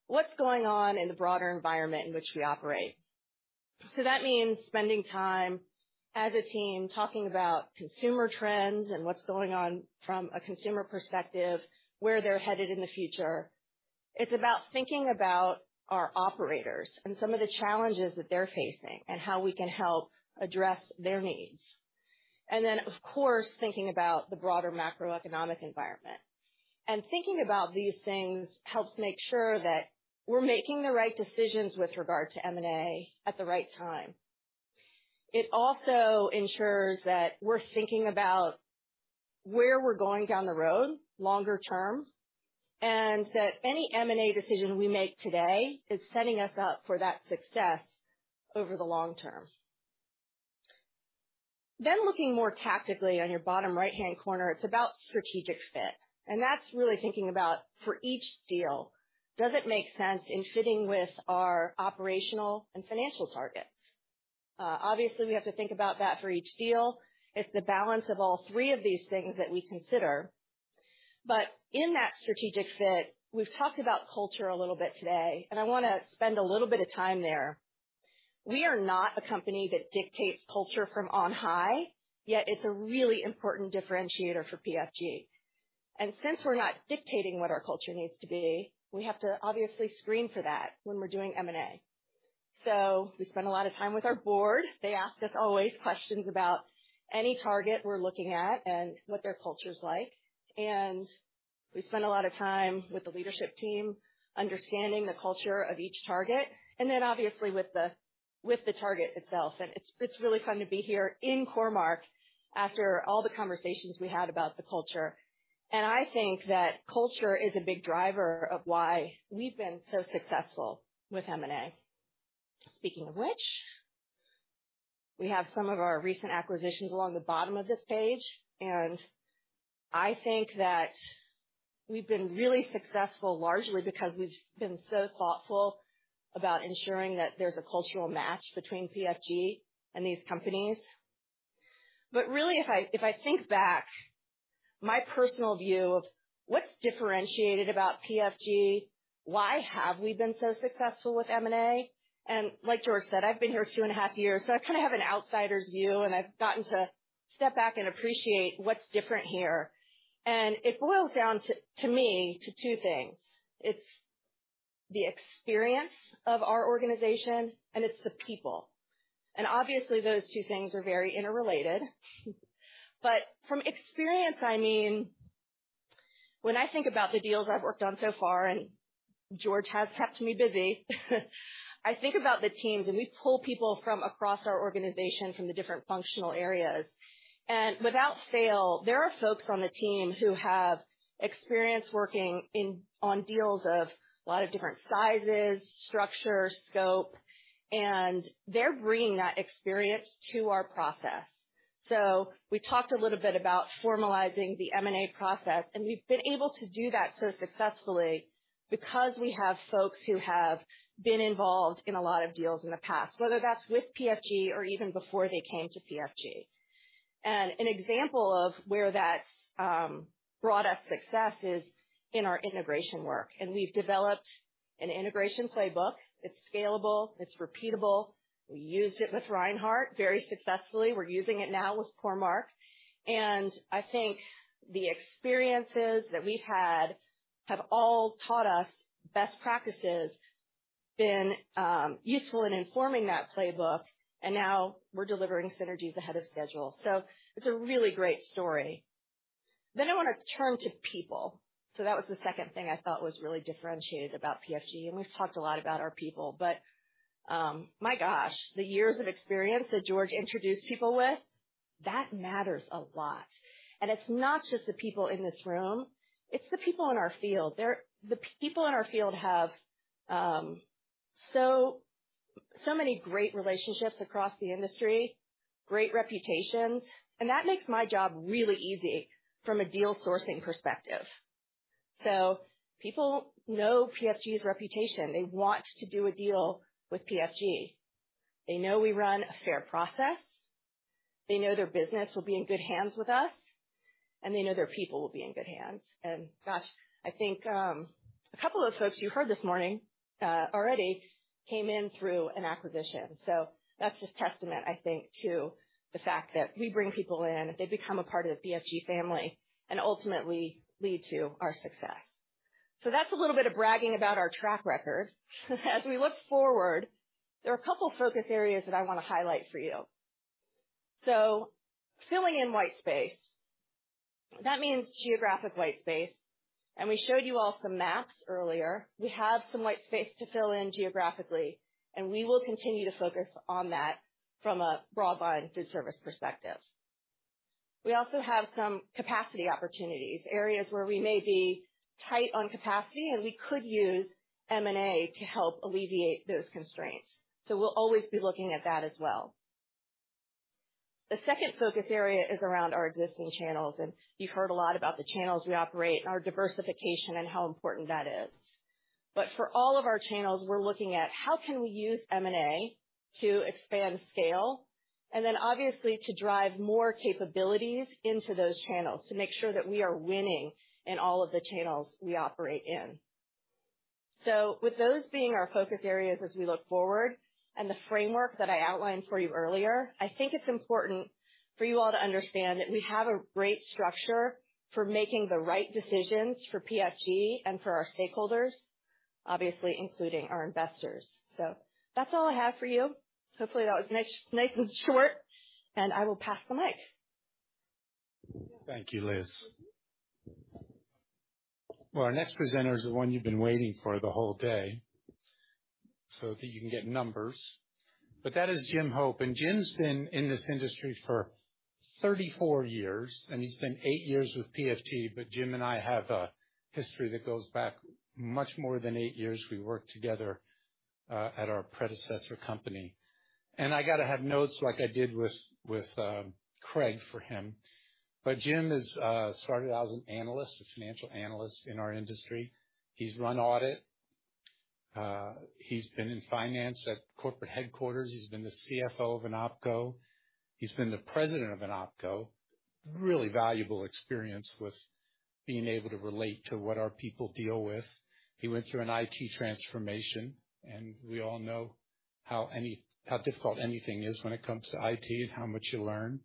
what's going on in the broader environment in which we operate. That means spending time as a team talking about consumer trends and what's going on from a consumer perspective, where they're headed in the future. It's about thinking about our operators and some of the challenges that they're facing and how we can help address their needs. Of course, thinking about the broader macroeconomic environment. Thinking about these things helps make sure that we're making the right decisions with regard to M&A at the right time. It also ensures that we're thinking about where we're going down the road longer term, and that any M&A decision we make today is setting us up for that success over the long term. Looking more tactically on your bottom right-hand corner, it's about strategic fit. That's really thinking about for each deal, does it make sense in fitting with our operational and financial targets? Obviously, we have to think about that for each deal. It's the balance of all three of these things that we consider. In that strategic fit, we've talked about culture a little bit today, and I wanna spend a little bit of time there. We are not a company that dictates culture from on high, yet it's a really important differentiator for PFG. Since we're not dictating what our culture needs to be, we have to obviously screen for that when we're doing M&A. We spend a lot of time with our board. They ask us always questions about any target we're looking at and what their culture is like. We spend a lot of time with the leadership team understanding the culture of each target, and then obviously with the target itself. It's really fun to be here in Core-Mark after all the conversations we had about the culture. I think that culture is a big driver of why we've been so successful with M&A. Speaking of which, we have some of our recent acquisitions along the bottom of this page, and I think that we've been really successful, largely because we've been so thoughtful about ensuring that there's a cultural match between PFG and these companies. Really, if I think back, my personal view of what's differentiated about PFG, why have we been so successful with M&A, and like George said, I've been here two and a half years, so I kind of have an outsider's view, and I've gotten to step back and appreciate what's different here. It boils down to me to two things. It's the experience of our organization, and it's the people. Obviously, those two things are very interrelated. From experience, I mean, when I think about the deals I've worked on so far, and George has kept me busy, I think about the teams, and we pull people from across our organization from the different functional areas. Without fail, there are folks on the team who have experience working on deals of a lot of different sizes, structure, scope, and they're bringing that experience to our process. We talked a little bit about formalizing the M&A process, and we've been able to do that so successfully because we have folks who have been involved in a lot of deals in the past, whether that's with PFG or even before they came to PFG. An example of where that's brought us success is in our integration work. We've developed an integration playbook. It's scalable, it's repeatable. We used it with Reinhart very successfully. We're using it now with Core-Mark. I think the experiences that we've had have all taught us best practices, been useful in informing that playbook, and now we're delivering synergies ahead of schedule. It's a really great story. I wanna turn to people. That was the second thing I thought was really differentiated about PFG, and we've talked a lot about our people. My gosh, the years of experience that George introduced people with, that matters a lot. It's not just the people in this room, it's the people in our field. The people in our field have so many great relationships across the industry, great reputations, and that makes my job really easy from a deal sourcing perspective. People know PFG's reputation. They want to do a deal with PFG. They know we run a fair process. They know their business will be in good hands with us, and they know their people will be in good hands. Gosh, I think, a couple of folks you heard this morning, already came in through an acquisition. That's just testament, I think, to the fact that we bring people in, they become a part of the PFG family and ultimately lead to our success. That's a little bit of bragging about our track record. As we look forward, there are a couple of focus areas that I wanna highlight for you. Filling in white space, that means geographic white space. We showed you all some maps earlier. We have some white space to fill in geographically, and we will continue to focus on that from a broadband foodservice perspective. We also have some capacity opportunities, areas where we may be tight on capacity, and we could use M&A to help alleviate those constraints. We'll always be looking at that as well. The second focus area is around our existing channels, and you've heard a lot about the channels we operate, our diversification and how important that is. For all of our channels, we're looking at how can we use M&A to expand scale, and then obviously to drive more capabilities into those channels to make sure that we are winning in all of the channels we operate in. With those being our focus areas as we look forward and the framework that I outlined for you earlier, I think it's important for you all to understand that we have a great structure for making the right decisions for PFG and for our stakeholders, obviously including our investors. That's all I have for you. Hopefully, that was nice and short, and I will pass the mic. Thank you, Liz. Well, our next presenter is the one you've been waiting for the whole day, so that you can get numbers. That is Jim Hope. Jim's been in this industry for 34 years, and he's been 8 years with PFG. Jim and I have a history that goes back much more than 8 years. We worked together at our predecessor company. I gotta have notes like I did with Craig for him. Jim is started out as an analyst, a financial analyst in our industry. He's run audit. He's been in finance at corporate headquarters. He's been the CFO of an OpCo. He's been the president of an OpCo. Really valuable experience with being able to relate to what our people deal with. He went through an IT transformation, and we all know how difficult anything is when it comes to IT and how much you learn.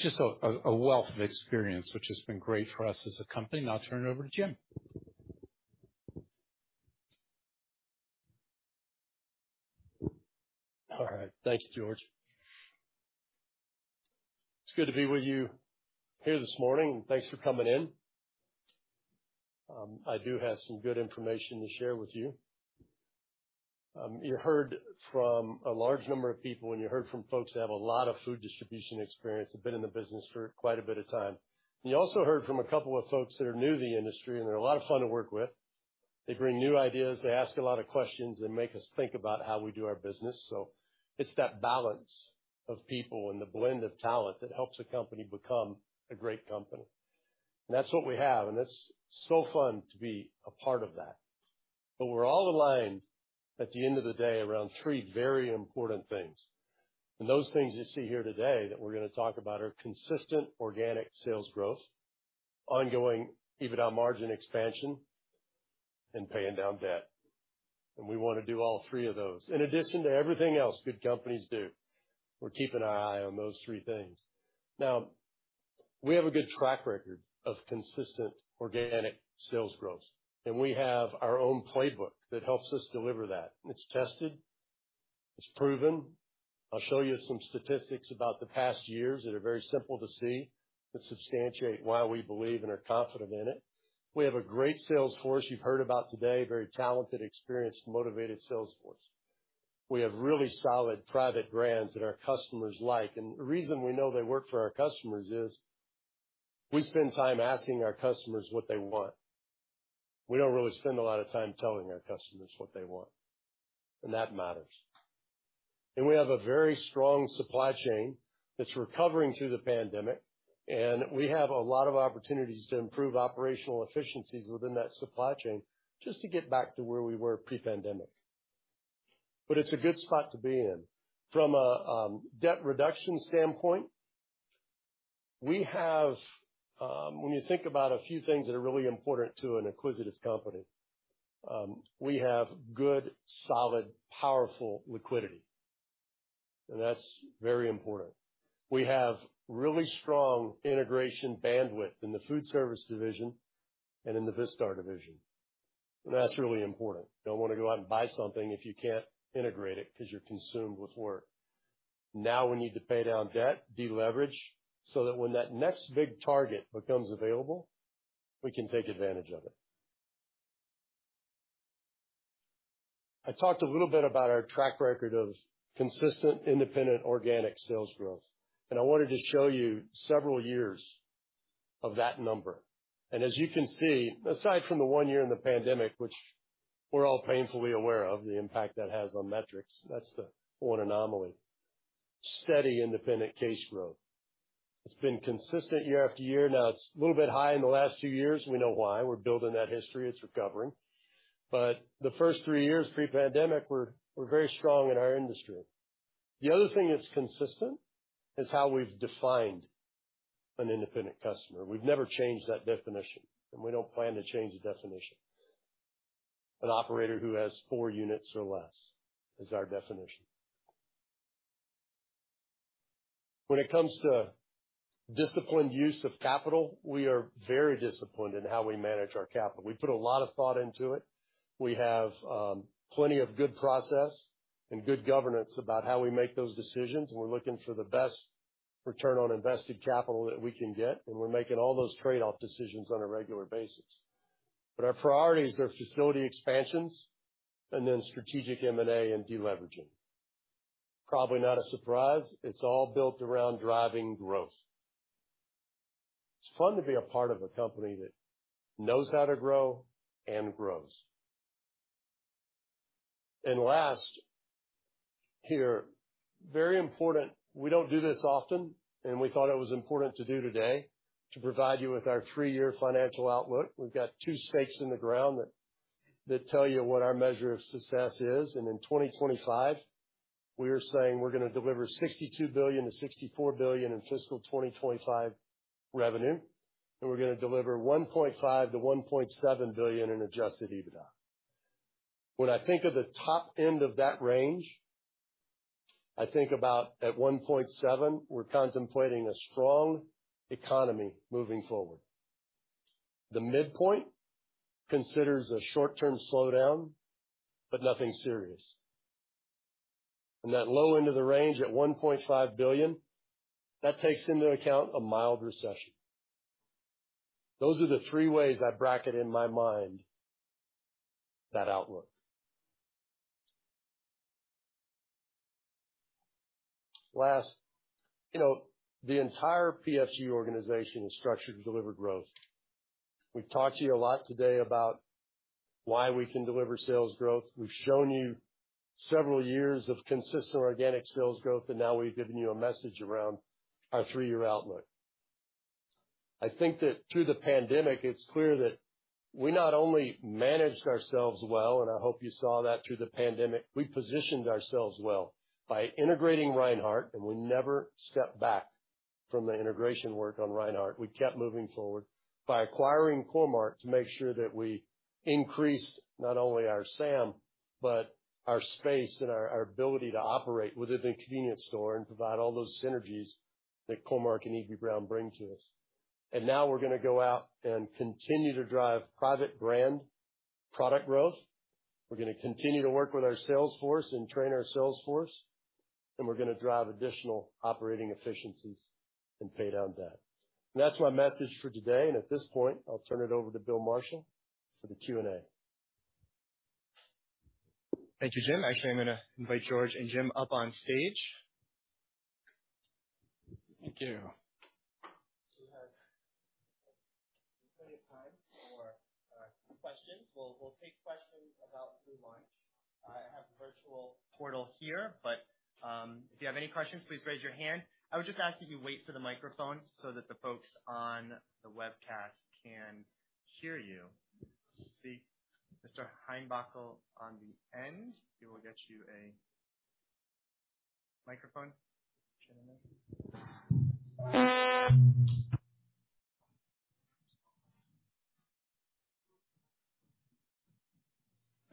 Just a wealth of experience, which has been great for us as a company. Now I'll turn it over to Jim. All right. Thanks, George. It's good to be with you here this morning. Thanks for coming in. I do have some good information to share with you. You heard from a large number of people, and you heard from folks that have a lot of food distribution experience, have been in the business for quite a bit of time. You also heard from a couple of folks that are new to the industry, and they're a lot of fun to work with. They bring new ideas, they ask a lot of questions, and make us think about how we do our business. It's that balance of people and the blend of talent that helps a company become a great company. That's what we have, and it's so fun to be a part of that. We're all aligned at the end of the day around three very important things. Those things you see here today that we're gonna talk about are consistent organic sales growth, ongoing EBITDA margin expansion, and paying down debt. We wanna do all three of those. In addition to everything else good companies do, we're keeping our eye on those three things. Now, we have a good track record of consistent organic sales growth, and we have our own playbook that helps us deliver that. It's tested, it's proven. I'll show you some statistics about the past years that are very simple to see that substantiate why we believe and are confident in it. We have a great sales force you've heard about today, very talented, experienced, motivated sales force. We have really solid private brands that our customers like. The reason we know they work for our customers is we spend time asking our customers what they want. We don't really spend a lot of time telling our customers what they want, and that matters. We have a very strong supply chain that's recovering through the pandemic, and we have a lot of opportunities to improve operational efficiencies within that supply chain just to get back to where we were pre-pandemic. It's a good spot to be in. From a debt reduction standpoint, when you think about a few things that are really important to an acquisitive company, we have good, solid, powerful liquidity, and that's very important. We have really strong integration bandwidth in the foodservice division and in the Vistar division, and that's really important. Don't wanna go out and buy something if you can't integrate it because you're consumed with work. Now we need to pay down debt, deleverage, so that when that next big target becomes available, we can take advantage of it. I talked a little bit about our track record of consistent independent organic sales growth, and I wanted to show you several years of that number. As you can see, aside from the one year in the pandemic, which we're all painfully aware of the impact that has on metrics, that's the one anomaly. Steady independent case growth. It's been consistent year after year. Now, it's a little bit high in the last two years. We know why. We're building that history. It's recovering. The first three years pre-pandemic, we're very strong in our industry. The other thing that's consistent is how we've defined an independent customer. We've never changed that definition, and we don't plan to change the definition. An operator who has four units or less is our definition. When it comes to disciplined use of capital, we are very disciplined in how we manage our capital. We put a lot of thought into it. We have plenty of good process and good governance about how we make those decisions, and we're looking for the best return on invested capital that we can get, and we're making all those trade-off decisions on a regular basis. Our priorities are facility expansions and then strategic M&A and de-leveraging. Probably not a surprise. It's all built around driving growth. It's fun to be a part of a company that knows how to grow and grows. Last, here, very important, we don't do this often, and we thought it was important to do today, to provide you with our three-year financial outlook. We've got two stakes in the ground that tell you what our measure of success is. In 2025, we are saying we're gonna deliver $62 billion-$64 billion in fiscal 2025 revenue, and we're gonna deliver $1.5 billion-$1.7 billion in Adjusted EBITDA. When I think of the top end of that range, I think about at $1.7 billion, we're contemplating a strong economy moving forward. The midpoint considers a short-term slowdown, but nothing serious. That low end of the range at $1.5 billion, that takes into account a mild recession. Those are the three ways I bracket in my mind that outlook. Last, you know, the entire PFG organization is structured to deliver growth. We've talked to you a lot today about why we can deliver sales growth. We've shown you several years of consistent organic sales growth, and now we've given you a message around our three-year outlook. I think that through the pandemic, it's clear that we not only managed ourselves well, and I hope you saw that through the pandemic, we positioned ourselves well by integrating Reinhart, and we never stepped back from the integration work on Reinhart. We kept moving forward by acquiring Core-Mark to make sure that we increased not only our SAM, but our space and our ability to operate within a convenience store and provide all those synergies that Core-Mark and Eby-Brown bring to us. Now we're gonna go out and continue to drive private brand product growth. We're gonna continue to work with our sales force and train our sales force, and we're gonna drive additional operating efficiencies and pay down debt. That's my message for today. At this point, I'll turn it over to Bill Marshall for the Q&A. Thank you, Jim. Actually, I'm gonna invite George and Jim up on stage. Thank you. We have plenty of time for questions. We'll take questions right through lunch. I have a virtual portal here, but if you have any questions, please raise your hand. I would just ask that you wait for the microphone so that the folks on the webcast can hear you. I see Mr. Heinbockel on the end. We will get you a microphone. Gentlemen.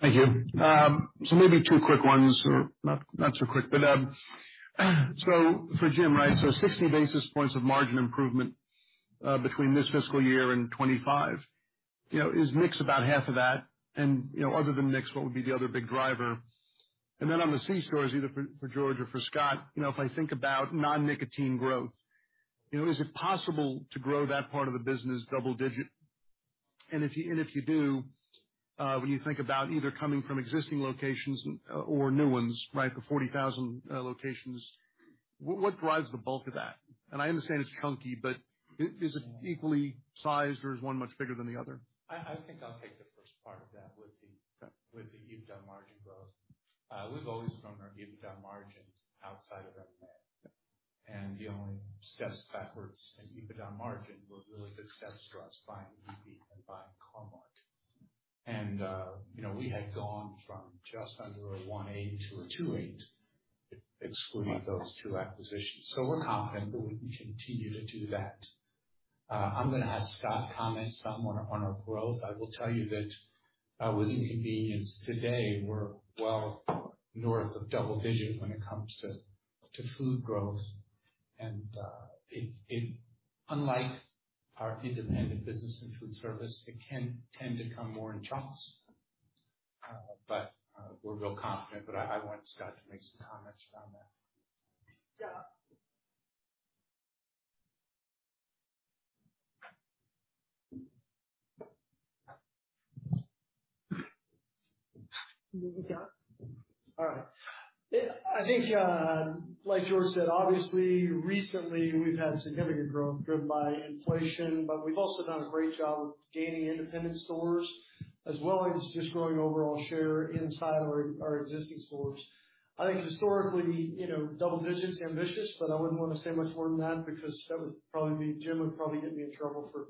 Thank you. Maybe two quick ones, or not so quick, but for Jim, right, 60 basis points of margin improvement between this fiscal year and 2025, you know, is mix about half of that? You know, other than mix, what would be the other big driver? On the C-stores, either for George or for Scott, you know, if I think about non-nicotine growth, you know, is it possible to grow that part of the business double-digit? If you do, when you think about either coming from existing locations or new ones, right, the 40,000 locations, what drives the bulk of that? I understand it's chunky, but is it equally sized, or is one much bigger than the other? I think I'll take the first part of that with the- Okay. With the EBITDA margin growth. We've always grown our EBITDA margins outside of M&A. Yeah. The only steps backwards in EBITDA margin were really good steps for us, buying Eby and buying Core-Mark. We had gone from just under 1.8%-2.8% excluding those two acquisitions. We're confident that we can continue to do that. I'm gonna have Scott comment on our growth. I will tell you that, in convenience, today, we're well north of double-digit when it comes to food growth. Unlike our independent business and foodservice, it can tend to come more in chunks. We're real confident, but I want Scott to make some comments around that. All right. I think, like George said, obviously recently, we've had significant growth driven by inflation, but we've also done a great job with gaining independent stores as well as just growing overall share inside our existing stores. I think historically, you know, double digit's ambitious, but I wouldn't wanna say much more than that because that would probably be. Jim would probably get me in trouble for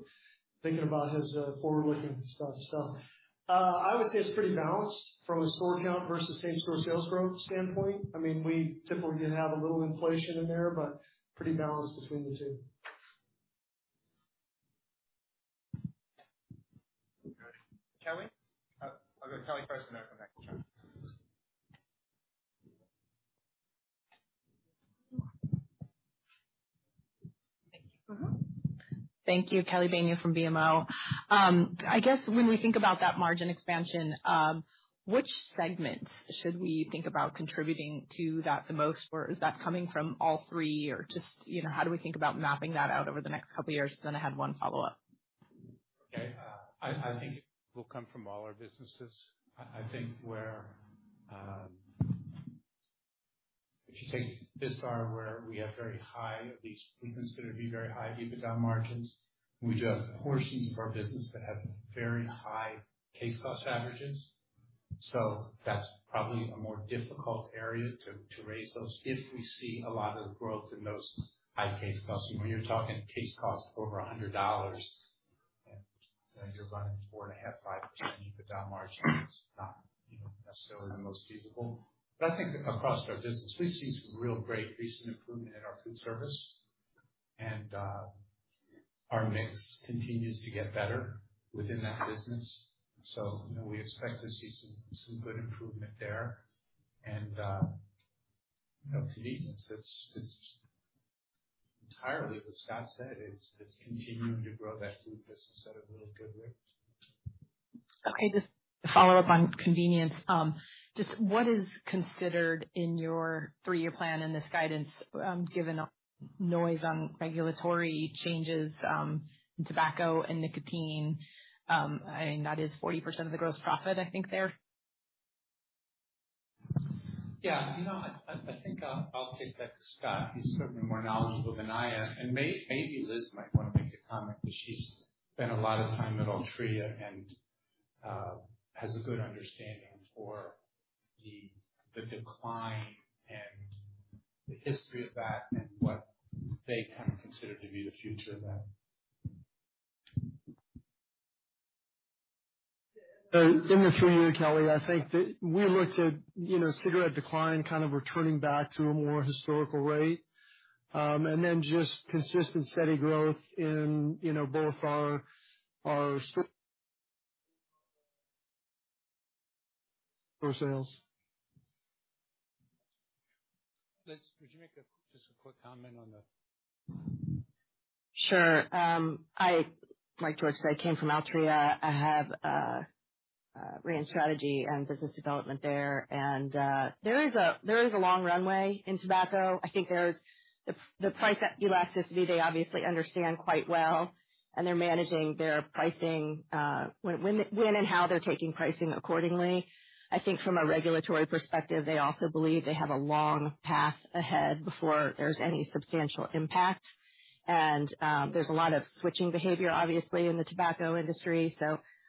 thinking about his forward-looking stuff. I would say it's pretty balanced from a store count versus same store sales growth standpoint. I mean, we typically do have a little inflation in there, but pretty balanced between the two. Kelly? I'll go to Kelly first, and then I'll come back to Chuck. Thank you. Kelly Bania from BMO. I guess when we think about that margin expansion, which segments should we think about contributing to that the most? Or is that coming from all three? Or just, you know, how do we think about mapping that out over the next couple years? I had one follow-up. Okay. I think it will come from all our businesses. I think where, if you take Vistar, where we have very high, at least we consider to be very high EBITDA margins, we do have portions of our business that have very high case cost averages, so that's probably a more difficult area to raise those if we see a lot of growth in those high case costs. When you're talking case costs over $100, and you're running 4.5%-5% EBITDA margin, it's not, you know, necessarily the most feasible. I think across our business, we've seen some real great recent improvement in our foodservice and our mix continues to get better within that business. You know, we expect to see some good improvement there. You know, convenience, it's entirely what Scott said. It's continuing to grow that food business at a really good rate. Okay. Just to follow up on convenience. Just what is considered in your three-year plan in this guidance, given noise on regulatory changes in tobacco and nicotine, and that is 40% of the gross profit, I think, there? Yeah. No, I think I'll take that to Scott. He's certainly more knowledgeable than I am. Maybe Liz might wanna make a comment because she's spent a lot of time at Altria and has a good understanding for the decline and the history of that and what they kind of consider to be the future of that. In the three-year, Kelly, I think that we looked at, you know, cigarette decline kind of returning back to a more historical rate. Just consistent steady growth in, you know, both our for sales. Liz, would you make just a quick comment on the. Sure. Like George said, I came from Altria. I have ran strategy and business development there. There is a long runway in tobacco. I think there's the price elasticity they obviously understand quite well, and they're managing their pricing when and how they're taking pricing accordingly. I think from a regulatory perspective, they also believe they have a long path ahead before there's any substantial impact. There's a lot of switching behavior, obviously, in the tobacco industry.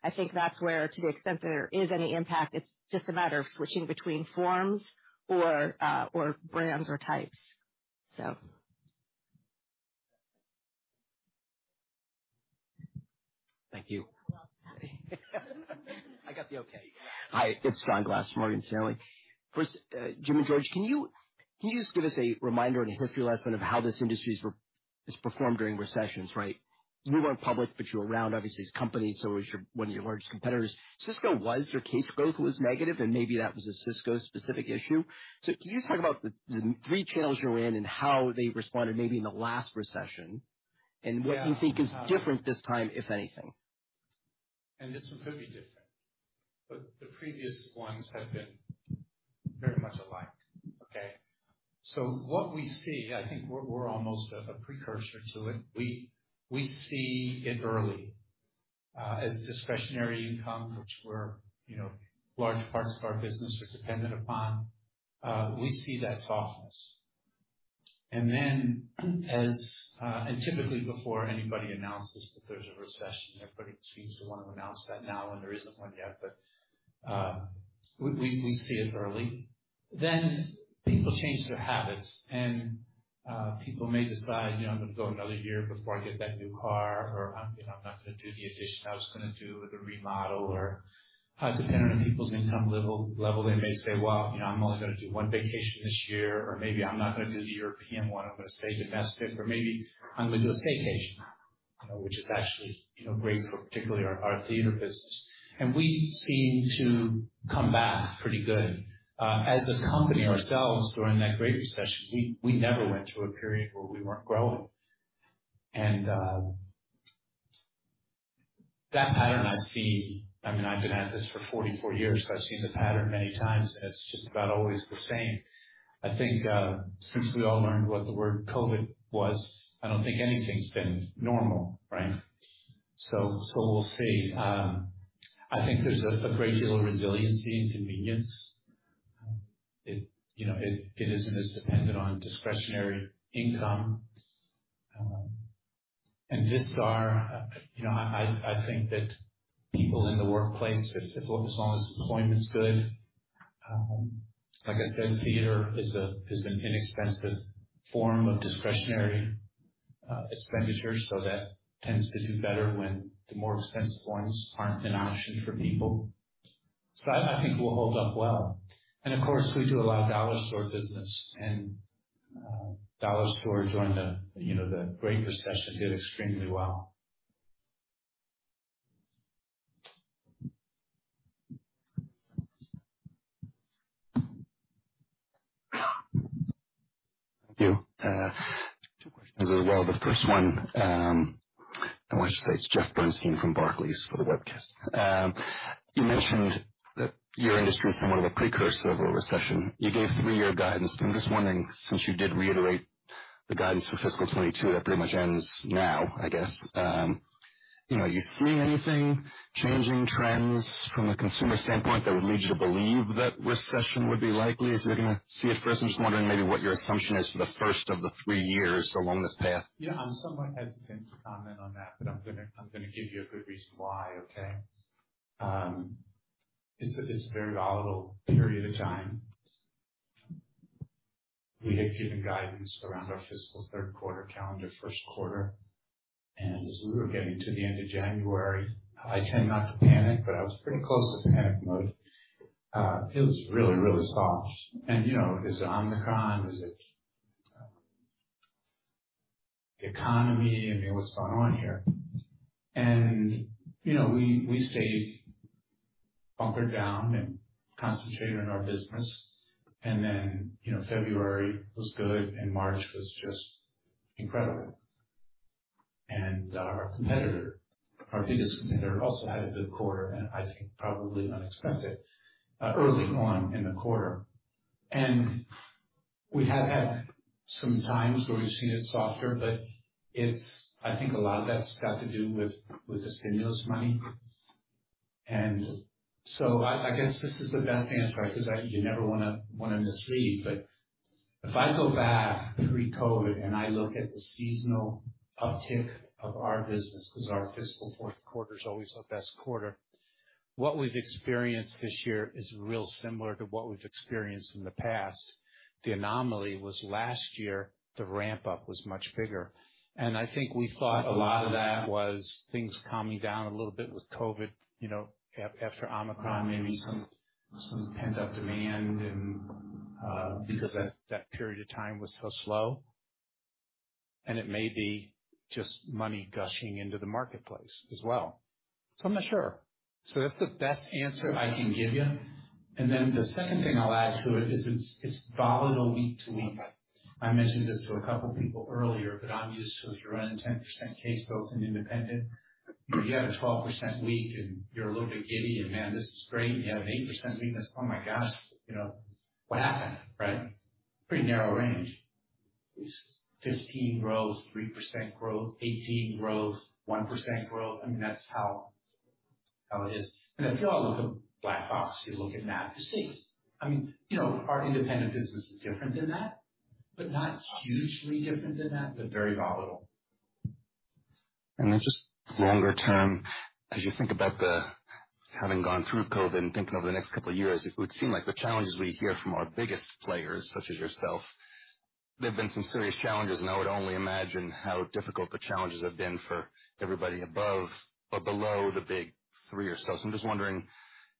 I think that's where to the extent there is any impact, it's just a matter of switching between forms or brands or types. Thank you. You're welcome. I got the okay. Hi, it's John Glass, Morgan Stanley. First, Jim and George, can you just give us a reminder and a history lesson of how this industry's has performed during recessions, right? You weren't public, but you were around, obviously, as companies, so one of your largest competitors, Sysco, was; their case growth was negative, and maybe that was a Sysco specific issue. Can you talk about the three channels you're in and how they responded maybe in the last recession and what you think is different this time, if anything? This one could be different. The previous ones have been very much alike. Okay? What we see, I think we're almost a precursor to it. We see it early, as discretionary income, which we're, you know, large parts of our business are dependent upon. We see that softness. Typically before anybody announces that there's a recession, everybody seems to want to announce that now, and there isn't one yet. We see it early. People change their habits. People may decide, you know, I'm gonna go another year before I get that new car, or I'm, you know, I'm not gonna do the addition I was gonna do, or the remodel or, depending on people's income level, they may say, "Well, you know, I'm only gonna do one vacation this year," or maybe, "I'm not gonna do the European one, I'm gonna stay domestic," or maybe, "I'm gonna do a staycation." You know, which is actually, you know, great for particularly our theater business. We seem to come back pretty good. As a company ourselves, during that great recession, we never went through a period where we weren't growing. That pattern I see. I mean, I've been at this for 44 years. I've seen the pattern many times, and it's just about always the same. I think since we all learned what the word COVID was, I don't think anything's been normal, right? We'll see. I think there's a great deal of resiliency and convenience. You know, it isn't as dependent on discretionary income. This is, you know, I think that people in the workplace, as long as employment's good, like I said, theater is an inexpensive form of discretionary expenditure. That tends to do better when the more expensive ones aren't an option for people. I think we'll hold up well. Of course, we do a lot of dollar store business, and dollar stores, you know, during the Great Recession did extremely well. Thank you. Two questions as well. The first one, I want to say it's Jeffrey Bernstein from Barclays for the webcast. You mentioned that your industry is somewhat of a precursor of a recession. You gave three-year guidance. I'm just wondering, since you did reiterate the guidance for fiscal 2022, that pretty much ends now, I guess. You know, are you seeing anything, changing trends from a consumer standpoint that would lead you to believe that recession would be likely? If you're gonna see it first, I'm just wondering maybe what your assumption is for the first of the three years along this path. Yeah, I'm somewhat hesitant to comment on that, but I'm gonna give you a good reason why, okay? It's a very volatile period of time. We had given guidance around our fiscal third quarter, calendar first quarter, and as we were getting to the end of January, I tend not to panic, but I was pretty close to panic mode. It was really, really soft. You know, is it Omicron? Is it the economy? I mean, what's going on here? You know, we stayed bunkered down and concentrated on our business. Then, you know, February was good and March was just incredible. Our competitor, our biggest competitor, also had a good quarter, and I think probably unexpected early on in the quarter. We have had some times where we've seen it softer, but it's I think a lot of that's got to do with the stimulus money. I guess this is the best answer, because you never wanna misread. If I go back pre-COVID and I look at the seasonal uptick of our business, because our fiscal fourth quarter is always our best quarter, what we've experienced this year is real similar to what we've experienced in the past. The anomaly was last year, the ramp up was much bigger. I think we thought a lot of that was things calming down a little bit with COVID, you know, after Omicron, maybe some pent-up demand and because that period of time was so slow. It may be just money gushing into the marketplace as well. I'm not sure. That's the best answer I can give you. Then the second thing I'll add to it is it's volatile week to week. I mentioned this to a couple people earlier, but I'm used to it. You're running 10% case built in independent. You know, you have a 12% week, and you're a little bit giddy, and, "Man, this is great." You have an 8% week, and it's, "Oh my gosh," you know. "What happened?" Right? Pretty narrow range. It's 15% growth, 3% growth, 18% growth, 1% growth. I mean, that's how it is. If you all look at Black Box, you look at NAD, you see, I mean, you know, our independent business is different than that, but not hugely different than that, but very volatile. Just longer term, as you think about having gone through COVID and thinking over the next couple of years, it would seem like the challenges we hear from our biggest players, such as yourself, there have been some serious challenges. I would only imagine how difficult the challenges have been for everybody above or below the big three or so. I'm just wondering,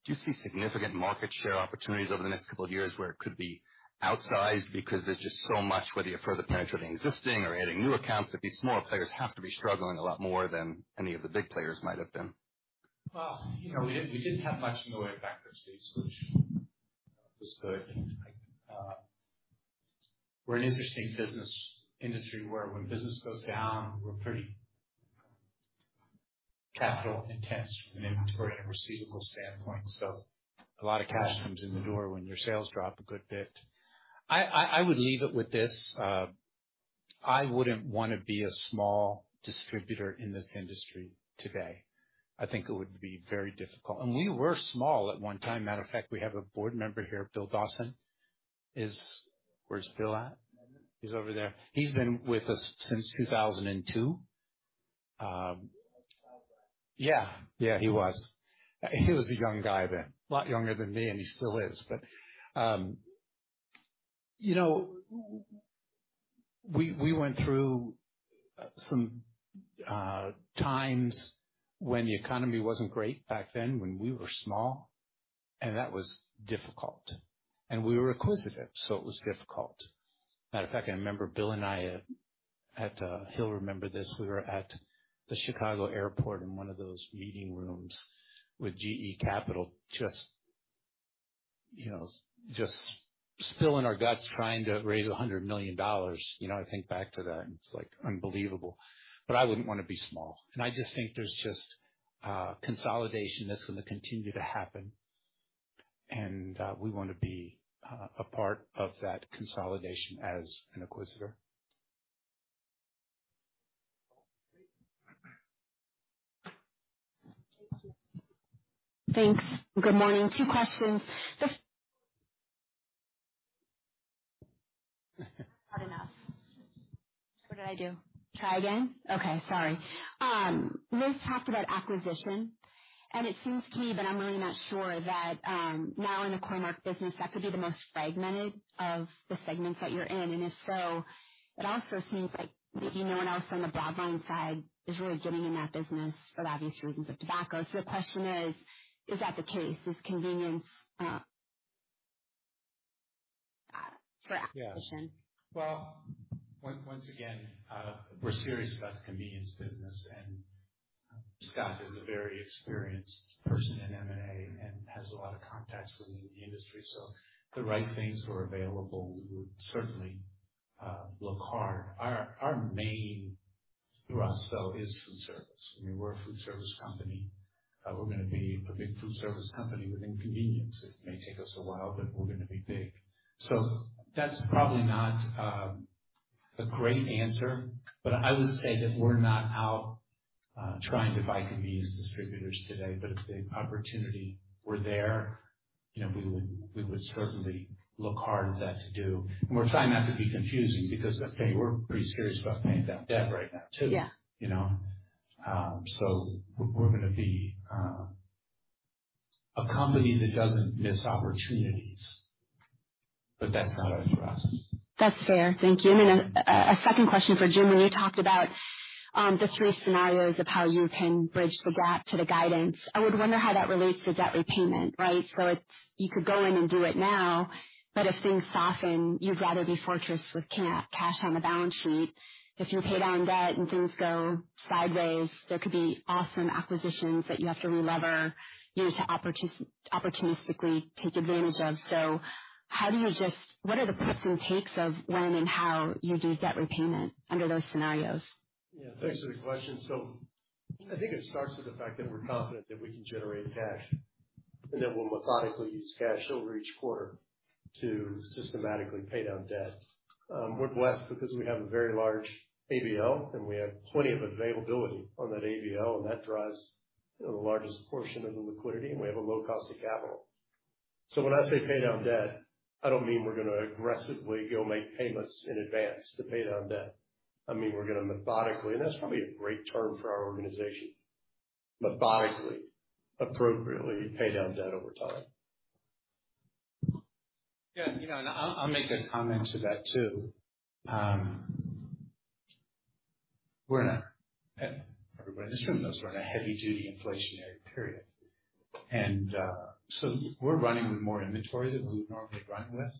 do you see significant market share opportunities over the next couple of years where it could be outsized because there's just so much, whether you're further penetrating existing or adding new accounts, that these smaller players have to be struggling a lot more than any of the big players might have been? Well, you know, we didn't have much in the way of bankruptcy, which was good. We're an interesting business industry where when business goes down, we're pretty capital intense from an inventory and a receivable standpoint. So a lot of cash comes in the door when your sales drop a good bit. I would leave it with this. I wouldn't wanna be a small distributor in this industry today. I think it would be very difficult. We were small at one time. Matter of fact, we have a board member here, Bill Dawson. Where's Bill at? He's over there. He's been with us since 2002. He was a young guy then. A lot younger than me, and he still is. You know, we went through some times when the economy wasn't great back then when we were small, and that was difficult. We were acquisitive, so it was difficult. Matter of fact, I remember Bill and I at, he'll remember this, we were at the Chicago Airport in one of those meeting rooms with GE Capital, just, you know, just spilling our guts, trying to raise $100 million. You know, I think back to that, and it's like unbelievable. I wouldn't wanna be small. I just think there's just consolidation that's gonna continue to happen. We wanna be a part of that consolidation as an acquisitor. Thank you. Thanks. Good morning. Two questions. You've talked about acquisition, and it seems to me, but I'm really not sure, that now in the Core-Mark business, that could be the most fragmented of the segments that you're in. If so, it also seems like maybe no one else on the broadline side is really getting in that business for the obvious reasons of tobacco. The question is that the case? Is convenience for acquisitions? Well, once again, we're serious about the convenience business, and Scott is a very experienced person in M&A and has a lot of contacts within the industry. If the right things were available, we would certainly look hard. Our main thrust though is foodservice. I mean, we're a foodservice company. We're gonna be a big foodservice company within convenience. It may take us a while, but we're gonna be big. That's probably not a great answer, but I would say that we're not out trying to buy convenience distributors today. If the opportunity were there, you know, we would certainly look hard at that to do. We're trying not to be confusing because, okay, we're pretty serious about paying down debt right now too. Yeah. You know? We're gonna be a company that doesn't miss opportunities, but that's not our thrust. That's fair. Thank you. Then a second question for Jim, when you talked about the three scenarios of how you can bridge the gap to the guidance, I would wonder how that relates to debt repayment, right? So, you could go in and do it now, but if things soften, you'd rather be fortress with cash on the balance sheet. If you paid down debt and things go sideways, there could be awesome acquisitions that you have to relever, you know, to opportunistically take advantage of. So, what are the pros and cons of when and how you do debt repayment under those scenarios? Yeah. Thanks for the question. I think it starts with the fact that we're confident that we can generate cash, and then we'll methodically use cash over each quarter to systematically pay down debt. We're blessed because we have a very large ABL, and we have plenty of availability on that ABL, and that drives the largest portion of the liquidity, and we have a low cost of capital. When I say pay down debt, I don't mean we're gonna aggressively go make payments in advance to pay down debt. I mean, we're gonna methodically, and that's probably a great term for our organization, methodically, appropriately pay down debt over time. Yeah. You know, I'll make a comment to that too. Everybody in this room knows we're in a heavy-duty inflationary period. We're running with more inventory than we would normally run with.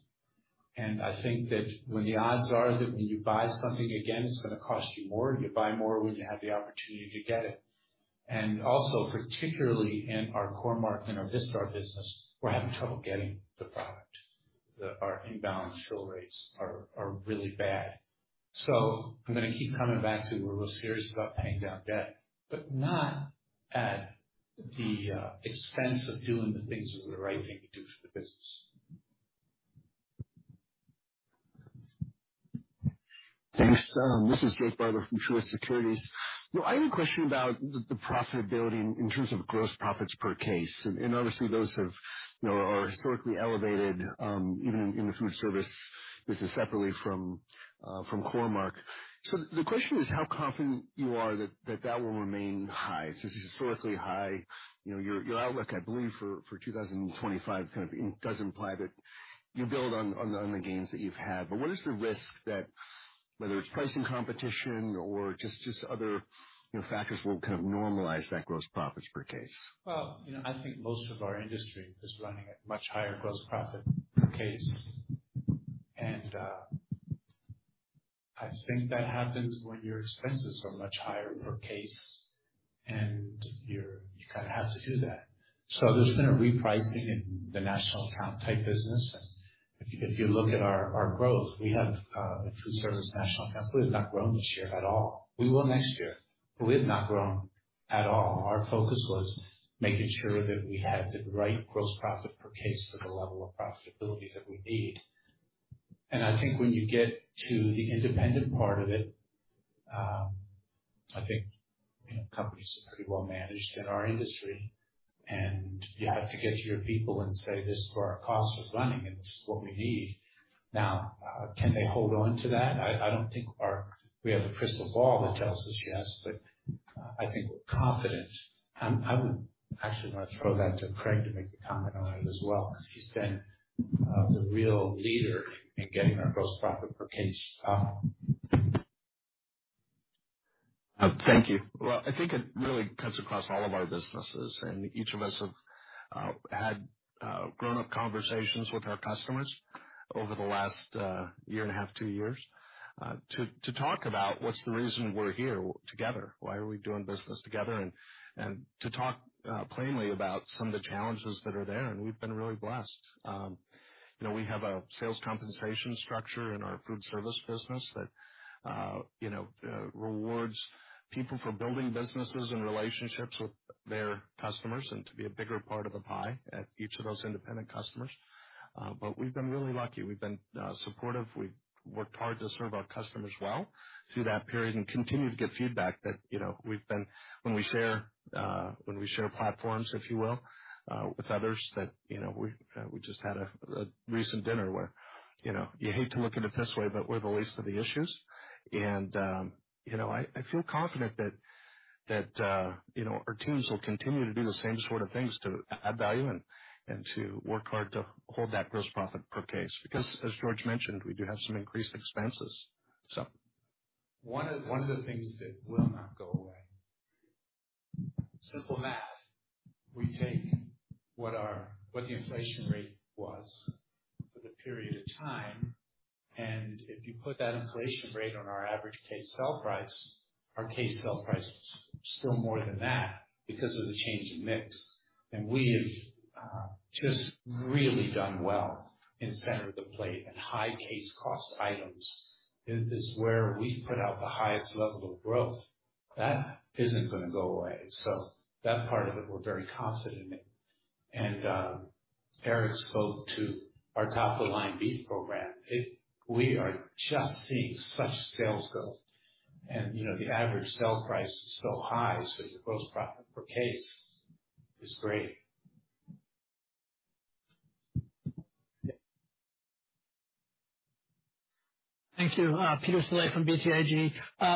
I think that when the odds are that when you buy something again, it's gonna cost you more, you buy more when you have the opportunity to get it. Also, particularly in our core market, in our Vistar business, we're having trouble getting the product. Our inbound show rates are really bad. I'm gonna keep coming back to, we're real serious about paying down debt, but not at the expense of doing the things that are the right thing to do for the business. Thanks. This is Jake Bartlett from Truist Securities. You know, I had a question about the profitability in terms of gross profits per case. Obviously those have, you know, are historically elevated, even in the foodservice business separately from Core-Mark. The question is how confident you are that that will remain high. It's historically high. You know, your outlook, I believe for 2025 kind of does imply that you build on the gains that you've had. What is the risk that whether it's pricing competition or just other, you know, factors will kind of normalize that gross profits per case? Well, you know, I think most of our industry is running at much higher gross profit per case. I think that happens when your expenses are much higher per case, and you kinda have to do that. There's been a repricing in the national account type business. If you look at our growth, we have a foodservice national accounts, we have not grown this year at all. We will next year. We have not grown at all. Our focus was making sure that we had the right gross profit per case for the level of profitability that we need. I think when you get to the independent part of it, I think, you know, companies are pretty well managed in our industry, and you have to get your people and say, "This is for our cost of running, and this is what we need." Now, can they hold on to that? I don't think we have a crystal ball that tells us yes, but I think we're confident. I would actually wanna throw that to Craig to make a comment on it as well, because he's been the real leader in getting our gross profit per case up. Thank you. Well, I think it really cuts across all of our businesses, and each of us have had grown-up conversations with our customers over the last year and a half, two years, to talk about what's the reason we're here together, why are we doing business together, and to talk plainly about some of the challenges that are there, and we've been really blessed. You know, we have a sales compensation structure in our foodservice business that you know rewards people for building businesses and relationships with their customers and to be a bigger part of the pie at each of those independent customers. We've been really lucky. We've been supportive. We've worked hard to serve our customers well through that period and continue to get feedback that, you know, when we share platforms, if you will, with others that, you know, we just had a recent dinner where, you know, you hate to look at it this way, but we're the least of the issues. You know, I feel confident that, you know, our teams will continue to do the same sort of things to add value and to work hard to hold that gross profit per case. Because as George mentioned, we do have some increased expenses. One of the things that will not go away. Simple math. We take what the inflation rate was for the period of time, and if you put that inflation rate on our average case sell price, our case sell price is still more than that because of the change in mix. We have just really done well in center of the plate and high case cost items is where we put out the highest level of growth. That isn't gonna go away. That part of it, we're very confident in. Eric spoke to our top of the line beef program. We are just seeing such sales growth. You know, the average sale price is so high, so the gross profit per case is great. Thank you. Peter Saleh from BTIG.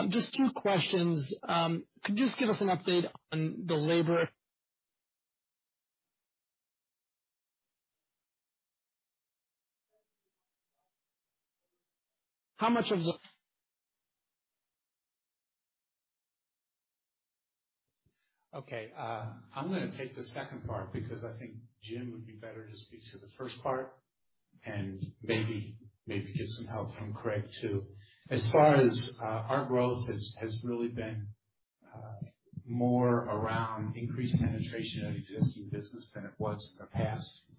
Just two questions. Could you just give us an update on the labor? How much of the- Okay. I'm gonna take the second part because I think Jim would be better to speak to the first part and maybe get some help from Craig, too. As far as our growth has really been more around increased penetration of existing business than it was in the past.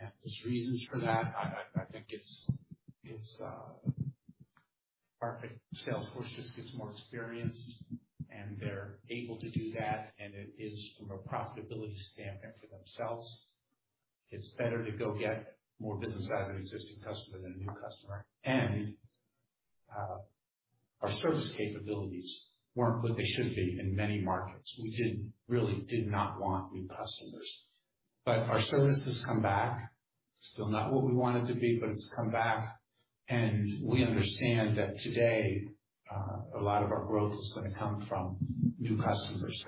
There's reasons for that. I think it's our sales force just gets more experience, and they're able to do that, and it is from a profitability standpoint for themselves. It's better to go get more business out of an existing customer than a new customer. Our service capabilities weren't what they should be in many markets. We really did not want new customers. But our service has come back. Still not what we want it to be, but it's come back. We understand that today, a lot of our growth is gonna come from new customers.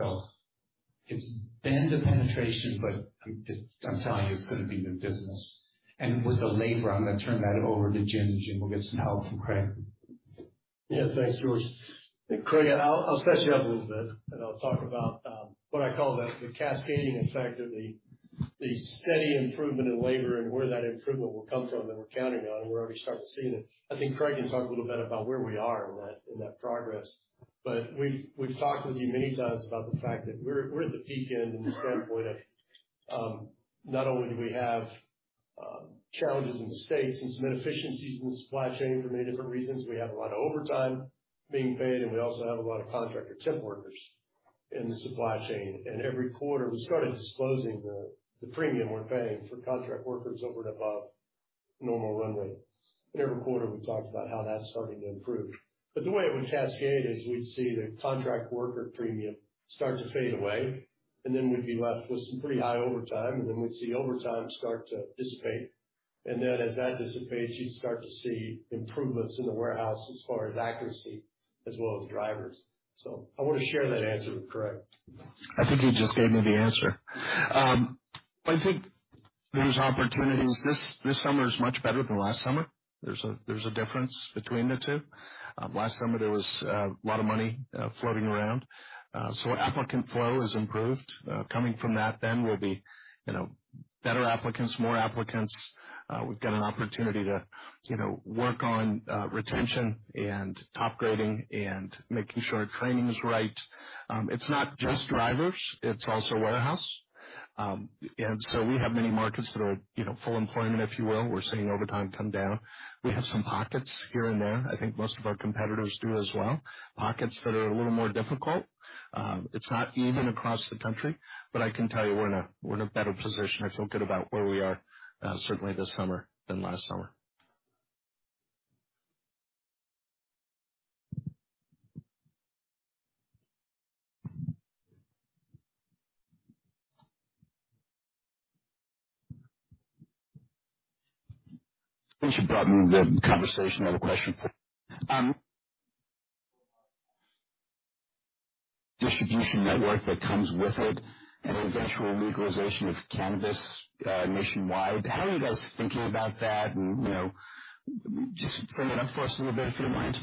It's been the penetration, but I'm telling you, it's gonna be new business. With the labor, I'm gonna turn that over to Jim, and Jim will get some help from Craig. Yeah. Thanks, George. Craig, I'll set you up a little bit, and I'll talk about what I call the cascading effect of the steady improvement in labor and where that improvement will come from that we're counting on, and we're already starting to see it. I think Craig can talk a little bit about where we are in that progress. We've talked with you many times about the fact that we're at the peak end from the standpoint of not only do we have challenges in the States and some inefficiencies in the supply chain for many different reasons. We have a lot of overtime being paid, and we also have a lot of contractor temp workers in the supply chain. Every quarter, we started disclosing the premium we're paying for contract workers over and above normal runway. Every quarter, we talked about how that's starting to improve. The way it would cascade is we'd see the contract worker premium start to fade away, and then we'd be left with some pretty high overtime, and then we'd see overtime start to dissipate. Then as that dissipates, you'd start to see improvements in the warehouse as far as accuracy as well as drivers. I want to share that answer with Craig. I think you just gave me the answer. I think there's opportunities. This summer is much better than last summer. There's a difference between the two. Last summer, there was a lot of money floating around. So applicant flow has improved. Coming from that then will be, you know, better applicants, more applicants. We've got an opportunity to, you know, work on retention and top grading and making sure our training is right. It's not just drivers, it's also warehouse. We have many markets that are, you know, full employment, if you will. We're seeing overtime come down. We have some pockets here and there. I think most of our competitors do as well. Pockets that are a little more difficult. It's not even across the country, but I can tell you we're in a better position. I feel good about where we are, certainly this summer than last summer. Since you brought in the conversation, I have a question. Distribution network that comes with it and eventual legalization of cannabis, nationwide. How are you guys thinking about that? You know, just frame it up for us a little bit if you don't mind.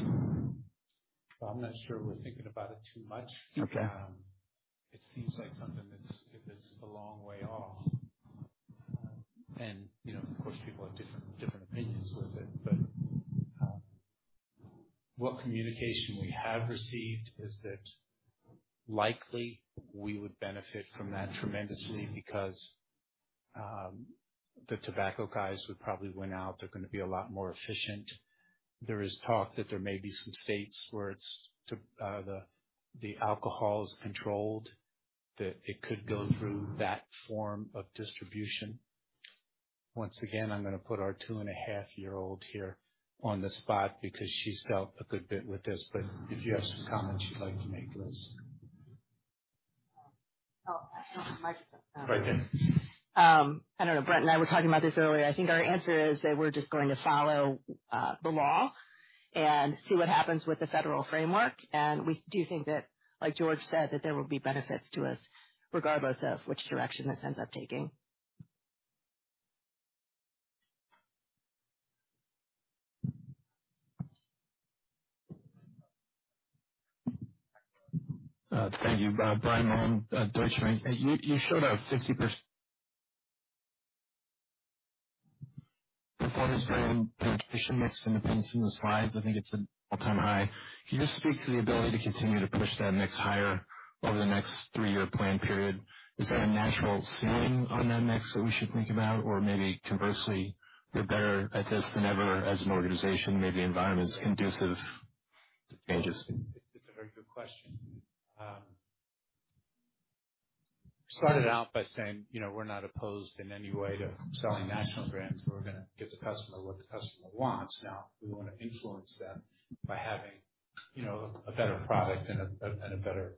Well, I'm not sure we're thinking about it too much. Okay. It seems like something that's if it's a long way off. You know, of course, people have different opinions with it. What communication we have received is that likely we would benefit from that tremendously because the tobacco guys would probably win out. They're gonna be a lot more efficient. There is talk that there may be some states where it's to the alcohol is controlled, that it could go through that form of distribution. Once again, I'm gonna put our two and a half year-old here on the spot because she's dealt a good bit with this. If you have some comments you'd like to make, Liz. Oh, I don't have the microphone. Right there. I don't know. Brent and I were talking about this earlier. I think our answer is that we're just going to follow the law and see what happens with the federal framework. We do think that, like George said, that there will be benefits to us regardless of which direction this ends up taking. Thank you. Brian Harbour, Deutsche Bank. You showed a 60% performance from the efficient mix in some of the slides. I think it's an all-time high. Can you just speak to the ability to continue to push that mix higher over the next three-year plan period? Is there a natural ceiling on that mix that we should think about? Or maybe conversely, we're better at this than ever as an organization, maybe environment's conducive to changes. It's a very good question. Started out by saying, you know, we're not opposed in any way to selling national brands. We're gonna give the customer what the customer wants. Now, we wanna influence them by having, you know, a better product and a better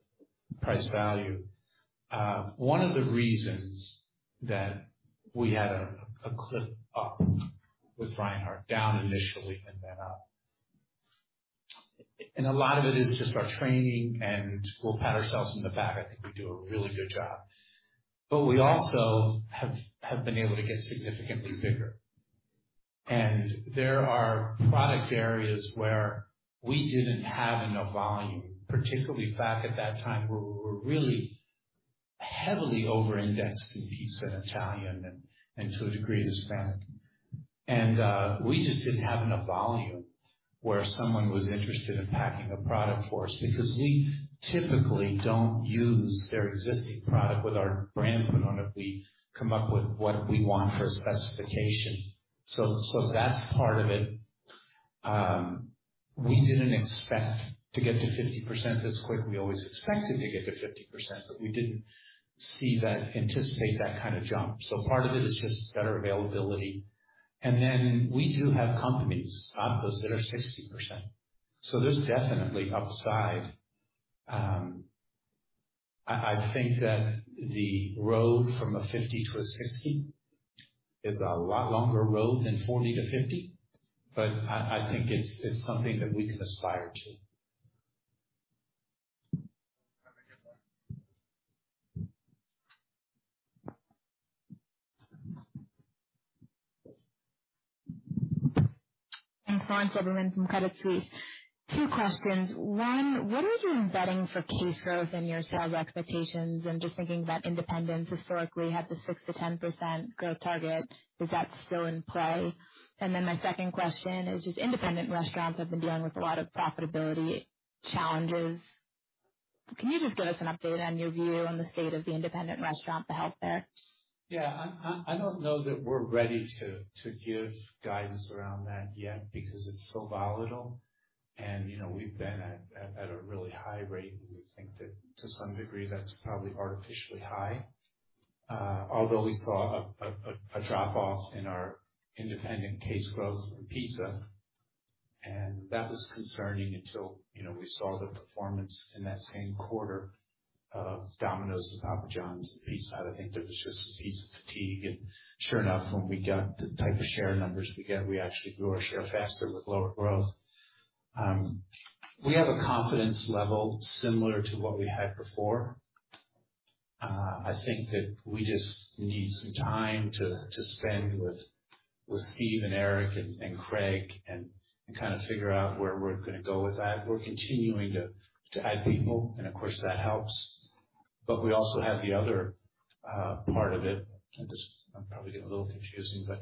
price value. One of the reasons that we had a clip up with Reinhart down initially and then up. A lot of it is just our training, and we'll pat ourselves on the back. I think we do a really good job. We also have been able to get significantly bigger. There are product areas where we didn't have enough volume, particularly back at that time, where we were really heavily over-indexed in pizza and Italian and to a degree, Hispanic. We just didn't have enough volume where someone was interested in packing a product for us because we typically don't use their existing product with our brand put on it. We come up with what we want for a specification. That's part of it. We didn't expect to get to 50% this quick. We always expected to get to 50%, but we didn't anticipate that kind of jump. Part of it is just better availability. Then we do have companies, not those that are 60%. There's definitely upside. I think that the road from a 50% to a 60% is a lot longer road than 40%-50%, but I think it's something that we can aspire to. Have a good one. Lauren Silberman from Credit Suisse. Two questions. One, what is your embedding for case growth in your sales expectations? I'm just thinking about independents historically had the 6%-10% growth target. Is that still in play? My second question is just independent restaurants have been dealing with a lot of profitability challenges. Can you just give us an update on your view on the state of the independent restaurant, the health there? Yeah. I don't know that we're ready to give guidance around that yet because it's so volatile. You know, we've been at a really high rate. We think that to some degree, that's probably artificially high. Although we saw a drop-off in our independent case growth for pizza, and that was concerning until, you know, we saw the performance in that same quarter of Domino's and Papa John's on the pizza side. I think there was just pizza fatigue. Sure enough, when we got the type of share numbers we get, we actually grew our share faster with lower growth. We have a confidence level similar to what we had before. I think that we just need some time to spend with Steve and Erich and Craig and kind of figure out where we're gonna go with that. We're continuing to add people, and of course, that helps. We also have the other part of it. This, I'm probably getting a little confusing, but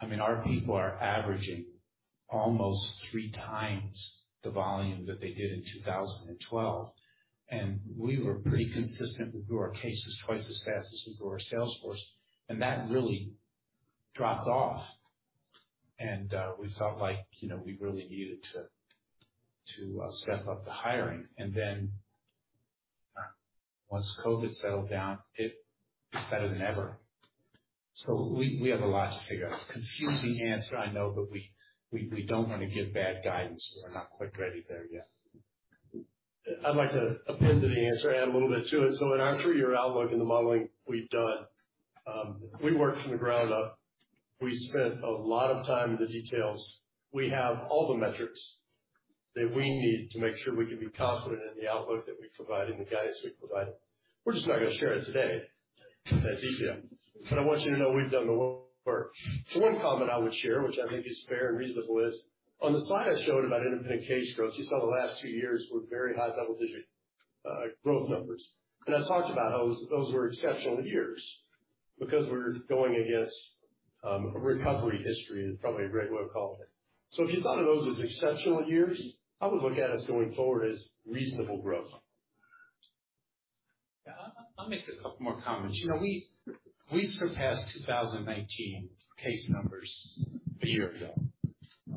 I mean, our people are averaging almost three times the volume that they did in 2012, and we were pretty consistent. We grew our cases twice as fast as we grew our sales force, and that really dropped off. We felt like, you know, we really needed to step up the hiring. Once COVID settled down, it's better than ever. We have a lot to figure out. Confusing answer, I know, but we don't wanna give bad guidance. We're not quite ready there yet. I'd like to append to the answer, add a little bit to it. In our three-year outlook and the modeling we've done, we worked from the ground up. We spent a lot of time in the details. We have all the metrics that we need to make sure we can be confident in the outlook that we provide and the guidance we provided. We're just not gonna share it today in that detail. I want you to know we've done the work. One comment I would share, which I think is fair and reasonable, is on the slide I showed about independent case growth. You saw the last two years were very high double-digit growth numbers. I talked about how those were exceptional years because we're going against a recovery history, as probably Craig would call it. If you thought of those as exceptional years, I would look at us going forward as reasonable growth. Yeah. I'll make a couple more comments. You know, we surpassed 2019 case numbers a year ago.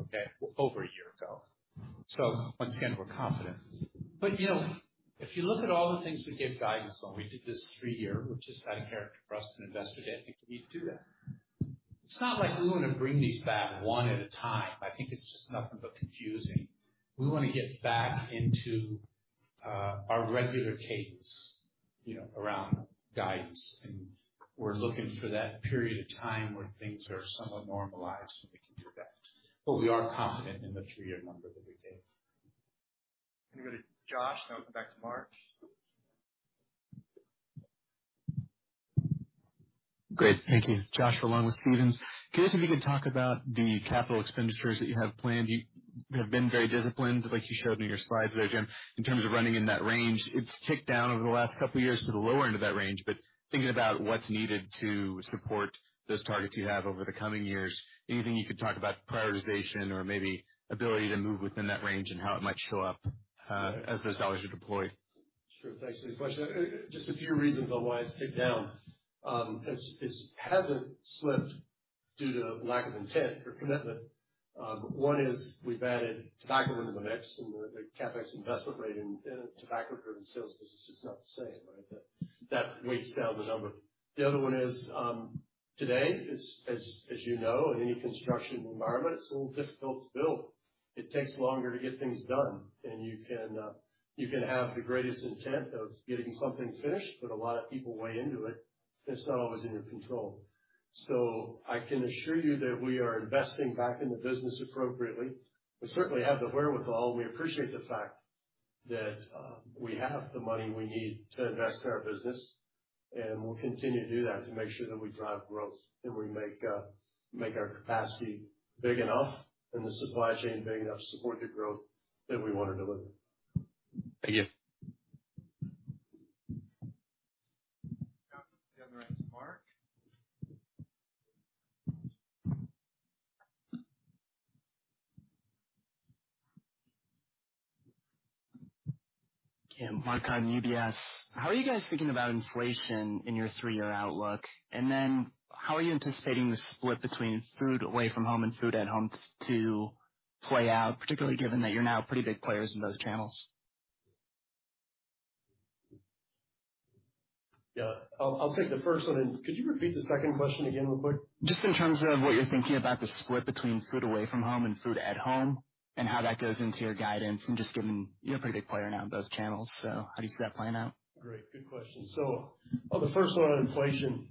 Okay. Over a year ago. Once again, we're confident. You know, if you look at all the things we gave guidance on, we did this three-year, which is out of character for us at an Investor Day. I think we need to do that. It's not like we wanna bring these back one at a time. I think it's just nothing but confusing. We wanna get back into our regular cadence, you know, around guidance, and we're looking for that period of time where things are somewhat normalized, and we can do that. We are confident in the three-year number that we gave. I'm gonna go to Josh, then I'll come back to Mark. Great. Thank you. Josh, along with Stephens. Curious if you could talk about the capital expenditures that you have planned. You have been very disciplined, like you showed in your slides there, Jim, in terms of running in that range. It's ticked down over the last couple of years to the lower end of that range. Thinking about what's needed to support those targets you have over the coming years, anything you could talk about prioritization or maybe ability to move within that range and how it might show up as those dollars are deployed. Sure. Thanks for the question. Just a few reasons on why it's ticked down. It hasn't slipped due to lack of intent or commitment. One is we've added tobacco into the mix, and the CapEx investment rating in a tobacco-driven sales business is not the same, right? That weighs down the number. The other one is, today, as you know, in any construction environment, it's a little difficult to build. It takes longer to get things done, and you can have the greatest intent of getting something finished, but a lot of people weigh into it, and it's not always in your control. I can assure you that we are investing back in the business appropriately. We certainly have the wherewithal, and we appreciate the fact that we have the money we need to invest in our business, and we'll continue to do that to make sure that we drive growth and we make our capacity big enough and the supply chain big enough to support the growth that we wanna deliver. Thank you. The other one is Mark. Mark Carden on UBS. How are you guys thinking about inflation in your three-year outlook? How are you anticipating the split between food away from home and food at home to play out, particularly given that you're now pretty big players in both channels? Yeah. I'll take the first one, and could you repeat the second question again real quick? Just in terms of what you're thinking about the split between food away from home and food at home, and how that goes into your guidance, and just given you're a pretty big player now in both channels. How do you see that playing out? Great. Good question. On the first one on inflation,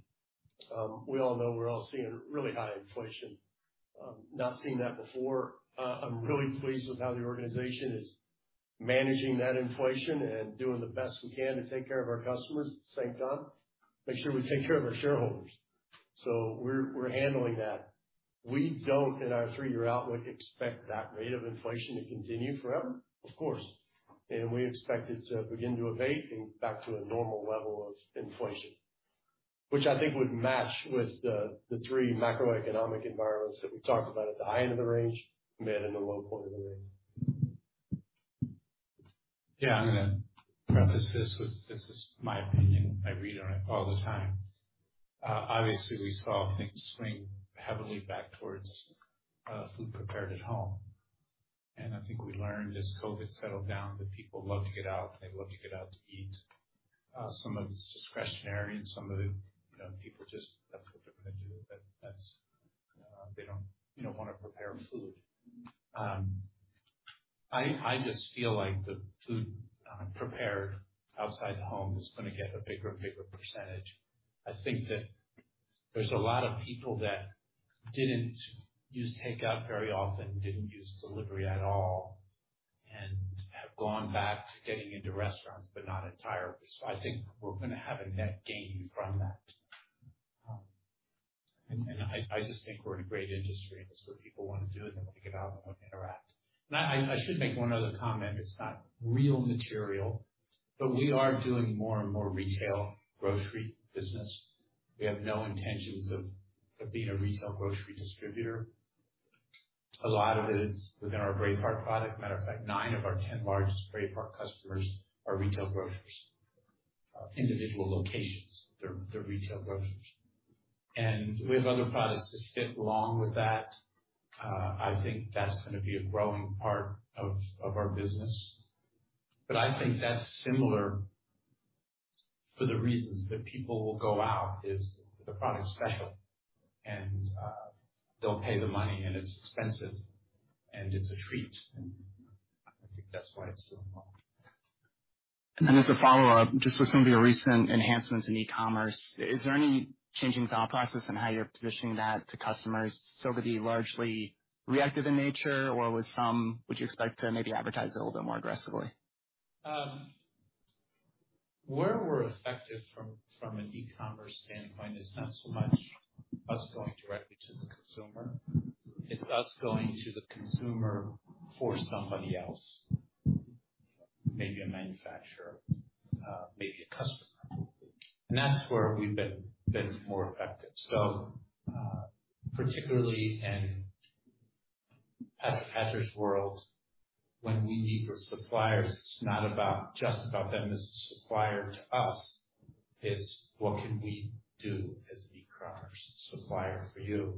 we all know we're all seeing really high inflation. Not seen that before. I'm really pleased with how the organization is managing that inflation and doing the best we can to take care of our customers. At the same time, make sure we take care of our shareholders. We're handling that. We don't, in our three-year outlook, expect that rate of inflation to continue forever, of course. We expect it to begin to abate and back to a normal level of inflation, which I think would match with the three macroeconomic environments that we talked about at the high end of the range, mid, and the low point of the range. Yeah. I'm gonna preface this with this is my opinion. I read on it all the time. Obviously, we saw things swing heavily back towards food prepared at home. I think we learned as COVID settled down, that people love to get out, and they love to get out to eat. Some of it's discretionary, and some of it, you know, people just, that's what they're gonna do. That's, they don't, you know, wanna prepare food. I just feel like the food prepared outside the home is gonna get a bigger and bigger percentage. I think that there's a lot of people that didn't use takeout very often, didn't use delivery at all, and have gone back to getting into restaurants, but not entirely. I think we're gonna have a net gain from that. I just think we're in a great industry, and that's what people wanna do. They wanna get out, and they wanna interact. I should make one other comment. It's not really material, but we are doing more and more retail grocery business. We have no intentions of being a retail grocery distributor. A lot of it is within our Braveheart product. Matter of fact, nine of our 10 largest Braveheart customers are retail grocers. Individual locations. They're retail grocers. We have other products that fit along with that. I think that's gonna be a growing part of our business. I think that's similar for the reasons that people will go out is the product's special and they'll pay the money, and it's expensive, and it's a treat, and I think that's why it's doing well. As a follow-up, just with some of your recent enhancements in e-commerce, is there any change in thought process in how you're positioning that to customers? Is some of it largely reactive in nature, or would you expect to maybe advertise it a little bit more aggressively? Where we're effective from an e-commerce standpoint is not so much us going directly to the consumer. It's us going to the consumer for somebody else, maybe a manufacturer, maybe a customer. That's where we've been more effective. Particularly in Patrick Hatcher's world, when we meet with suppliers, it's not just about them as a supplier to us. It's what can we do as an e-commerce supplier for you.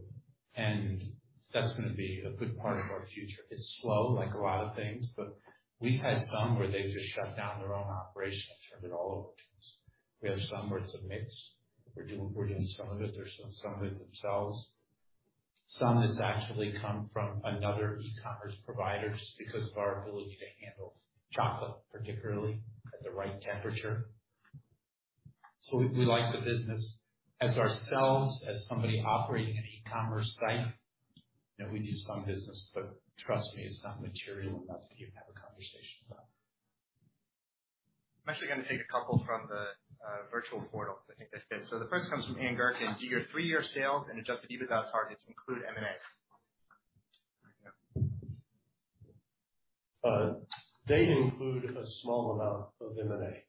That's gonna be a good part of our future. It's slow, like a lot of things, but we've had some where they've just shut down their own operations, turned it all over to us. We have some where it's a mix. We're doing some of it. They're doing some of it themselves. Some has actually come from another e-commerce provider just because of our ability to handle chocolate, particularly at the right temperature. We like the business as ourselves, as somebody operating an e-commerce site. You know, we do some business, but trust me, it's not material enough to even have a conversation about. I'm actually gonna take a couple from the virtual portal, so I think that's good. The first comes from Ian Gerken. Do your three-year sales and adjusted EBITDA targets include M&A? They include a small amount of M&A,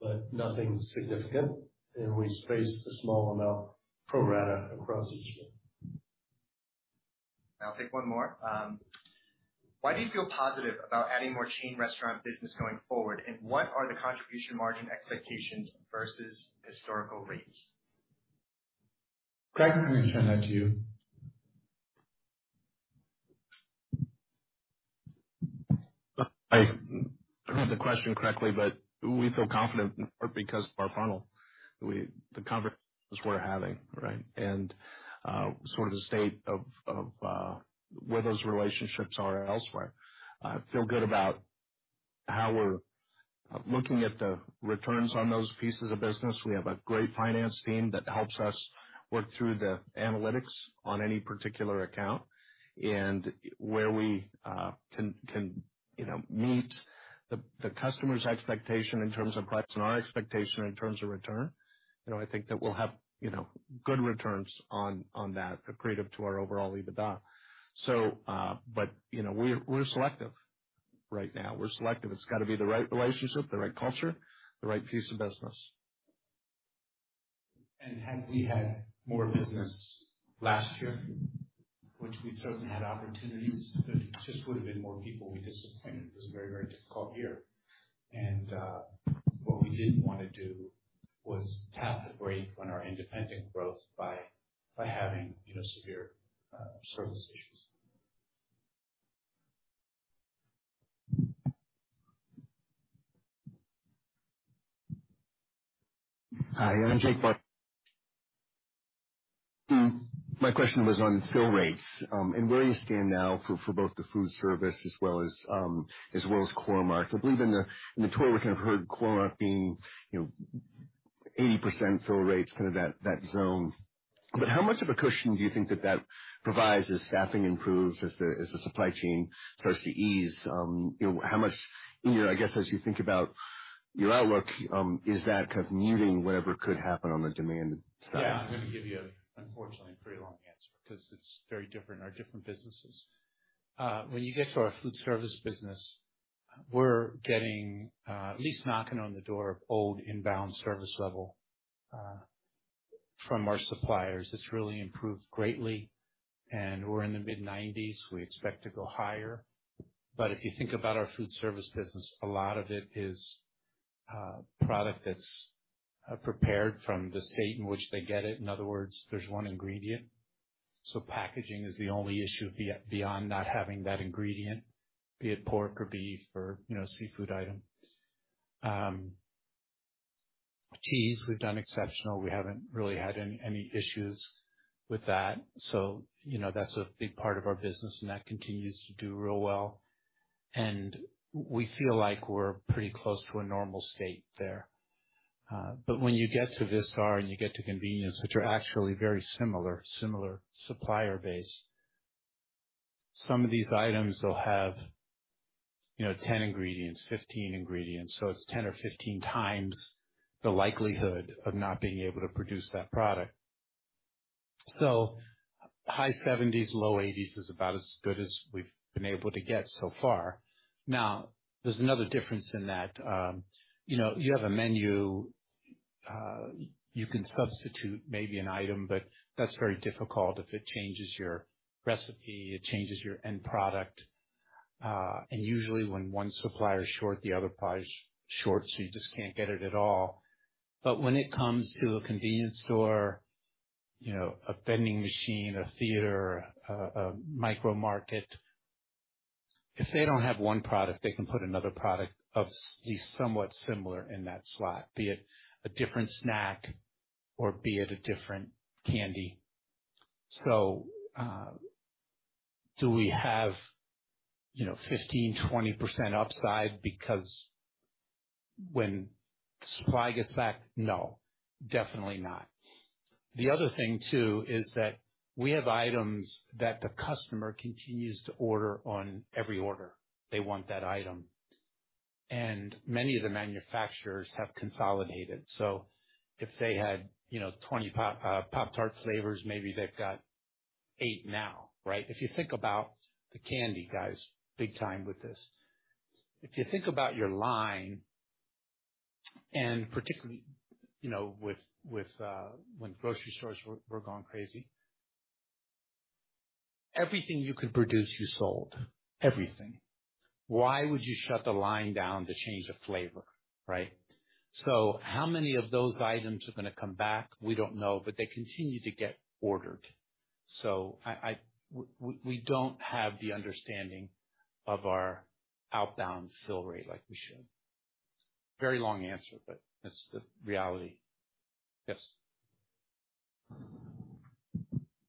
but nothing significant. We spaced a small amount pro rata across each year. I'll take one more. Why do you feel positive about adding more chain restaurant business going forward? What are the contribution margin expectations versus historical rates? Craig, let me turn that to you. I don't know if I heard the question correctly, but we feel confident because of our funnel. The conversations we're having, right? Sort of the state of where those relationships are elsewhere. I feel good about how we're looking at the returns on those pieces of business. We have a great finance team that helps us work through the analytics on any particular account and where we can, you know, meet the customer's expectation in terms of price and our expectation in terms of return. You know, I think that we'll have, you know, good returns on that accretive to our overall EBITDA. But, you know, we're selective right now. We're selective. It's gotta be the right relationship, the right culture, the right piece of business. Had we had more business last year, which we certainly had opportunities, but it just would've been more people we disappointed. It was a very, very difficult year. What we didn't wanna do was tap the brake on our independent growth by having, you know, severe service issues. Hi, I'm Jake Bartlett. My question was on fill rates, and where you stand now for both the foodservice as well as Core-Mark. I believe in the tour, we kind of heard Core-Mark being, you know, 80% fill rates, kind of that zone. How much of a cushion do you think that provides as staffing improves, as the supply chain starts to ease? You know, how much, I guess, as you think about your outlook, is that kind of muting whatever could happen on the demand side? Yeah. I'm gonna give you, unfortunately, a pretty long answer because it's very different, our different businesses. When you get to our foodservice business, we're getting at least knocking on the door of old inbound service level from our suppliers. It's really improved greatly, and we're in the mid-90s%. We expect to go higher. If you think about our foodservice business, a lot of it is product that's prepared from the state in which they get it. In other words, there's one ingredient. So packaging is the only issue beyond not having that ingredient, be it pork or beef or, you know, seafood item. Cheese, we've done exceptional. We haven't really had any issues with that. So, you know, that's a big part of our business, and that continues to do real well. We feel like we're pretty close to a normal state there. But when you get to Vistar and you get to convenience, which are actually very similar supplier base, some of these items will have, you know, 10 ingredients, 15 ingredients, so it's 10 or 15 times the likelihood of not being able to produce that product. High 70s, low 80s is about as good as we've been able to get so far. Now, there's another difference in that. You know, you have a menu, you can substitute maybe an item, but that's very difficult. If it changes your recipe, it changes your end product. Usually, when one supplier is short, the other supplier is short, so you just can't get it at all. When it comes to a convenience store, you know, a vending machine, a theater, a micro market, if they don't have one product, they can put another product somewhat similar in that slot. Be it a different snack or be it a different candy. So, do we have, you know, 15%-20% upside because when supply gets back? No, definitely not. The other thing too is that we have items that the customer continues to order on every order. They want that item. Many of the manufacturers have consolidated. So if they had, you know, 20 Pop-Tarts flavors, maybe they've got 8 now, right? If you think about the candy guys, big time with this. If you think about your line, and particularly, you know, with when grocery stores were going crazy, everything you could produce, you sold. Everything. Why would you shut the line down to change a flavor, right? How many of those items are gonna come back? We don't know, but they continue to get ordered. We don't have the understanding of our outbound fill rate like we should. Very long answer, but that's the reality. Yes.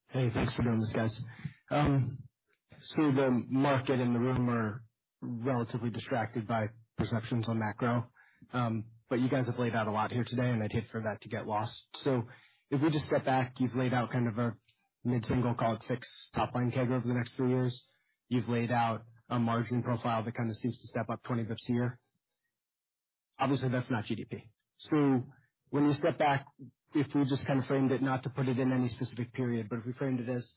Hey, thanks for doing this, guys. The market and the room are relatively distracted by perceptions on macro. You guys have laid out a lot here today, and I'd hate for that to get lost. If we just step back, you've laid out kind of a mid-single, call it six top line CAGR over the next three-years. You've laid out a margin profile that kind of seems to step up 20 basis points a year. Obviously, that's not GDP. When you step back, if we just kind of framed it, not to put it in any specific period, but if we framed it as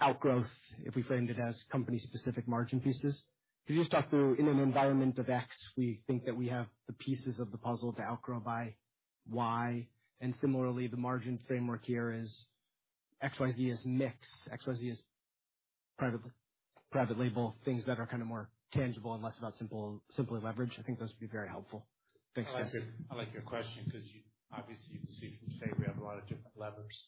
outgrowth, if we framed it as company-specific margin pieces. Could you just talk through in an environment of X, we think that we have the pieces of the puzzle to outgrow by Y, and similarly, the margin framework here is XYZ is mix, XYZ is private label, things that are kind of more tangible and less about simply leverage. I think those would be very helpful. Thanks. I like your question because obviously, you can see from today we have a lot of different levers.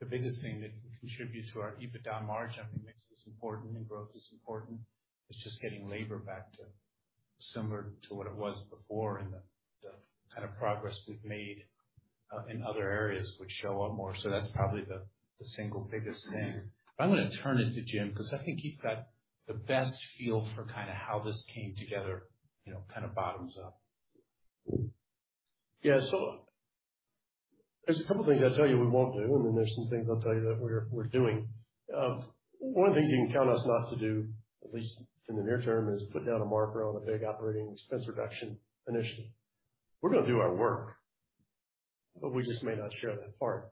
The biggest thing that contributes to our EBITDA margin, I mean, mix is important and growth is important. It's just getting labor back to similar to what it was before and the kind of progress we've made in other areas would show up more. That's probably the single biggest thing. I'm gonna turn it to Jim because I think he's got the best feel for kinda how this came together, you know, kind of bottoms up. Yeah. There's a couple things I'll tell you we won't do, and then there's some things I'll tell you that we're doing. One of the things you can count us not to do, at least in the near term, is put down a marker on a big operating expense reduction initiative. We're gonna do our work, but we just may not share that part.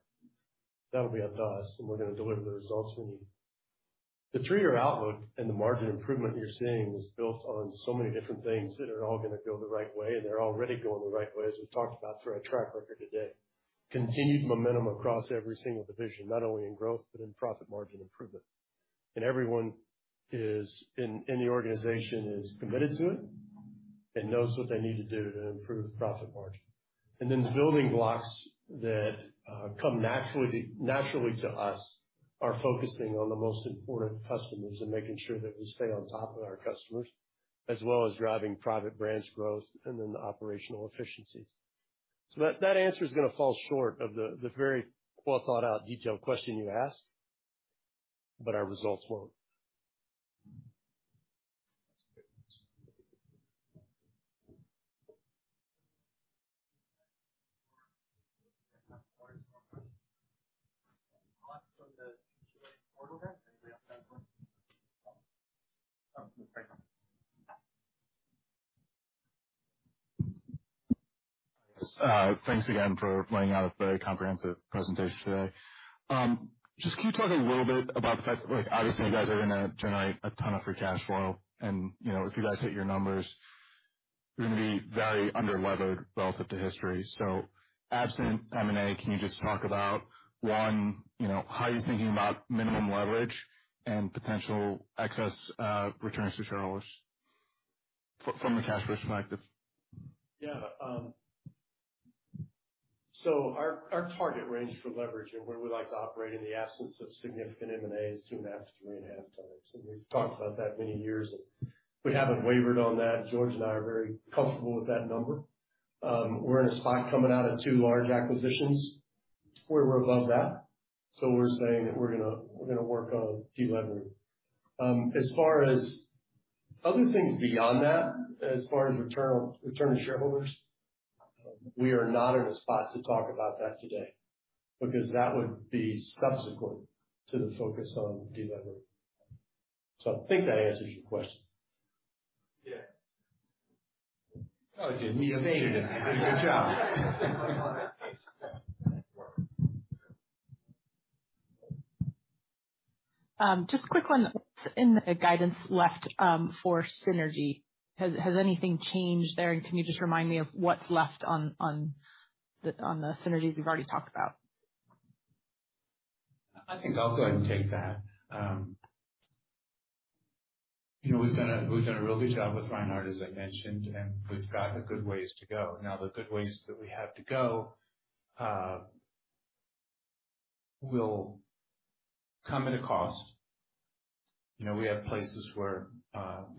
That'll be up to us, and we're gonna deliver the results we need. The three-year outlook and the margin improvement you're seeing was built on so many different things that are all gonna go the right way, and they're already going the right way, as we talked about through our track record today. Continued momentum across every single division, not only in growth but in profit margin improvement. Everyone in the organization is committed to it and knows what they need to do to improve profit margin. Then the building blocks that come naturally to us are focusing on the most important customers and making sure that we stay on top of our customers, as well as driving private brands growth and then the operational efficiencies. That answer is gonna fall short of the very well thought out detailed question you asked, but our results won't. That's good. Thanks again for laying out a very comprehensive presentation today. Just can you talk a little bit about the fact that, like, obviously, you guys are gonna generate a ton of free cash flow, and, you know, if you guys hit your numbers, you're gonna be very underlevered relative to history. Absent M&A, can you just talk about, one, you know, how you're thinking about minimum leverage and potential excess returns to shareholders from a cash flow perspective? Yeah. Our target range for leverage and where we like to operate in the absence of significant M&A is 2.5x-3.5x, and we've talked about that many years, and we haven't wavered on that. George and I are very comfortable with that number. We're in a spot coming out of two large acquisitions where we're above that. We're saying that we're gonna work on delevering. As far as other things beyond that, as far as return to shareholders, we are not in a spot to talk about that today because that would be subsequent to the focus on delevering. I think that answers your question. Yeah. Told you it would be a negative. Good job. Thanks. Just a quick one. In the guidance left, for synergy, has anything changed there? Can you just remind me of what's left on the synergies you've already talked about? I think I'll go ahead and take that. You know, we've done a really good job with Reinhart, as I mentioned, and we've got a good ways to go. Now, the good ways that we have to go will come at a cost. You know, we have places where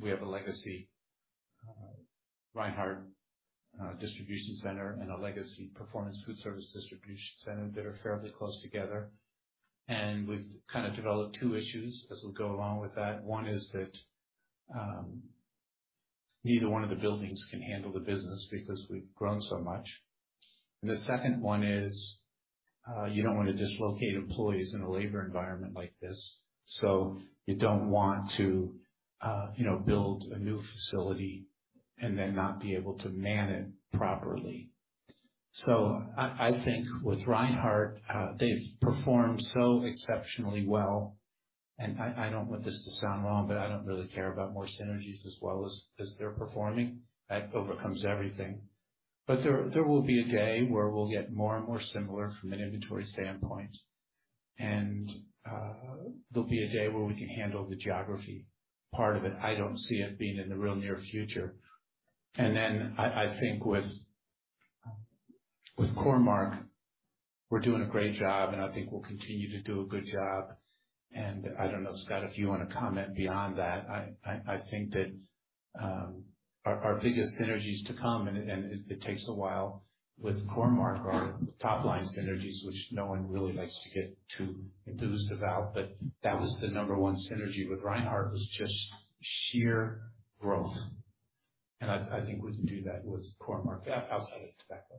we have a legacy Reinhart distribution center and a legacy Performance Foodservice distribution center that are fairly close together. We've kinda developed two issues as we go along with that. One is that neither one of the buildings can handle the business because we've grown so much. The second one is you don't wanna dislocate employees in a labor environment like this. You don't want to build a new facility and then not be able to man it properly. I think with Reinhart, they've performed so exceptionally well, and I don't want this to sound wrong, but I don't really care about more synergies as well as they're performing. That overcomes everything. There will be a day where we'll get more and more similar from an inventory standpoint. There'll be a day where we can handle the geography part of it. I don't see it being in the real near future. I think with Core-Mark, we're doing a great job, and I think we'll continue to do a good job. I don't know, Scott, if you wanna comment beyond that. I think that our biggest synergies to come, and it takes a while, with Core-Mark are top-line synergies, which no one really likes to get too enthused about. That was the number one synergy with Reinhart, was just sheer growth. I think we can do that with Core-Mark, outside of tobacco.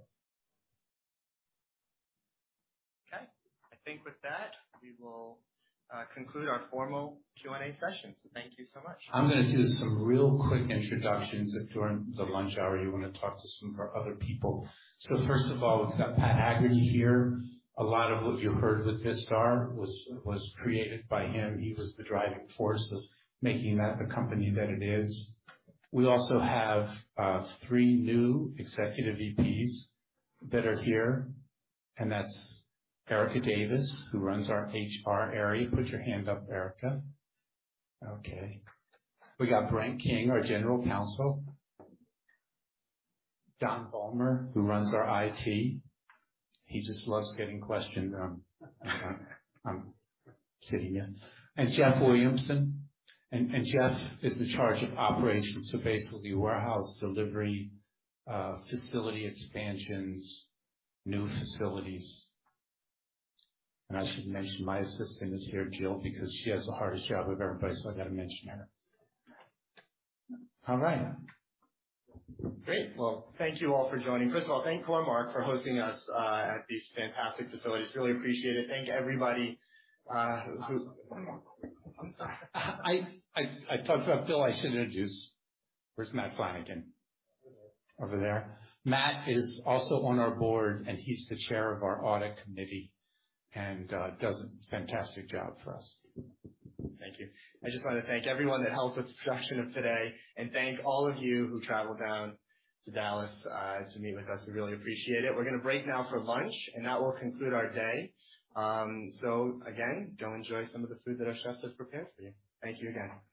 Okay. I think with that, we will conclude our formal Q&A session. Thank you so much. I'm gonna do some real quick introductions if during the lunch hour you wanna talk to some of our other people. First of all, we've got Patrick Hagerty here. A lot of what you heard with Vistar was created by him. He was the driving force of making that the company that it is. We also have three new executive VPs that are here, and that's Erika Davis who runs our HR area. Put your hand up, Erika. Okay. We got Brent King, our General Counsel. Don Bulmer, who runs our IT. He just loves getting questions. I'm kidding you. And Jeff Williamson. And Jeff is in charge of operations, so basically warehouse delivery, facility expansions, new facilities. I should mention, my assistant is here, Jill, because she has the hardest job of everybody, so I gotta mention her. All right. Great. Well, thank you all for joining. First of all, thank Core-Mark for hosting us at these fantastic facilities. Really appreciate it. Thank everybody who I talked about Jill. I should introduce. Where's Matt Flanigan? Over there. Matt is also on our board, and he's the chair of our audit committee, and does a fantastic job for us. Thank you. I just wanna thank everyone that helped with the production of today. Thank all of you who traveled down to Dallas, to meet with us. We really appreciate it. We're gonna break now for lunch, and that will conclude our day. Go enjoy some of the food that our chefs have prepared for you. Thank you again.